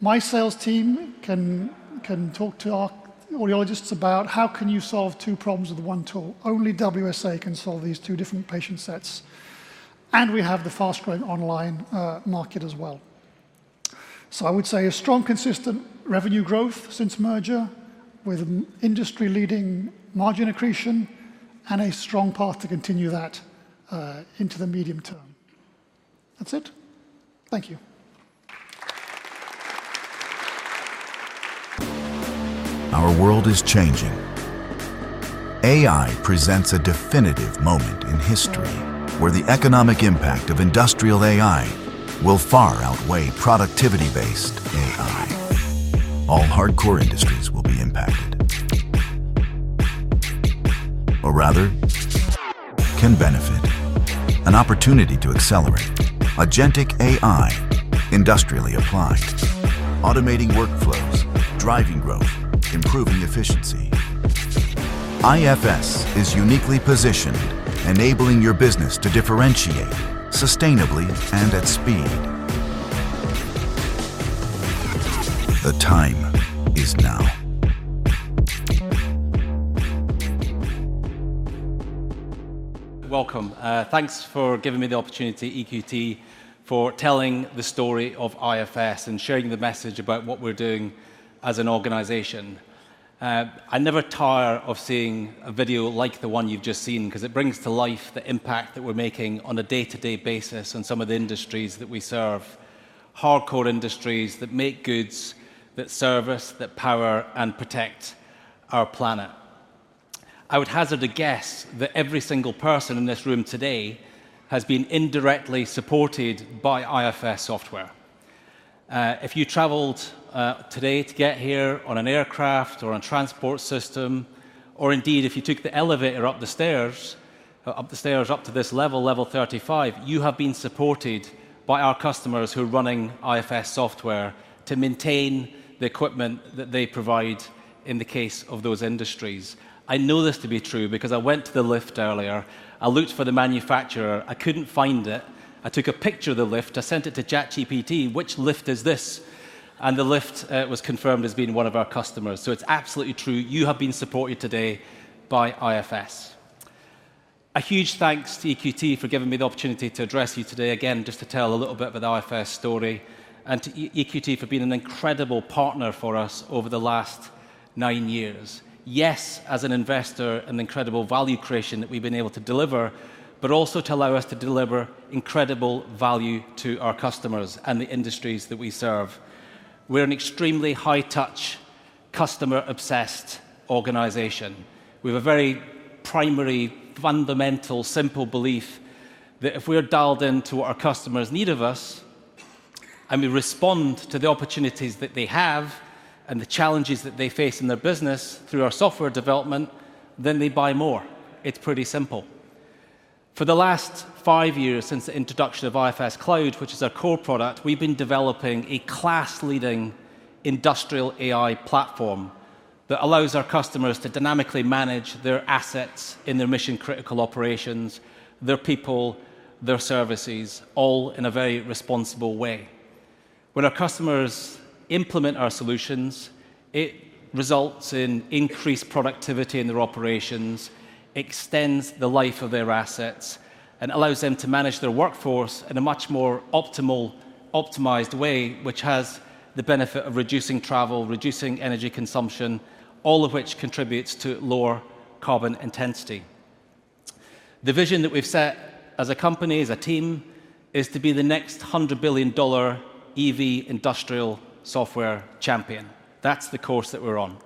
My sales team can talk to our audiologists about how can you solve two problems with one tool. Only WS Audiology can solve these two different patient sets. We have the fast-growing online market as well. I would say a strong, consistent revenue growth since merger with industry-leading margin accretion and a strong path to continue that into the medium term. That's it. Thank you. Our world is changing. AI presents a definitive moment in history where the economic impact of industrial AI will far outweigh productivity-based AI. All hardcore industries will be impacted, or rather, can benefit. An opportunity to accelerate. Agentic AI, industrially applied, automating workflows, driving growth, improving efficiency. IFS is uniquely positioned, enabling your business to differentiate sustainably and at speed. The time is now. Welcome. Thanks for giving me the opportunity, EQT, for telling the story of IFS and sharing the message about what we're doing as an organization. I never tire of seeing a video like the one you've just seen because it brings to life the impact that we're making on a day-to-day basis on some of the industries that we serve, hardcore industries that make goods, that service, that power, and protect our planet. I would hazard a guess that every single person in this room today has been indirectly supported by IFS software. If you traveled today to get here on an aircraft or a transport system, or indeed, if you took the elevator up the stairs up to this level, level 35, you have been supported by our customers who are running IFS software to maintain the equipment that they provide in the case of those industries. I know this to be true because I went to the lift earlier. I looked for the manufacturer. I couldn't find it. I took a picture of the lift. I sent it to ChatGPT. Which lift is this? The lift was confirmed as being one of our customers. It is absolutely true. You have been supported today by IFS. A huge thanks to EQT for giving me the opportunity to address you today again, just to tell a little bit of the IFS story and to EQT for being an incredible partner for us over the last nine years. Yes, as an investor, an incredible value creation that we have been able to deliver, but also to allow us to deliver incredible value to our customers and the industries that we serve. We are an extremely high-touch, customer-obsessed organization. We have a very primary, fundamental, simple belief that if we are dialed in to what our customers need of us and we respond to the opportunities that they have and the challenges that they face in their business through our software development, then they buy more. It's pretty simple. For the last five years since the introduction of IFS Cloud, which is our core product, we've been developing a class-leading industrial AI platform that allows our customers to dynamically manage their assets in their mission-critical operations, their people, their services, all in a very responsible way. When our customers implement our solutions, it results in increased productivity in their operations, extends the life of their assets, and allows them to manage their workforce in a much more optimal optimized way, which has the benefit of reducing travel, reducing energy consumption, all of which contributes to lower carbon intensity. The vision that we've set as a company, as a team, is to be the next $100 billion EV industrial software champion. That's the course that we're on.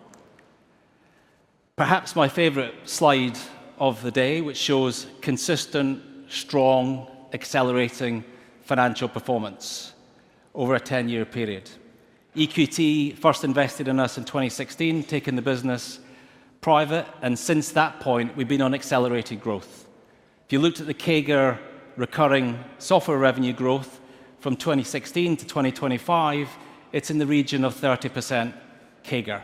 Perhaps my favorite slide of the day, which shows consistent, strong, accelerating financial performance over a 10-year period. EQT first invested in us in 2016, taking the business private. Since that point, we've been on accelerated growth. If you looked at the CAGR, recurring software revenue growth from 2016 to 2025, it's in the region of 30% CAGR.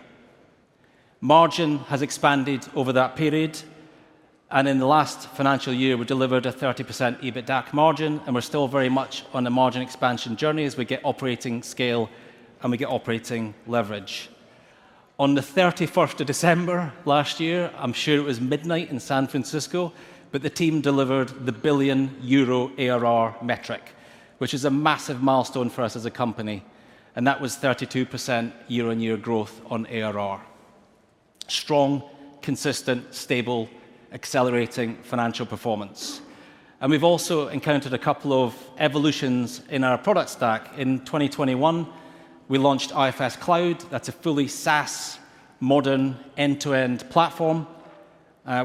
Margin has expanded over that period. In the last financial year, we delivered a 30% EBITDA margin. We're still very much on a margin expansion journey as we get operating scale and we get operating leverage. On the 31st of December last year, I'm sure it was midnight in San Francisco, but the team delivered the 1 billion euro ARR metric, which is a massive milestone for us as a company. That was 32% year-on-year growth on ARR. Strong, consistent, stable, accelerating financial performance. We've also encountered a couple of evolutions in our product stack. In 2021, we launched IFS Cloud. That's a fully SaaS, modern end-to-end platform,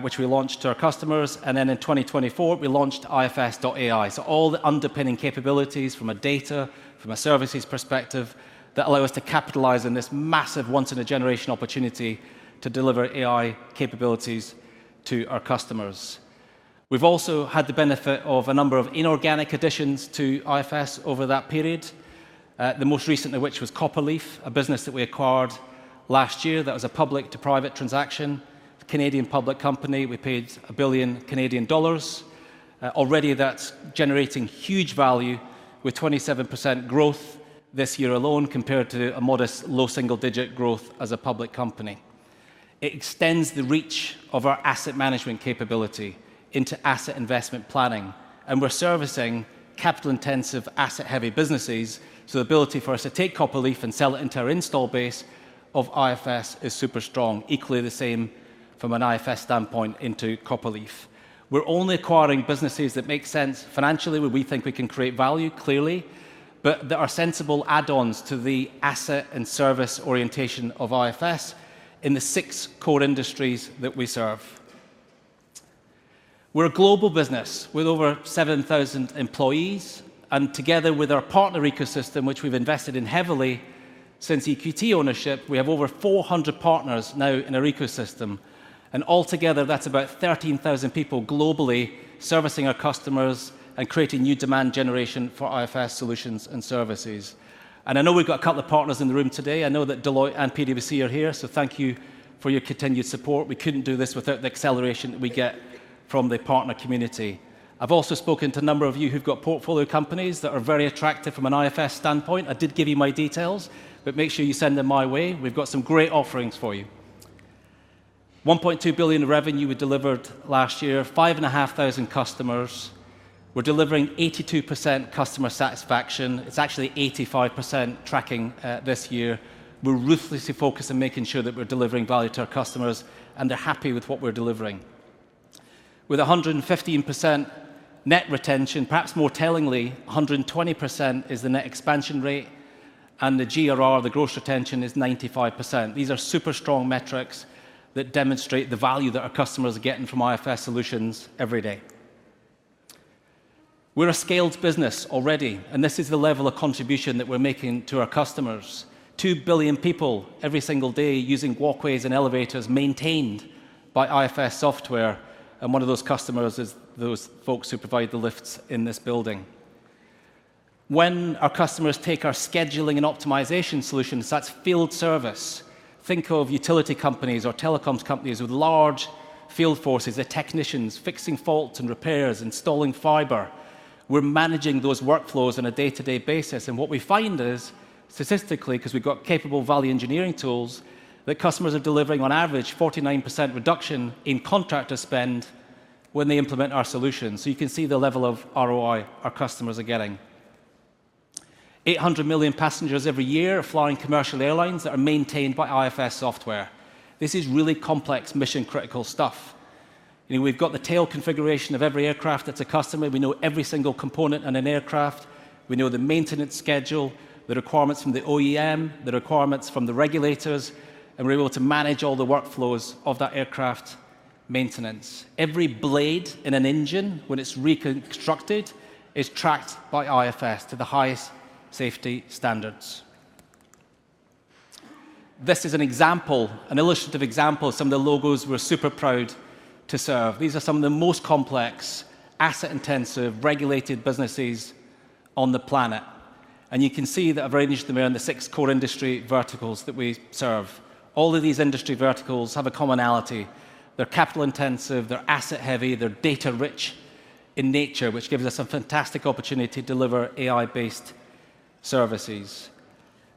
which we launched to our customers. In 2024, we launched IFS.ai. All the underpinning capabilities from a data, from a services perspective that allow us to capitalize on this massive once-in-a-generation opportunity to deliver AI capabilities to our customers. We've also had the benefit of a number of inorganic additions to IFS over that period, the most recent of which was Copperleaf, a business that we acquired last year that was a public-to-private transaction, Canadian public company. We paid 1 billion Canadian dollars. Already, that's generating huge value with 27% growth this year alone compared to a modest low single-digit growth as a public company. It extends the reach of our asset management capability into asset investment planning. We're servicing capital-intensive, asset-heavy businesses. The ability for us to take Copperleaf and sell it into our install base of IFS is super strong, equally the same from an IFS standpoint into Copperleaf. We're only acquiring businesses that make sense financially, where we think we can create value clearly, but that are sensible add-ons to the asset and service orientation of IFS in the six core industries that we serve. We're a global business with over 7,000 employees. Together with our partner ecosystem, which we've invested in heavily since EQT ownership, we have over 400 partners now in our ecosystem. Altogether, that's about 13,000 people globally servicing our customers and creating new demand generation for IFS solutions and services. I know we've got a couple of partners in the room today. I know that Deloitte and PwC are here. Thank you for your continued support. We couldn't do this without the acceleration that we get from the partner community. I've also spoken to a number of you who've got portfolio companies that are very attractive from an IFS standpoint. I did give you my details, but make sure you send them my way. We've got some great offerings for you. $1.2 billion revenue we delivered last year, 5,500 customers. We're delivering 82% customer satisfaction. It's actually 85% tracking this year. We're ruthlessly focused on making sure that we're delivering value to our customers and they're happy with what we're delivering. With 115% net retention, perhaps more tellingly, 120% is the net expansion rate. And the GRR, the gross retention, is 95%. These are super strong metrics that demonstrate the value that our customers are getting from IFS solutions every day. We're a scaled business already. This is the level of contribution that we're making to our customers. Two billion people every single day using walkways and elevators maintained by IFS software. One of those customers is those folks who provide the lifts in this building. When our customers take our scheduling and optimization solutions, that's field service. Think of utility companies or telecoms companies with large field forces, the technicians fixing faults and repairs, installing fiber. We're managing those workflows on a day-to-day basis. What we find is, statistically, because we've got capable value engineering tools, that customers are delivering, on average, a 49% reduction in contractor spend when they implement our solutions. You can see the level of ROI our customers are getting. 800 million passengers every year flying commercial airlines that are maintained by IFS software. This is really complex, mission-critical stuff. We've got the tail configuration of every aircraft that's a customer. We know every single component on an aircraft. We know the maintenance schedule, the requirements from the OEM, the requirements from the regulators. We're able to manage all the workflows of that aircraft maintenance. Every blade in an engine, when it's reconstructed, is tracked by IFS to the highest safety standards. This is an example, an illustrative example of some of the logos we're super proud to serve. These are some of the most complex, asset-intensive, regulated businesses on the planet. You can see that I've arranged them around the six core industry verticals that we serve. All of these industry verticals have a commonality. They're capital-intensive. They're asset-heavy. They're data-rich in nature, which gives us a fantastic opportunity to deliver AI-based services.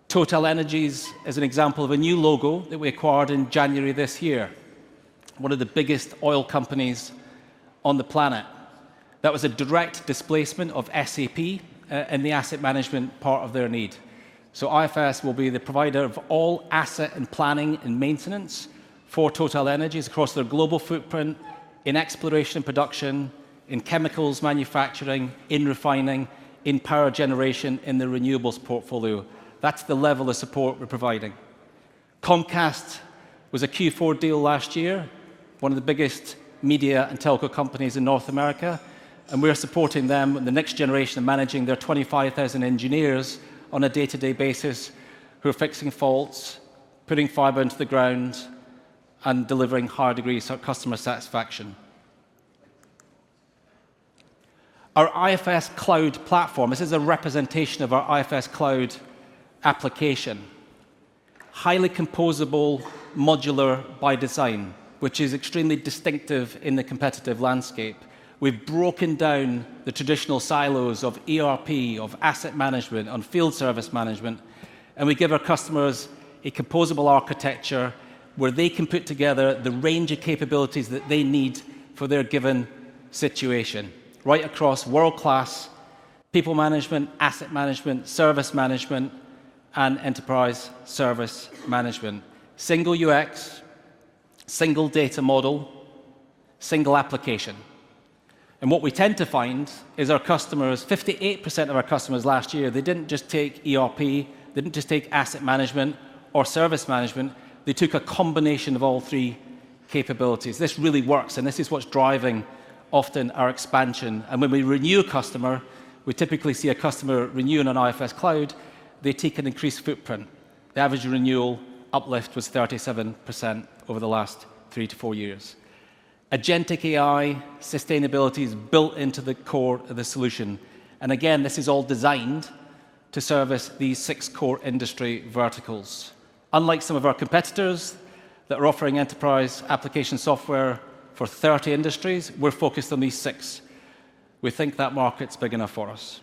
TotalEnergies is an example of a new logo that we acquired in January this year, one of the biggest oil companies on the planet. That was a direct displacement of SAP in the asset management part of their need. IFS will be the provider of all asset and planning and maintenance for TotalEnergies across their global footprint in exploration and production, in chemicals manufacturing, in refining, in power generation, in the renewables portfolio. That is the level of support we are providing. Comcast was a Q4 deal last year, one of the biggest media and telco companies in North America. We are supporting them and the next generation of managing their 25,000 engineers on a day-to-day basis who are fixing faults, putting fiber into the ground, and delivering higher degrees of customer satisfaction. Our IFS Cloud platform, this is a representation of our IFS Cloud application, highly composable, modular by design, which is extremely distinctive in the competitive landscape. We have broken down the traditional silos of ERP, of asset management, on field service management. We give our customers a composable architecture where they can put together the range of capabilities that they need for their given situation, right across world-class people management, asset management, service management, and enterprise service management. Single UX, single data model, single application. What we tend to find is our customers, 58% of our customers last year, they did not just take ERP, they did not just take asset management or service management. They took a combination of all three capabilities. This really works. This is what is driving often our expansion. When we renew a customer, we typically see a customer renew in an IFS Cloud, they take an increased footprint. The average renewal uplift was 37% over the last three to four years. Agentic AI sustainability is built into the core of the solution. This is all designed to service these six core industry verticals. Unlike some of our competitors that are offering enterprise application software for 30 industries, we're focused on these six. We think that market's big enough for us.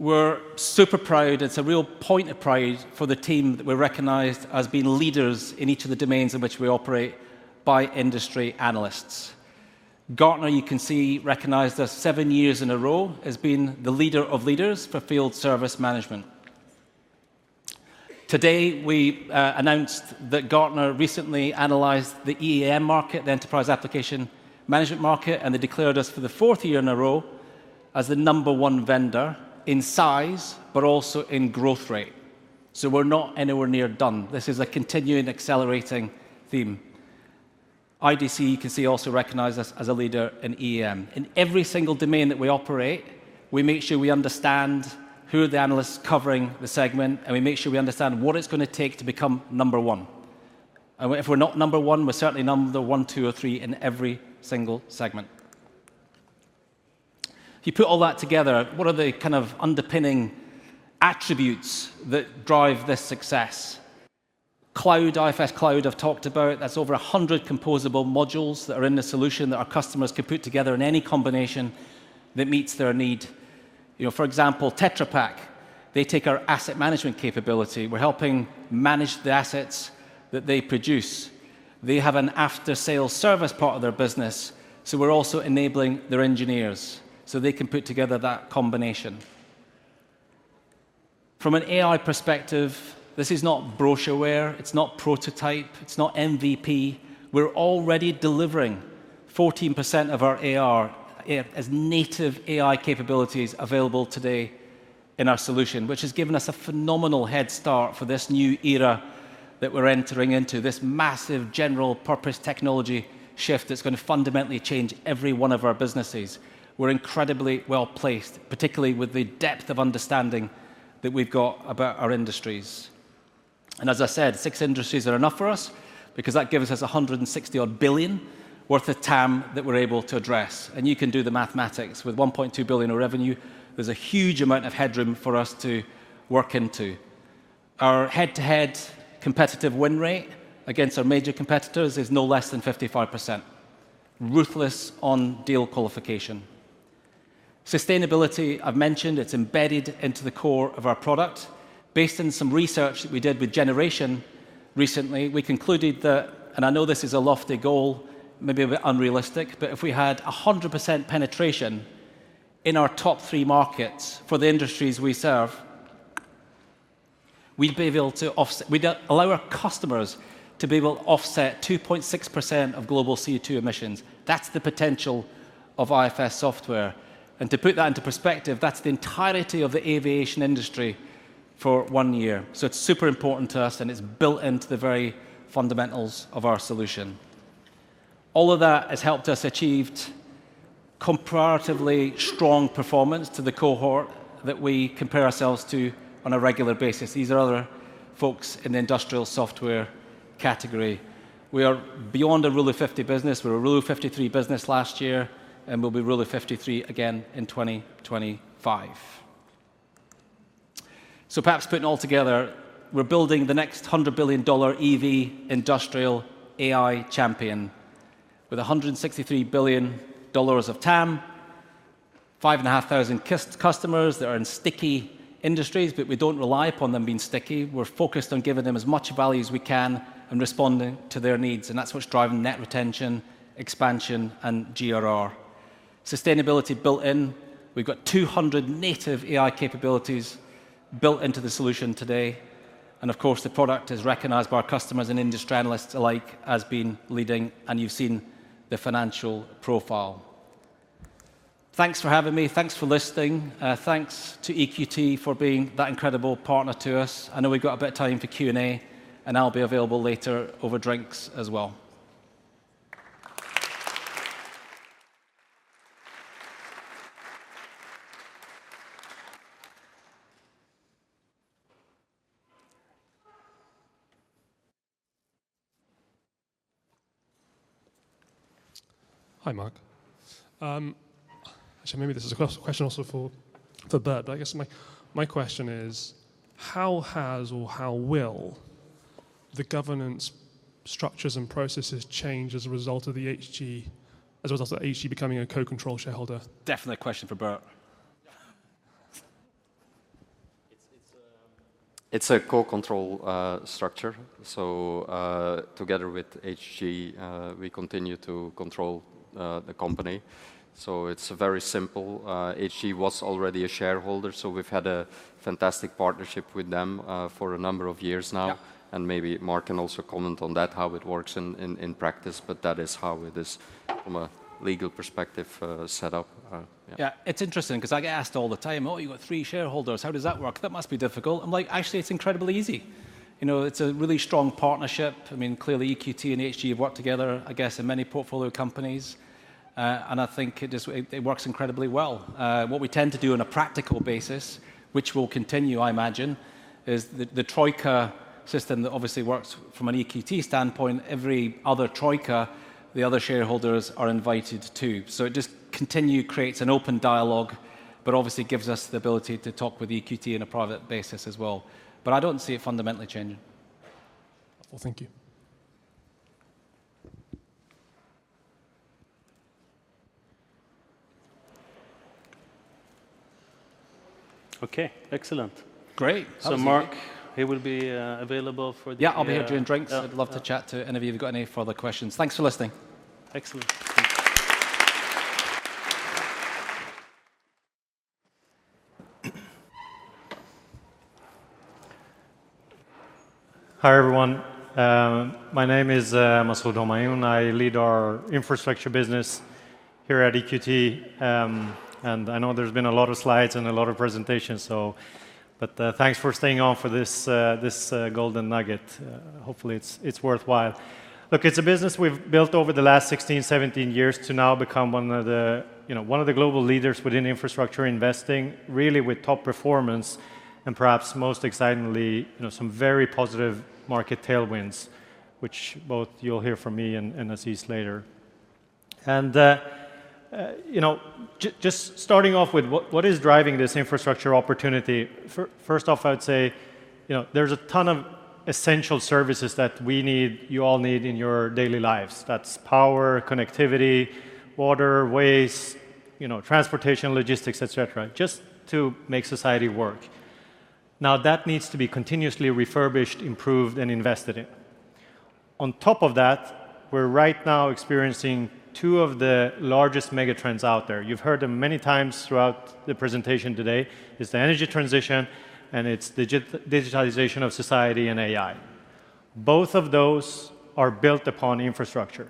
We're super proud. It's a real point of pride for the team that we're recognized as being leaders in each of the domains in which we operate by industry analysts. Gartner, you can see, recognized us seven years in a row as being the leader of leaders for field service management. Today, we announced that Gartner recently analyzed the EAM market, the enterprise application management market, and they declared us for the fourth year in a row as the number one vendor in size, but also in growth rate. We are not anywhere near done. This is a continuing accelerating theme. IDC, you can see, also recognized us as a leader in EAM. In every single domain that we operate, we make sure we understand who are the analysts covering the segment, and we make sure we understand what it's going to take to become number one. If we're not number one, we're certainly number one, two, or three in every single segment. If you put all that together, what are the kind of underpinning attributes that drive this success? Cloud, IFS Cloud, I've talked about. That's over 100 composable modules that are in the solution that our customers can put together in any combination that meets their need. For example, Tetra Pak, they take our asset management capability. We're helping manage the assets that they produce. They have an after-sales service part of their business. We're also enabling their engineers so they can put together that combination. From an AI perspective, this is not brochureware. It's not prototype. It's not MVP. We're already delivering 14% of our ARR as native AI capabilities available today in our solution, which has given us a phenomenal head start for this new era that we're entering into, this massive general-purpose technology shift that's going to fundamentally change every one of our businesses. We're incredibly well placed, particularly with the depth of understanding that we've got about our industries. As I said, six industries are enough for us because that gives us $160 billion worth of TAM that we're able to address. You can do the mathematics. With $1.2 billion of revenue, there's a huge amount of headroom for us to work into. Our head-to-head competitive win rate against our major competitors is no less than 55%, ruthless on deal qualification. Sustainability, I've mentioned, it's embedded into the core of our product. Based on some research that we did with Generation recently, we concluded that, and I know this is a lofty goal, maybe a bit unrealistic, but if we had 100% penetration in our top three markets for the industries we serve, we'd be able to allow our customers to be able to offset 2.6% of global CO2 emissions. That's the potential of IFS software. To put that into perspective, that's the entirety of the aviation industry for one year. It is super important to us, and it's built into the very fundamentals of our solution. All of that has helped us achieve comparatively strong performance to the cohort that we compare ourselves to on a regular basis. These are other folks in the industrial software category. We are beyond a Rule of 50 business. We were a Rule of 53 business last year, and we'll be Rule of 53 again in 2025. Perhaps putting it all together, we're building the next $100 billion EV industrial AI champion with $163 billion of TAM, 5,500 customers that are in sticky industries, but we don't rely upon them being sticky. We're focused on giving them as much value as we can and responding to their needs. That's what's driving net retention, expansion, and GRR. Sustainability built in. We've got 200 native AI capabilities built into the solution today. Of course, the product is recognized by our customers and industry analysts alike as being leading. You've seen the financial profile. Thanks for having me. Thanks for listening. Thanks to EQT for being that incredible partner to us. I know we've got a bit of time for Q&A, and I'll be available later over drinks as well. Hi, Mark. Actually, maybe this is a question also for Bert, but I guess my question is, how has or how will the governance structures and processes change as a result of Hg, as a result of Hg becoming a co-control shareholder? Definite question for Bert. It's a co-control structure. Together with Hg, we continue to control the company. It's very simple. Hg was already a shareholder, so we've had a fantastic partnership with them for a number of years now. Maybe Mark can also comment on that, how it works in practice, but that is how it is from a legal perspective set up. Yeah, it's interesting because I get asked all the time, "Oh, you've got three shareholders. How does that work? That must be difficult." I'm like, "Actually, it's incredibly easy." It's a really strong partnership. I mean, clearly, EQT and Hg have worked together, I guess, in many portfolio companies. I think it works incredibly well. What we tend to do on a practical basis, which will continue, I imagine, is the TROIKA system that obviously works from an EQT standpoint. Every other TROIKA, the other shareholders are invited to. It just continually creates an open dialogue, but obviously gives us the ability to talk with EQT on a private basis as well. I don't see it fundamentally changing. Thank you. Okay, excellent. Great. Mark, he will be available for the. Yeah, I'll be here during drinks. I'd love to chat to any of you who've got any further questions. Thanks for listening. Excellent. Hi everyone. My name is Masoud Homayoun. I lead our Infrastructure business here at EQT. I know there's been a lot of slides and a lot of presentations, but thanks for staying on for this golden nugget. Hopefully, it's worthwhile. Look, it's a business we've built over the last 16-17 years to now become one of the global leaders within Infrastructure investing, really with top performance and perhaps most excitingly, some very positive market tailwinds, which both you'll hear from me and Aziz later. Just starting off with what is driving this Infrastructure opportunity? First off, I'd say there's a ton of essential services that we need, you all need in your daily lives. That's power, connectivity, water, waste, transportation, logistics, et cetera, just to make society work. Now, that needs to be continuously refurbished, improved, and invested in. On top of that, we're right now experiencing two of the largest megatrends out there. You've heard them many times throughout the presentation today. It's the energy transition, and it's the digitalization of society and AI. Both of those are built upon infrastructure.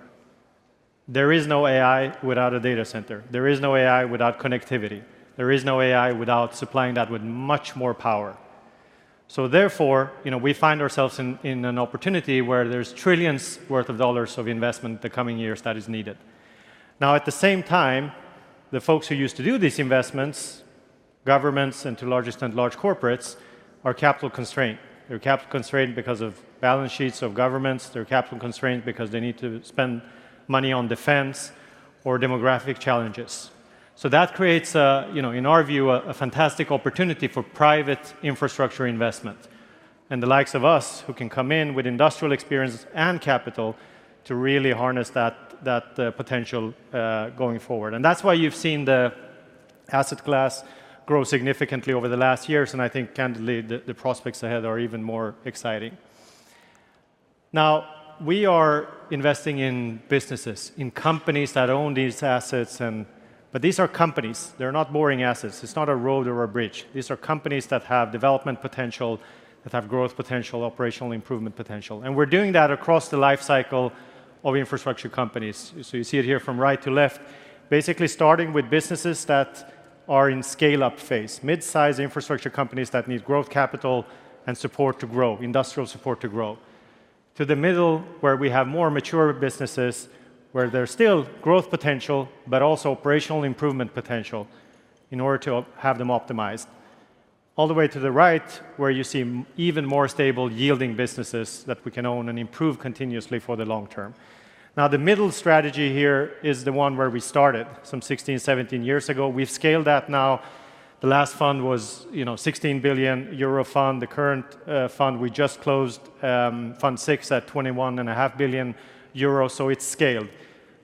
There is no AI without a data center. There is no AI without connectivity. There is no AI without supplying that with much more power. Therefore, we find ourselves in an opportunity where there's trillions worth of dollars of investment the coming years that is needed. Now, at the same time, the folks who used to do these investments, governments and the largest and large corporates, are capital constrained. They're capital constrained because of balance sheets of governments. They're capital constrained because they need to spend money on defense or demographic challenges. That creates, in our view, a fantastic opportunity for private Infrastructure investment and the likes of us who can come in with industrial experience and capital to really harness that potential going forward. That is why you have seen the asset class grow significantly over the last years. I think, candidly, the prospects ahead are even more exciting. We are investing in businesses, in companies that own these assets. These are companies. They are not boring assets. It is not a road or a bridge. These are companies that have development potential, that have growth potential, operational improvement potential. We are doing that across the lifecycle of infrastructure companies. You see it here from right to left, basically starting with businesses that are in scale-up phase, mid-size infrastructure companies that need growth capital and support to grow, industrial support to grow. To the middle, where we have more mature businesses, where there's still growth potential, but also operational improvement potential in order to have them optimized. All the way to the right, where you see even more stable yielding businesses that we can own and improve continuously for the long term. Now, the middle strategy here is the one where we started some 16, 17 years ago. We've scaled that now. The last fund was a 16 billion euro fund. The current fund we just closed, Fund VI, at 21.5 billion euro. It has scaled.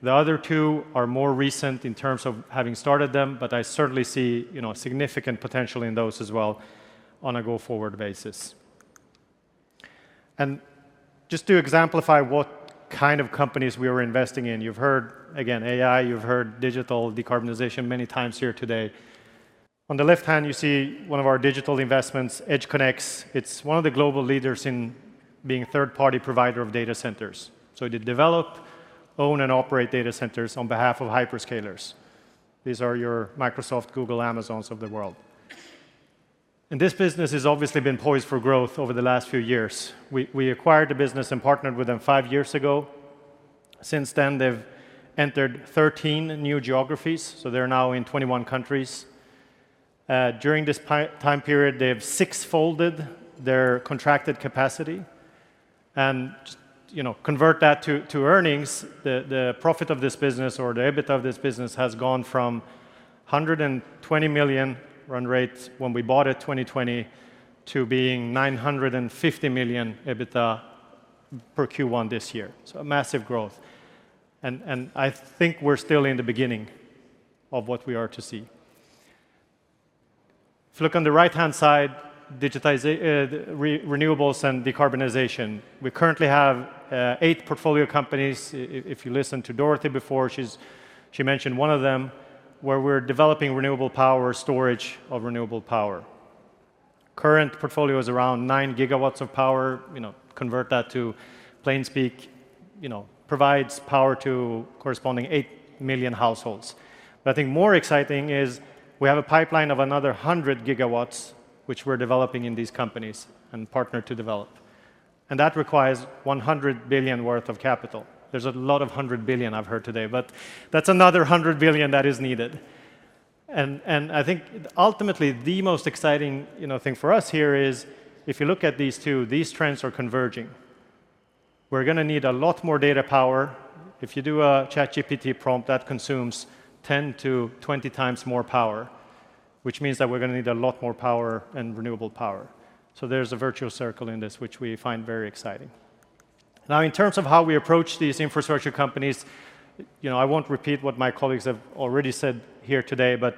The other two are more recent in terms of having started them, but I certainly see significant potential in those as well on a go-forward basis. Just to exemplify what kind of companies we are investing in, you've heard, again, AI. You've heard digital decarbonization many times here today. On the left hand, you see one of our digital investments, EdgeConneX. It is one of the global leaders in being a third-party provider of data centers. They develop, own, and operate data centers on behalf of hyperscalers. These are your Microsoft, Google, Amazons of the world. This business has obviously been poised for growth over the last few years. We acquired the business and partnered with them five years ago. Since then, they have entered 13 new geographies. They are now in 21 countries. During this time period, they have sixfolded their contracted capacity. Just to convert that to earnings, the profit of this business or the EBITDA of this business has gone from $120 million run rate when we bought it 2020 to being $950 million EBITDA per Q1 this year. A massive growth. I think we're still in the beginning of what we are to see. If you look on the right-hand side, renewables and decarbonization. We currently have eight portfolio companies. If you listened to Dorothy before, she mentioned one of them, where we're developing renewable power, storage of renewable power. Current portfolio is around 9 GW of power. Convert that to plain speak, provides power to corresponding eight million households. I think more exciting is we have a pipeline of another 100 gigawatts, which we're developing in these companies and partnered to develop. That requires $100 billion worth of capital. There's a lot of $100 billion I've heard today, but that's another $100 billion that is needed. I think ultimately, the most exciting thing for us here is if you look at these two, these trends are converging. We're going to need a lot more data power. If you do a ChatGPT prompt, that consumes 10x-20x more power, which means that we're going to need a lot more power and renewable power. There is a virtuous circle in this, which we find very exciting. Now, in terms of how we approach these infrastructure companies, I won't repeat what my colleagues have already said here today, but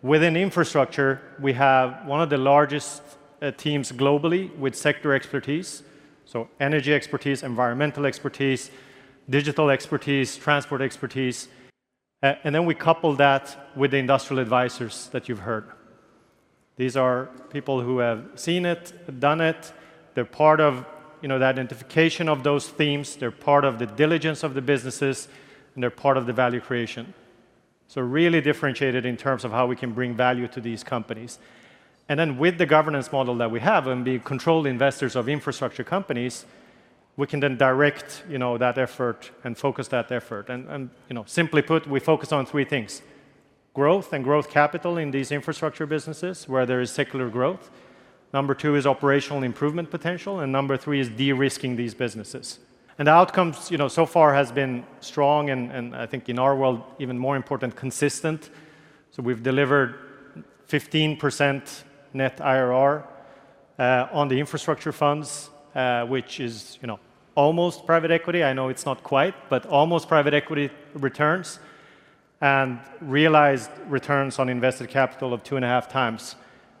within Infrastructure, we have one of the largest teams globally with sector expertise. Energy expertise, environmental expertise, digital expertise, transport expertise. We couple that with the industrial advisors that you've heard. These are people who have seen it, done it. They're part of the identification of those themes. They're part of the diligence of the businesses, and they're part of the value creation. Really differentiated in terms of how we can bring value to these companies. With the governance model that we have and being controlled investors of infrastructure companies, we can then direct that effort and focus that effort. Simply put, we focus on three things: growth and growth capital in these infrastructure businesses, where there is secular growth. Number two is operational improvement potential. Number three is de-risking these businesses. The outcomes so far have been strong and, I think in our world, even more important, consistent. We have delivered 15% net IRR on the infrastructure funds, which is almost private equity. I know it is not quite, but almost private equity returns and realized returns on invested capital of 2.5 times,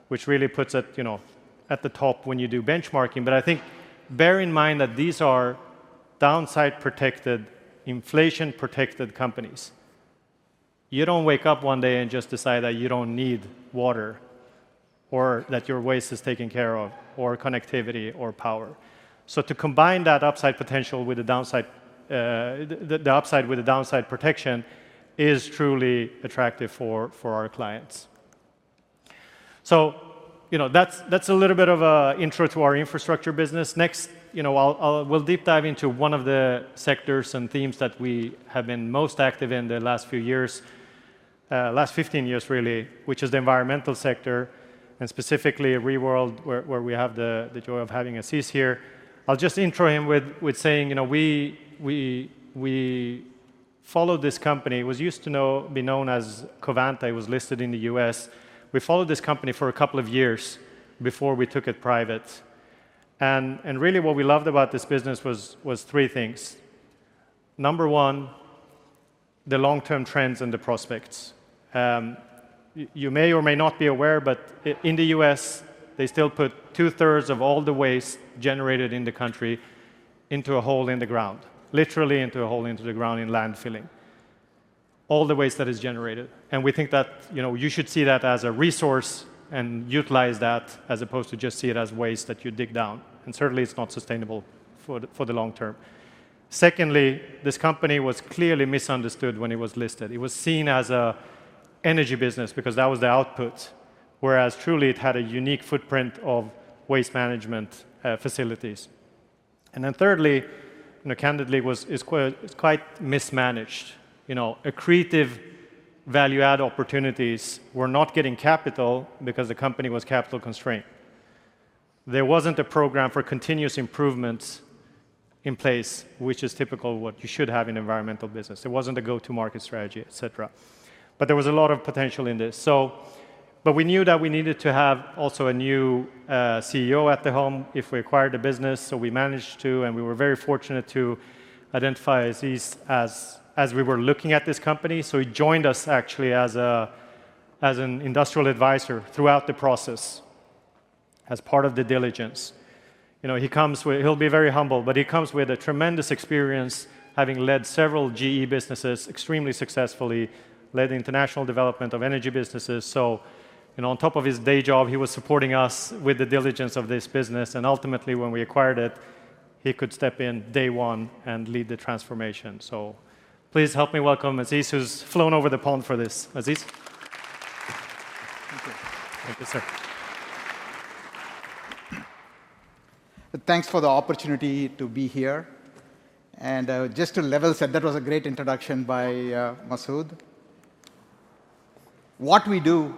which really puts it at the top when you do benchmarking. I think bear in mind that these are downside-protected, inflation-protected companies. You don't wake up one day and just decide that you don't need water or that your waste is taken care of or connectivity or power. To combine that upside potential with the downside protection is truly attractive for our clients. That's a little bit of an intro to our infrastructure business. Next, we'll deep dive into one of the sectors and themes that we have been most active in the last few years, last 15 years really, which is the environmental sector and specifically Reworld, where we have the joy of having Azeez here. I'll just intro him with saying we followed this company. It used to be known as Reworld. It was listed in the U.S. We followed this company for a couple of years before we took it private. What we loved about this business was three things. Number one, the long-term trends and the prospects. You may or may not be aware, but in the U.S., they still put two-thirds of all the waste generated in the country into a hole in the ground, literally into a hole into the ground in landfilling, all the waste that is generated. We think that you should see that as a resource and utilize that as opposed to just see it as waste that you dig down. Certainly, it's not sustainable for the long term. Secondly, this company was clearly misunderstood when it was listed. It was seen as an energy business because that was the output, whereas truly it had a unique footprint of waste management facilities. Thirdly, candidly, it's quite mismanaged. Creative value-add opportunities were not getting capital because the company was capital constrained. There wasn't a program for continuous improvements in place, which is typical of what you should have in an environmental business. There wasn't a go-to-market strategy, et cetera. There was a lot of potential in this. We knew that we needed to have also a new CEO at the helm if we acquired the business. We managed to, and we were very fortunate to identify Azeez as we were looking at this company. He joined us actually as an industrial advisor throughout the process as part of the diligence. He'll be very humble, but he comes with tremendous experience having led several GE businesses extremely successfully, led international development of energy businesses. On top of his day job, he was supporting us with the diligence of this business. Ultimately, when we acquired it, he could step in day one and lead the transformation. Please help me welcome Azeez, who's flown over the pond for this. Aziz. Thank you, sir. Thanks for the opportunity to be here. Just to level set, that was a great introduction by Masoud. What we do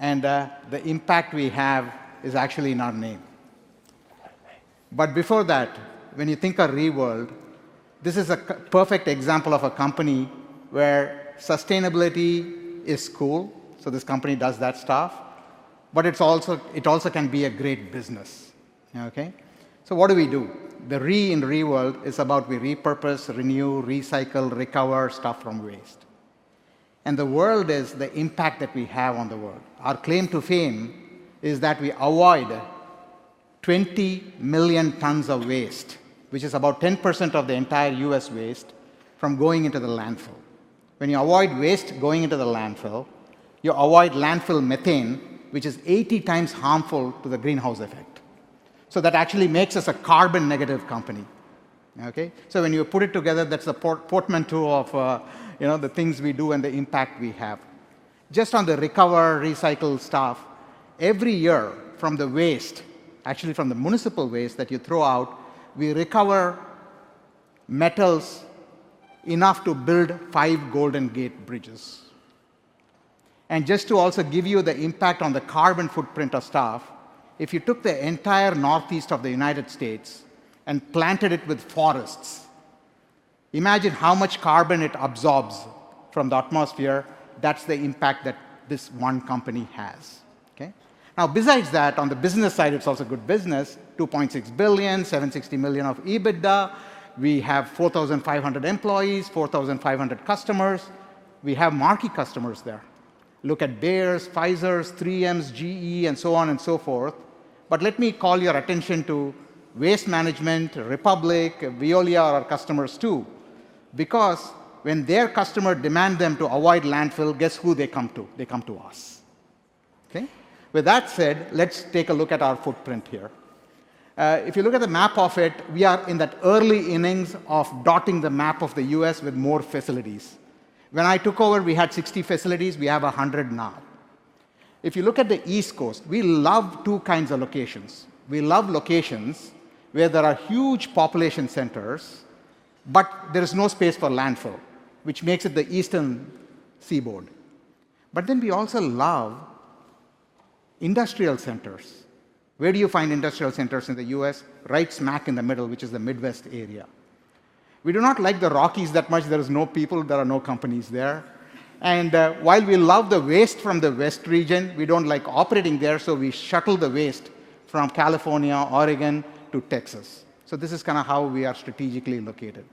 and the impact we have is actually in our name. Before that, when you think of Reworld, this is a perfect example of a company where sustainability is cool. This company does that stuff, but it also can be a great business. What do we do? The R in Reworld is about we repurpose, renew, recycle, recover stuff from waste. The world is the impact that we have on the world. Our claim to fame is that we avoid 20 million tons of waste, which is about 10% of the entire U.S. waste, from going into the landfill. When you avoid waste going into the landfill, you avoid landfill methane, which is 80x harmful to the greenhouse effect. That actually makes us a carbon-negative company. When you put it together, that's the portmanteau of the things we do and the impact we have. Just on the recover-recycle stuff, every year from the waste, actually from the municipal waste that you throw out, we recover metals enough to build five Golden Gate bridges. To also give you the impact on the carbon footprint of stuff, if you took the entire northeast of the U.S. and planted it with forests, imagine how much carbon it absorbs from the atmosphere. That's the impact that this one company has. Now, besides that, on the business side, it's also good business, $2.6 billion, $760 million of EBITDA. We have 4,500 employees, 4,500 customers. We have marquee customers there. Look at Bayer, Pfizer, 3M, GE, and so on and so forth. Let me call your attention to Waste Management, Republic, Veolia are our customers too. Because when their customers demand them to avoid landfill, guess who they come to? They come to us. With that said, let's take a look at our footprint here. If you look at the map of it, we are in the early innings of dotting the map of the US with more facilities. When I took over, we had 60 facilities. We have 100 now. If you look at the East Coast, we love two kinds of locations. We love locations where there are huge population centers, but there is no space for landfill, which makes it the Eastern Seaboard. We also love industrial centers. Where do you find industrial centers in the U.S.? Right smack in the middle, which is the Midwest area. We do not like the Rockies that much. There are no people. There are no companies there. While we love the waste from the West region, we do not like operating there. We shuttle the waste from California, Oregon, to Texas. This is kind of how we are strategically located.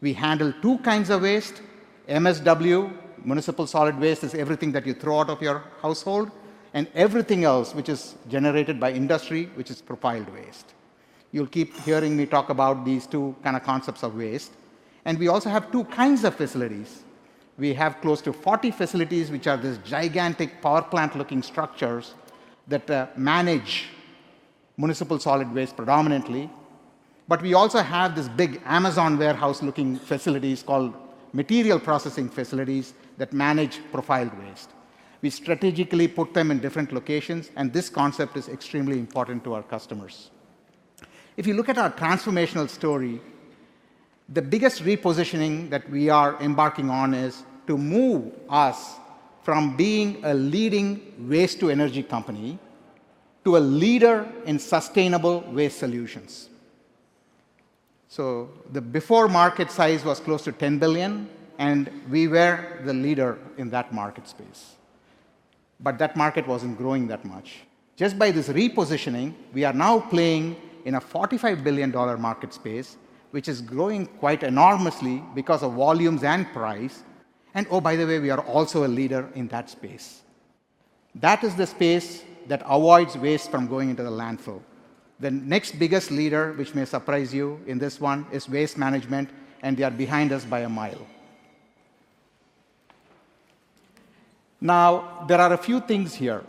We handle two kinds of waste. MSW, municipal solid waste, is everything that you throw out of your household, and everything else which is generated by industry, which is profiled waste. You will keep hearing me talk about these two kinds of concepts of waste. We also have two kinds of facilities. We have close to 40 facilities, which are these gigantic power plant-looking structures that manage municipal solid waste predominantly. We also have these big Amazon warehouse-looking facilities called material processing facilities that manage profiled waste. We strategically put them in different locations, and this concept is extremely important to our customers. If you look at our transformational story, the biggest repositioning that we are embarking on is to move us from being a leading waste-to-energy company to a leader in sustainable waste solutions. The before-market size was close to $10 billion, and we were the leader in that market space. That market was not growing that much. Just by this repositioning, we are now playing in a $45 billion market space, which is growing quite enormously because of volumes and price. Oh, by the way, we are also a leader in that space. That is the space that avoids waste from going into the landfill. The next biggest leader, which may surprise you in this one, is Waste Management, and they are behind us by a mile. Now, there are a few things here.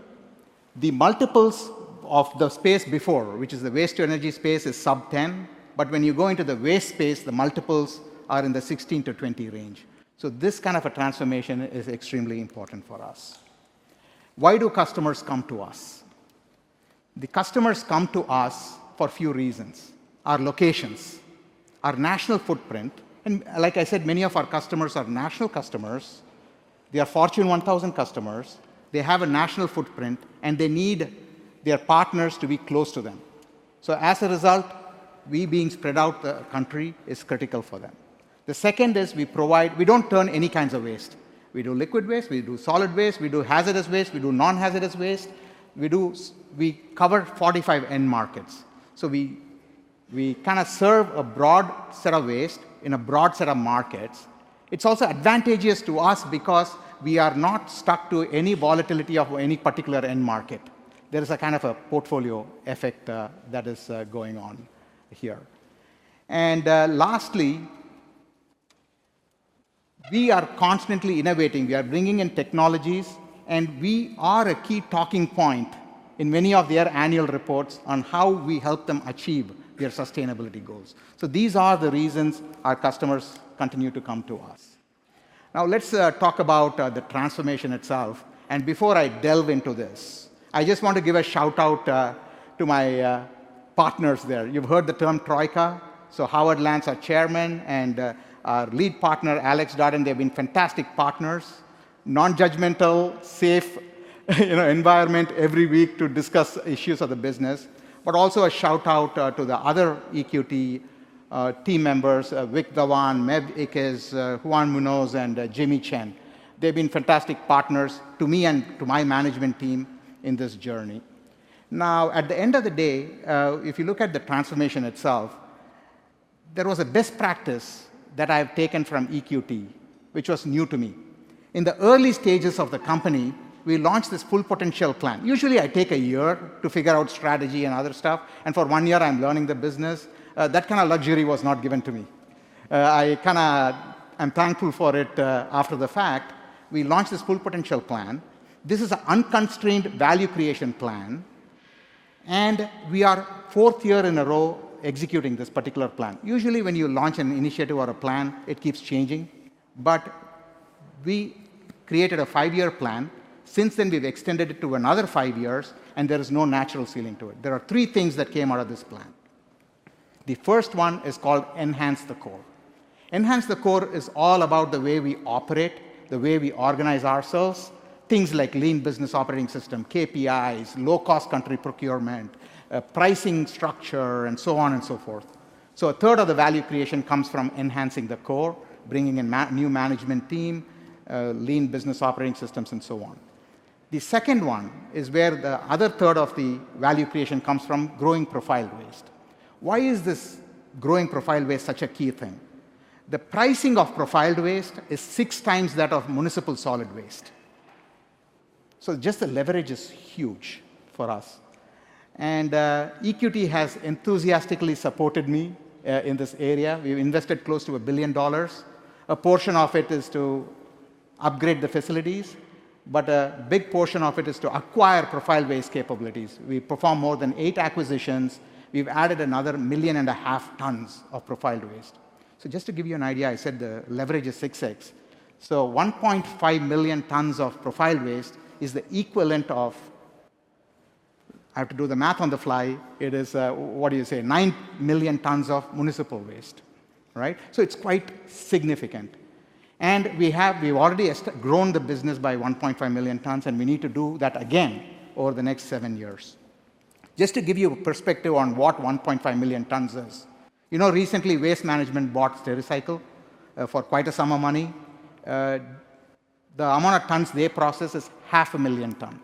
The multiples of the space before, which is the waste-to-energy space, is sub 10. When you go into the waste space, the multiples are in the 16-20 range. This kind of a transformation is extremely important for us. Why do customers come to us? The customers come to us for a few reasons: our locations, our national footprint. Like I said, many of our customers are national customers. They are Fortune 1000 customers. They have a national footprint, and they need their partners to be close to them. As a result, we being spread out the country is critical for them. The second is we provide—we do not turn any kinds of waste away. We do liquid waste. We do solid waste. We do hazardous waste. We do non-hazardous waste. We cover 45 end markets. We kind of serve a broad set of waste in a broad set of markets. is also advantageous to us because we are not stuck to any volatility of any particular end market. There is a kind of a portfolio effect that is going on here. Lastly, we are constantly innovating. We are bringing in technologies, and we are a key talking point in many of their annual reports on how we help them achieve their sustainability goals. These are the reasons our customers continue to come to us. Now, let's talk about the transformation itself. Before I delve into this, I just want to give a shout-out to my partners there. You have heard the term TROIKA. Howard Lance, our Chairman, and our lead partner, Alex Darden, have been fantastic partners. Non-judgmental, safe environment every week to discuss issues of the business. Also a shout-out to the other EQT team members, Vic Dhawan, Mev Ikis, Juan Munoz, and Jimmy Chen. They've been fantastic partners to me and to my management team in this journey. Now, at the end of the day, if you look at the transformation itself, there was a best practice that I have taken from EQT, which was new to me. In the early stages of the company, we launched this Full Potential Plan. Usually, I take a year to figure out strategy and other stuff. And for one year, I'm learning the business. That kind of luxury was not given to me. I kind of am thankful for it after the fact. We launched this Full Potential Plan. This is an unconstrained value creation plan. And we are fourth year in a row executing this particular plan. Usually, when you launch an initiative or a plan, it keeps changing. But we created a five-year plan. Since then, we've extended it to another five years, and there is no natural ceiling to it. There are three things that came out of this plan. The first one is called Enhance the Core. Enhance the Core is all about the way we operate, the way we organize ourselves, things like lean business operating system, KPIs, low-cost country procurement, pricing structure, and so on and so forth. A third of the value creation comes from enhancing the core, bringing in a new management team, lean business operating systems, and so on. The second one is where the other third of the value creation comes from growing profiled waste. Why is this growing profiled waste such a key thing? The pricing of profiled waste is six times that of municipal solid waste. Just the leverage is huge for us. EQT has enthusiastically supported me in this area. We've invested close to $1 billion. A portion of it is to upgrade the facilities, but a big portion of it is to acquire propiled waste capabilities. We performed more than eight acquisitions. We've added another 1.5 million tons of propiled waste. Just to give you an idea, I said the leverage is 6x. So 1.5 million tons of propiled waste is the equivalent of, I have to do the math on the fly, it is, what do you say, nine million tons of municipal waste. It is quite significant. We've already grown the business by 1.5 million tons, and we need to do that again over the next seven years. Just to give you a perspective on what 1.5 million tons is, recently, Waste Management bought Stereocycle for quite a sum of money. The amount of tons they process is 500,000 tons.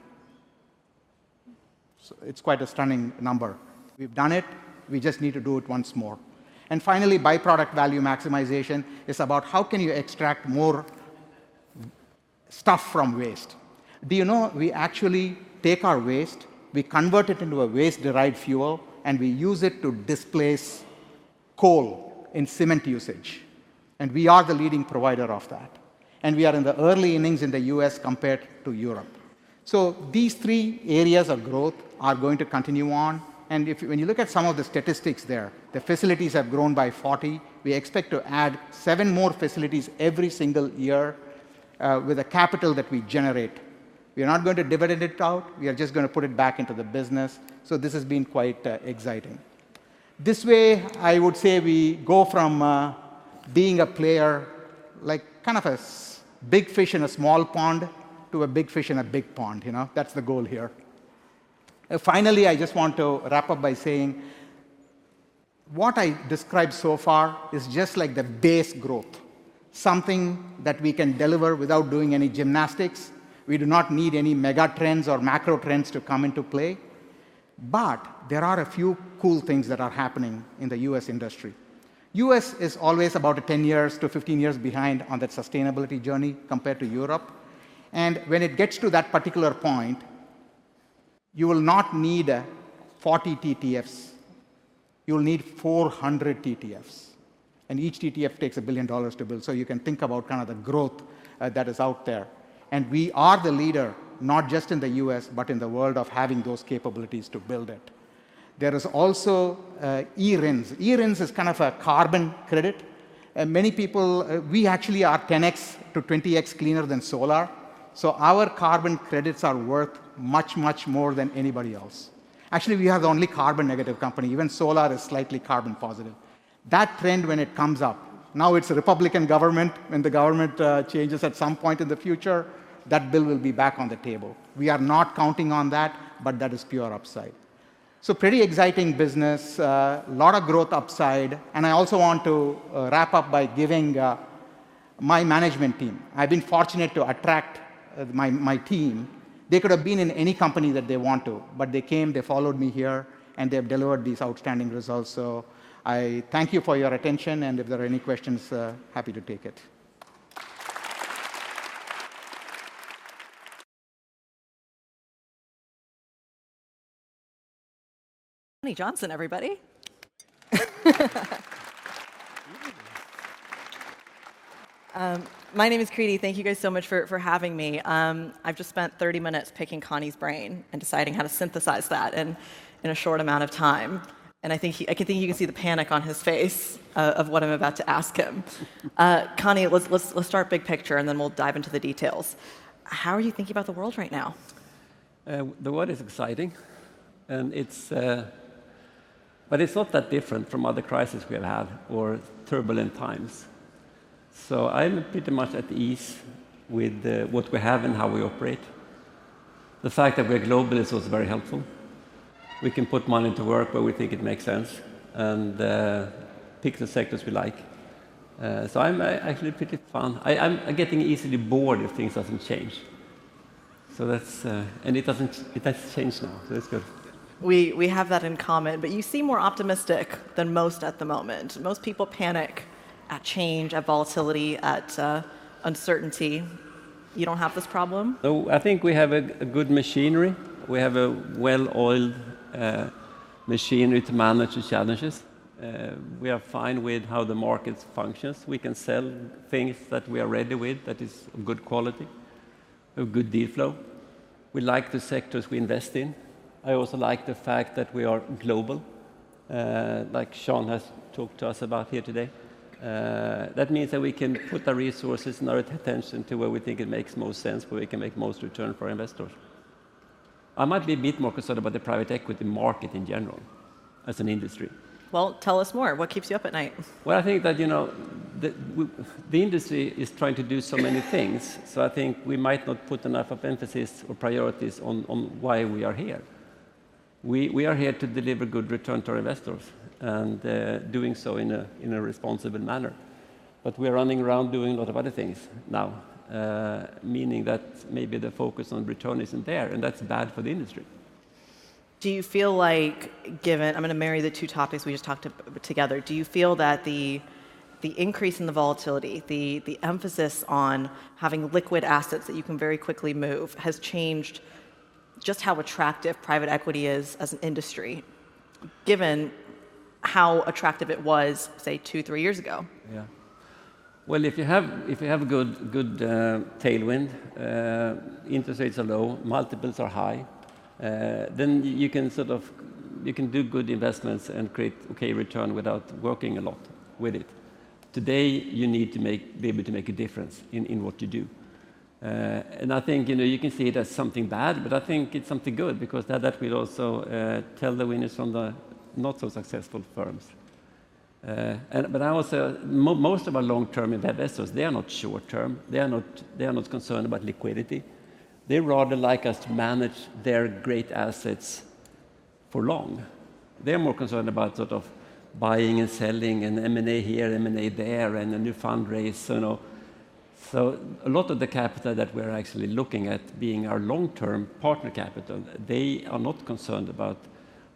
It is quite a stunning number. We've done it. We just need to do it once more. Finally, byproduct value maximization is about how you can extract more stuff from waste. Do you know we actually take our waste, we convert it into a waste-derived fuel, and we use it to displace coal in cement usage? We are the leading provider of that. We are in the early innings in the U.S. compared to Europe. These three areas of growth are going to continue on. When you look at some of the statistics there, the facilities have grown by 40. We expect to add seven more facilities every single year with the capital that we generate. We are not going to divide it out. We are just going to put it back into the business. This has been quite exciting. This way, I would say we go from being a player, like kind of a big fish in a small pond, to a big fish in a big pond. That is the goal here. Finally, I just want to wrap up by saying what I described so far is just like the base growth, something that we can deliver without doing any gymnastics. We do not need any mega trends or macro trends to come into play. There are a few cool things that are happening in the US industry. The U.S. is always about 10-15 years behind on that sustainability journey compared to Europe. When it gets to that particular point, you will not need 40 TTFs. You will need 400 TTFs. Each TTF takes $1 billion to build. You can think about kind of the growth that is out there. We are the leader, not just in the U.S., but in the world of having those capabilities to build it. There is also eRINS. eRINS is kind of a carbon credit. Many people, we actually are 10x-20x cleaner than solar. Our carbon credits are worth much, much more than anybody else. Actually, we are the only carbon-negative company. Even solar is slightly carbon-positive. That trend, when it comes up, now it is a Republican government. When the government changes at some point in the future, that bill will be back on the table. We are not counting on that, but that is pure upside. Pretty exciting business, a lot of growth upside. I also want to wrap up by giving my management team. I have been fortunate to attract my team. They could have been in any company that they want to, but they came, they followed me here, and they have delivered these outstanding results. I thank you for your attention. If there are any questions, happy to take it. Conni Jonsson, everybody. My name is Kriti. Thank you guys so much for having me. I have just spent 30 minutes picking Conni's brain and deciding how to synthesize that in a short amount of time. I think you can see the panic on his face of what I am about to ask him. Conni, let's start big picture, and then we will dive into the details. How are you thinking about the world right now? The world is exciting. It is not that different from other crises we have had or turbulent times. I am pretty much at ease with what we have and how we operate. The fact that we are global is also very helpful. We can put money to work where we think it makes sense and pick the sectors we like. I am actually pretty fun. I am getting easily bored if things do not change. It does not change now, so that is good. We have that in common. You seem more optimistic than most at the moment. Most people panic at change, at volatility, at uncertainty. You do not have this problem? I think we have a good machinery. We have a well-oiled machinery to manage the challenges. We are fine with how the market functions. We can sell things that we are ready with that is good quality, a good deal flow. We like the sectors we invest in. I also like the fact that we are global, like Jean has talked to us about here today. That means that we can put our resources and our attention to where we think it makes most sense, where we can make most return for investors. I might be a bit more concerned about the private equity market in general as an industry. Tell us more. What keeps you up at night? I think that the industry is trying to do so many things. I think we might not put enough emphasis or priorities on why we are here. We are here to deliver good returns to our investors and doing so in a responsible manner. We are running around doing a lot of other things now, meaning that maybe the focus on return isn't there, and that's bad for the industry. Do you feel like, given I'm going to marry the two topics we just talked together, do you feel that the increase in the volatility, the emphasis on having liquid assets that you can very quickly move, has changed just how attractive private equity is as an industry, given how attractive it was, say, two, three years ago? Yeah. If you have good tailwind, interest rates are low, multiples are high, then you can do good investments and create a return without working a lot with it. Today, you need to be able to make a difference in what you do. I think you can see it as something bad, but I think it's something good because that will also tell the winners from the not-so-successful firms. Most of our long-term investors, they are not short-term. They are not concerned about liquidity. They rather like us to manage their great assets for long. They are more concerned about sort of buying and selling and M&A here, M&A there, and a new fundraiser. A lot of the capital that we're actually looking at being our long-term partner capital, they are not concerned about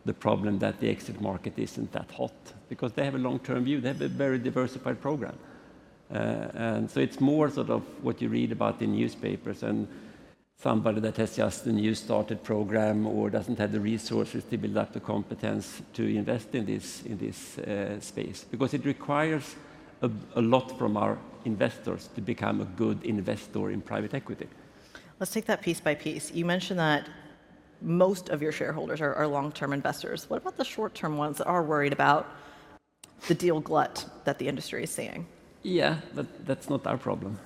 the problem that the exit market isn't that hot because they have a long-term view. They have a very diversified program. It is more sort of what you read about in newspapers and somebody that has just a new started program or doesn't have the resources to build up the competence to invest in this space because it requires a lot from our investors to become a good investor in private equity. Let's take that piece by piece. You mentioned that most of your shareholders are long-term investors. What about the short-term ones that are worried about the deal glut that the industry is seeing? Yeah, but that's not our problem.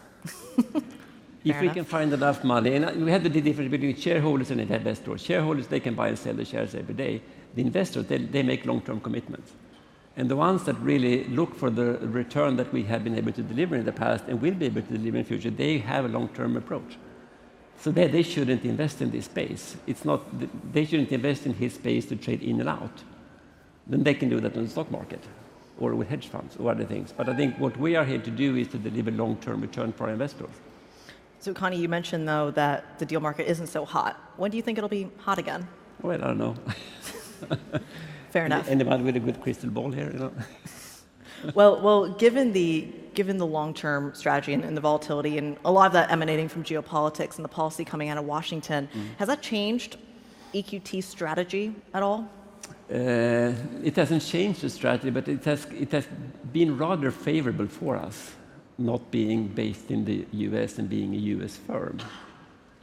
If we can find enough money. We have the difference between shareholders and investors. Shareholders, they can buy and sell their shares every day. The investors, they make long-term commitments. And the ones that really look for the return that we have been able to deliver in the past and will be able to deliver in the future, they have a long-term approach. They shouldn't invest in this space. They shouldn't invest in this space to trade in and out. They can do that on the stock market or with hedge funds or other things. I think what we are here to do is to deliver long-term return for our investors. Conni, you mentioned, though, that the deal market isn't so hot. When do you think it'll be hot again? I don't know. Fair enough. Anybody with a good crystal ball here? Given the long-term strategy and the volatility and a lot of that emanating from geopolitics and the policy coming out of Washington, has that changed EQT's strategy at all? It hasn't changed the strategy, but it has been rather favorable for us not being based in the U.S. and being a U.S. firm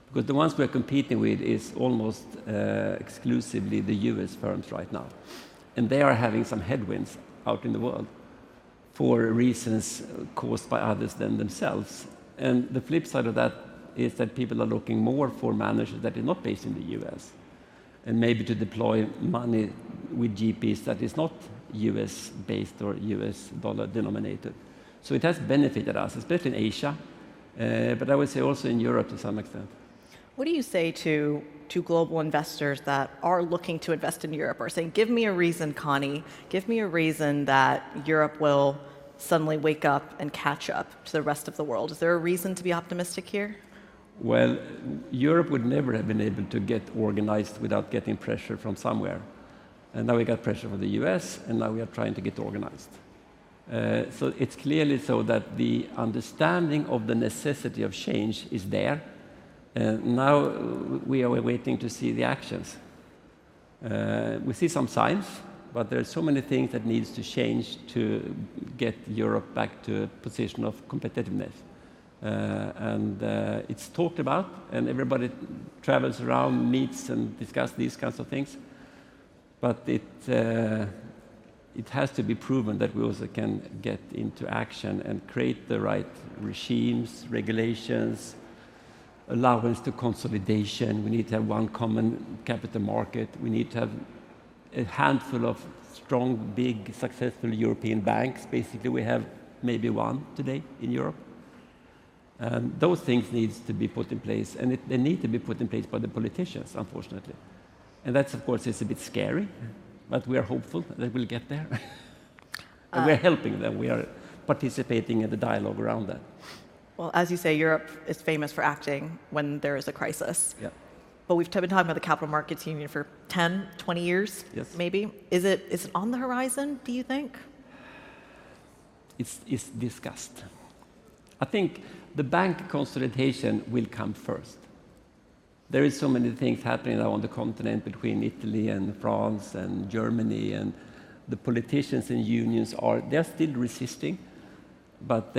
because the ones we're competing with is almost exclusively the U.S. firms right now. They are having some headwinds out in the world for reasons caused by others than themselves. The flip side of that is that people are looking more for managers that are not based in the U.S. and maybe to deploy money with GPs that is not U.S.-based or U.S. dollar denominated. It has benefited us, especially in Asia, but I would say also in Europe to some extent. What do you say to global investors that are looking to invest in Europe or saying, "Give me a reason, Conni. Give me a reason that Europe will suddenly wake up and catch up to the rest of the world"? Is there a reason to be optimistic here? Europe would never have been able to get organized without getting pressure from somewhere. Now we got pressure from the U.S., and now we are trying to get organized. It is clearly so that the understanding of the necessity of change is there. Now we are waiting to see the actions. We see some signs, but there are so many things that need to change to get Europe back to a position of competitiveness. It is talked about, and everybody travels around, meets, and discusses these kinds of things. It has to be proven that we also can get into action and create the right regimes, regulations, allowance to consolidation. We need to have one common capital market. We need to have a handful of strong, big, successful European banks. Basically, we have maybe one today in Europe. Those things need to be put in place. They need to be put in place by the politicians, unfortunately. That is, of course, a bit scary, but we are hopeful that we'll get there. We're helping them. We are participating in the dialogue around that. As you say, Europe is famous for acting when there is a crisis. But we've been talking about the Capital Markets Union for 10, 20 years, maybe. Is it on the horizon, do you think? It's discussed. I think the bank consolidation will come first. There are so many things happening now on the continent between Italy and France and Germany. The politicians and unions, they're still resisting, but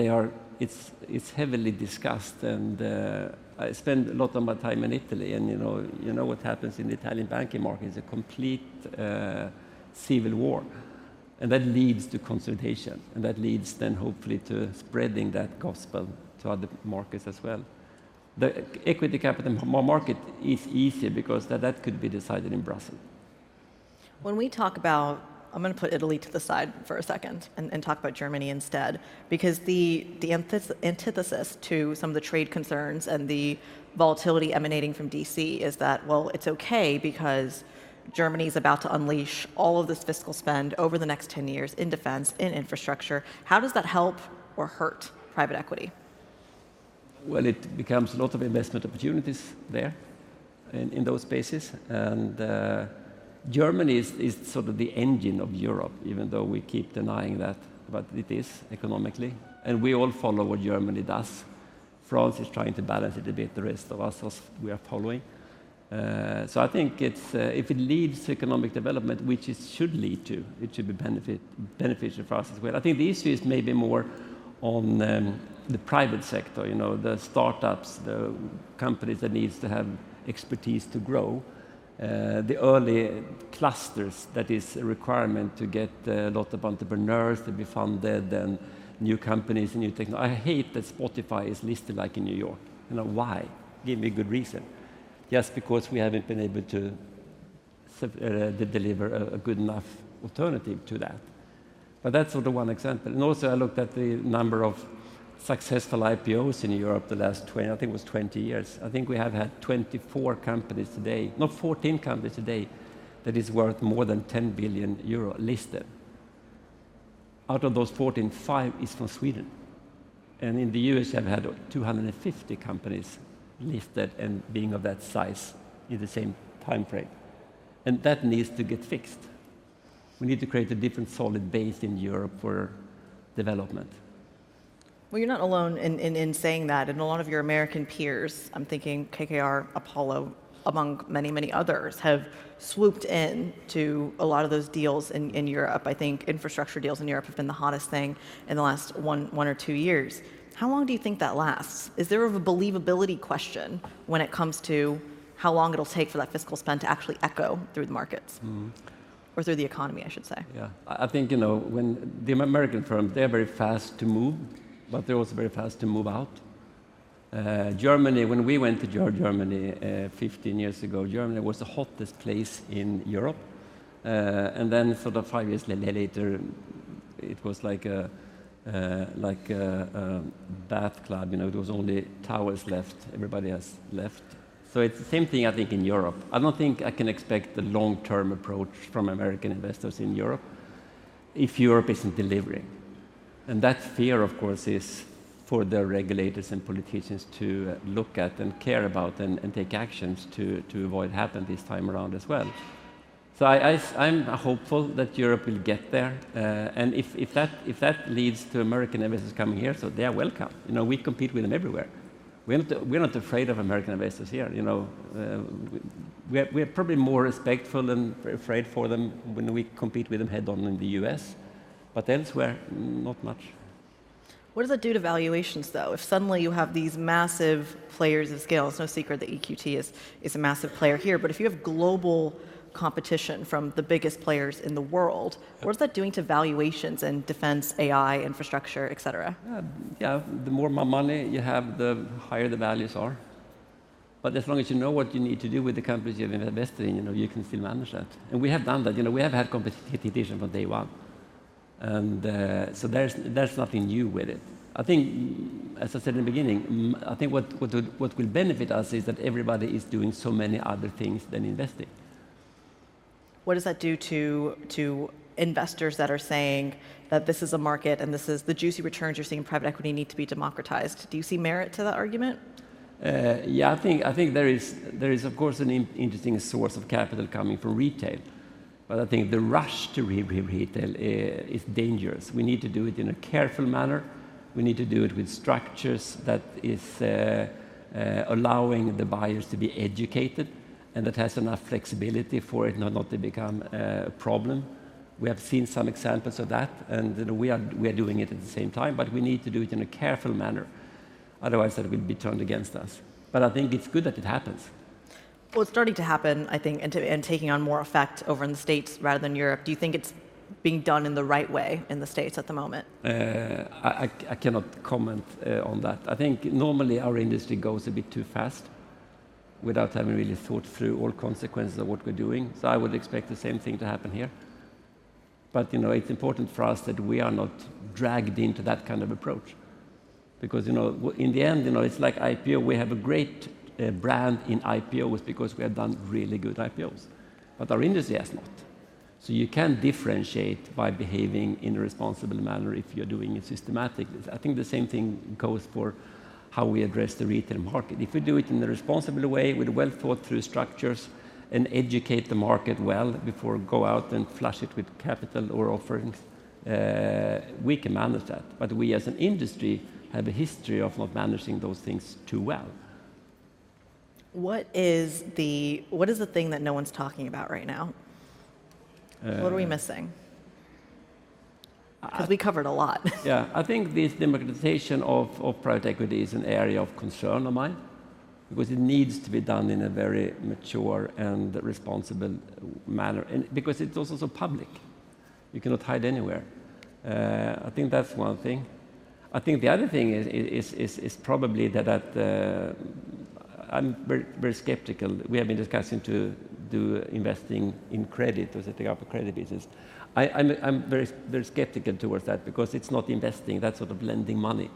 it's heavily discussed. I spend a lot of my time in Italy. You know what happens in the Italian banking market is a complete civil war. That leads to consolidation. That leads then, hopefully, to spreading that gospel to other markets as well. The equity capital market is easier because that could be decided in Brussels. When we talk about, I'm going to put Italy to the side for a second and talk about Germany instead, because the antithesis to some of the trade concerns and the volatility emanating from D.C. is that, well, it's OK because Germany is about to unleash all of this fiscal spend over the next 10 years in defense, in Infrastructure. How does that help or hurt private equity? It becomes a lot of investment opportunities there in those spaces. Germany is sort of the engine of Europe, even though we keep denying that it is economically. We all follow what Germany does. France is trying to balance it a bit. The rest of us, we are following. I think if it leads to economic development, which it should lead to, it should be beneficial for us as well. I think the issue is maybe more on the private sector, the startups, the companies that need to have expertise to grow, the early clusters. That is a requirement to get a lot of entrepreneurs to be funded and new companies and new technology. I hate that Spotify is listed like in New York. Why? Give me a good reason. Yes, because we have not been able to deliver a good enough alternative to that. That's sort of one example. Also, I looked at the number of successful IPOs in Europe the last 20 years. I think we have had 24 companies today, not 14 companies today, that are worth more than 10 billion euro listed. Out of those 14, five are from Sweden. In the U.S., I've had 250 companies listed and being of that size in the same time frame. That needs to get fixed. We need to create a different solid base in Europe for development. You're not alone in saying that. A lot of your American peers, I'm thinking KKR, Apollo, among many, many others, have swooped in to a lot of those deals in Europe. I think Infrastructure deals in Europe have been the hottest thing in the last one or two years. How long do you think that lasts? Is there a believability question when it comes to how long it'll take for that fiscal spend to actually echo through the markets or through the economy, I should say? Yeah. I think the American firms, they are very fast to move, but they're also very fast to move out. Germany, when we went to Germany 15 years ago, Germany was the hottest place in Europe. And then sort of five years later, it was like a bath club. There were only towels left. Everybody has left. It is the same thing, I think, in Europe. I do not think I can expect a long-term approach from American investors in Europe if Europe is not delivering. That fear, of course, is for the regulators and politicians to look at and care about and take actions to avoid happening this time around as well. I am hopeful that Europe will get there. If that leads to American investors coming here, they are welcome. We compete with them everywhere. We are not afraid of American investors here. We're probably more respectful and afraid for them when we compete with them head-on in the US. Elsewhere, not much. What does that do to valuations, though, if suddenly you have these massive players of scale? It's no secret that EQT is a massive player here. If you have global competition from the biggest players in the world, what is that doing to valuations and defense, AI, Infrastructure, et cetera? Yeah. The more money you have, the higher the values are. As long as you know what you need to do with the companies you've invested in, you can still manage that. We have done that. We have had competition from day one. There is nothing new with it. I think, as I said in the beginning, what will benefit us is that everybody is doing so many other things than investing. What does that do to investors that are saying that this is a market and this is the juicy returns you're seeing in private equity need to be democratized? Do you see merit to that argument? Yeah. I think there is, of course, an interesting source of capital coming from retail. I think the rush to retail is dangerous. We need to do it in a careful manner. We need to do it with structures that are allowing the buyers to be educated and that have enough flexibility for it not to become a problem. We have seen some examples of that. We are doing it at the same time. We need to do it in a careful manner. Otherwise, that will be turned against us. I think it's good that it happens. It's starting to happen, I think, and taking on more effect over in the States rather than Europe. Do you think it's being done in the right way in the States at the moment? I cannot comment on that. I think normally our industry goes a bit too fast without having really thought through all consequences of what we're doing. I would expect the same thing to happen here. It is important for us that we are not dragged into that kind of approach because in the end, it's like IPO. We have a great brand in IPOs because we have done really good IPOs. Our industry has not. You can differentiate by behaving in a responsible manner if you're doing it systematically. I think the same thing goes for how we address the retail market. If we do it in a responsible way with well-thought-through structures and educate the market well before going out and flushing it with capital or offerings, we can manage that. We, as an industry, have a history of not managing those things too well. What is the thing that no one's talking about right now? What are we missing? Because we covered a lot. Yeah. I think this democratization of private equity is an area of concern of mine because it needs to be done in a very mature and responsible manner because it's also public. You cannot hide anywhere. I think that's one thing. I think the other thing is probably that I'm very skeptical. We have been discussing to do investing in credit or setting up a credit business. I'm very skeptical towards that because it's not investing. That's sort of lending money.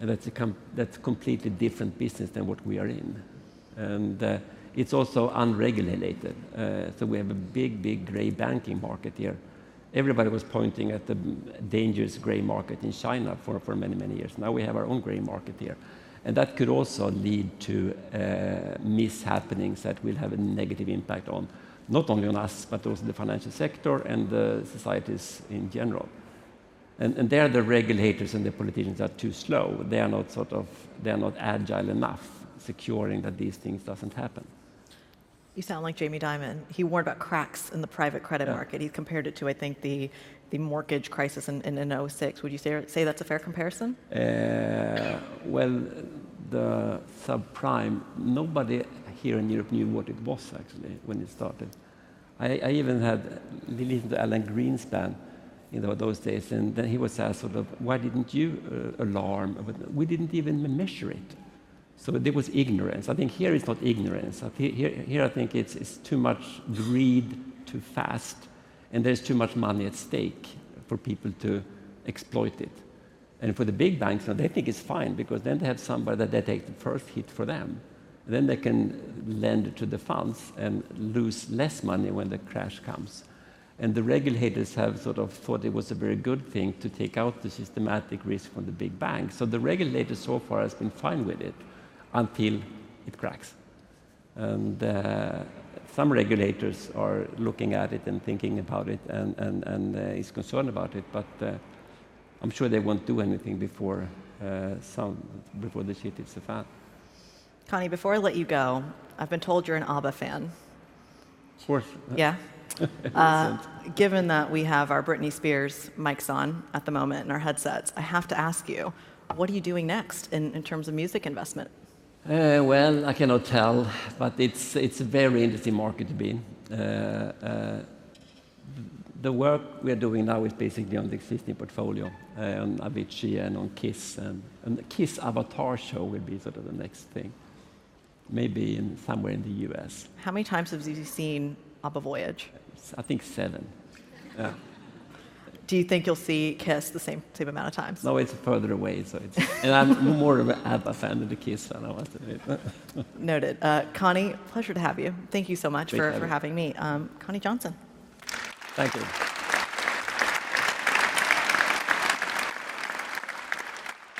And that's a completely different business than what we are in. It's also unregulated. We have a big, big gray banking market here. Everybody was pointing at the dangerous gray market in China for many, many years. Now we have our own gray market here. That could also lead to mishappenings that will have a negative impact not only on us, but also the financial sector and societies in general. There are the regulators and the politicians that are too slow. They are not sort of agile enough securing that these things do not happen. You sound like Jamie Dimon. He warned about cracks in the private credit market. He compared it to, I think, the mortgage crisis in 2006. Would you say that's a fair comparison? The subprime, nobody here in Europe knew what it was, actually, when it started. I even had listened to Alan Greenspan in those days. He would say sort of, "Why didn't you alarm?" We did not even measure it. There was ignorance. I think here it is not ignorance. Here, I think it is too much greed, too fast. There is too much money at stake for people to exploit it. For the big banks, they think it is fine because they have somebody that takes the first hit for them. They can lend to the funds and lose less money when the crash comes. The regulators have sort of thought it was a very good thing to take out the systematic risk from the big banks. The regulator so far has been fine with it until it cracks. Some regulators are looking at it and thinking about it and are concerned about it. I'm sure they won't do anything before the shit hits the fan. Conni, before I let you go, I've been told you're an ABBA fan. Of course. Yeah? Given that we have our Britney Spears mics on at the moment and our headsets, I have to ask you, what are you doing next in terms of music investment? I cannot tell. It's a very interesting market to be in. The work we're doing now is basically on the existing portfolio and Avicii and on Kiss. Kiss Avatar show will be sort of the next thing, maybe somewhere in the U.S. How many times have you seen ABBA Voyage? I think seven. Do you think you'll see Kiss the same amount of times? No, it's further away. I'm more of a fan of the Kiss than I was. Noted. Conni, pleasure to have you. Thank you so much for having me. Conni Jonsson. Thank you.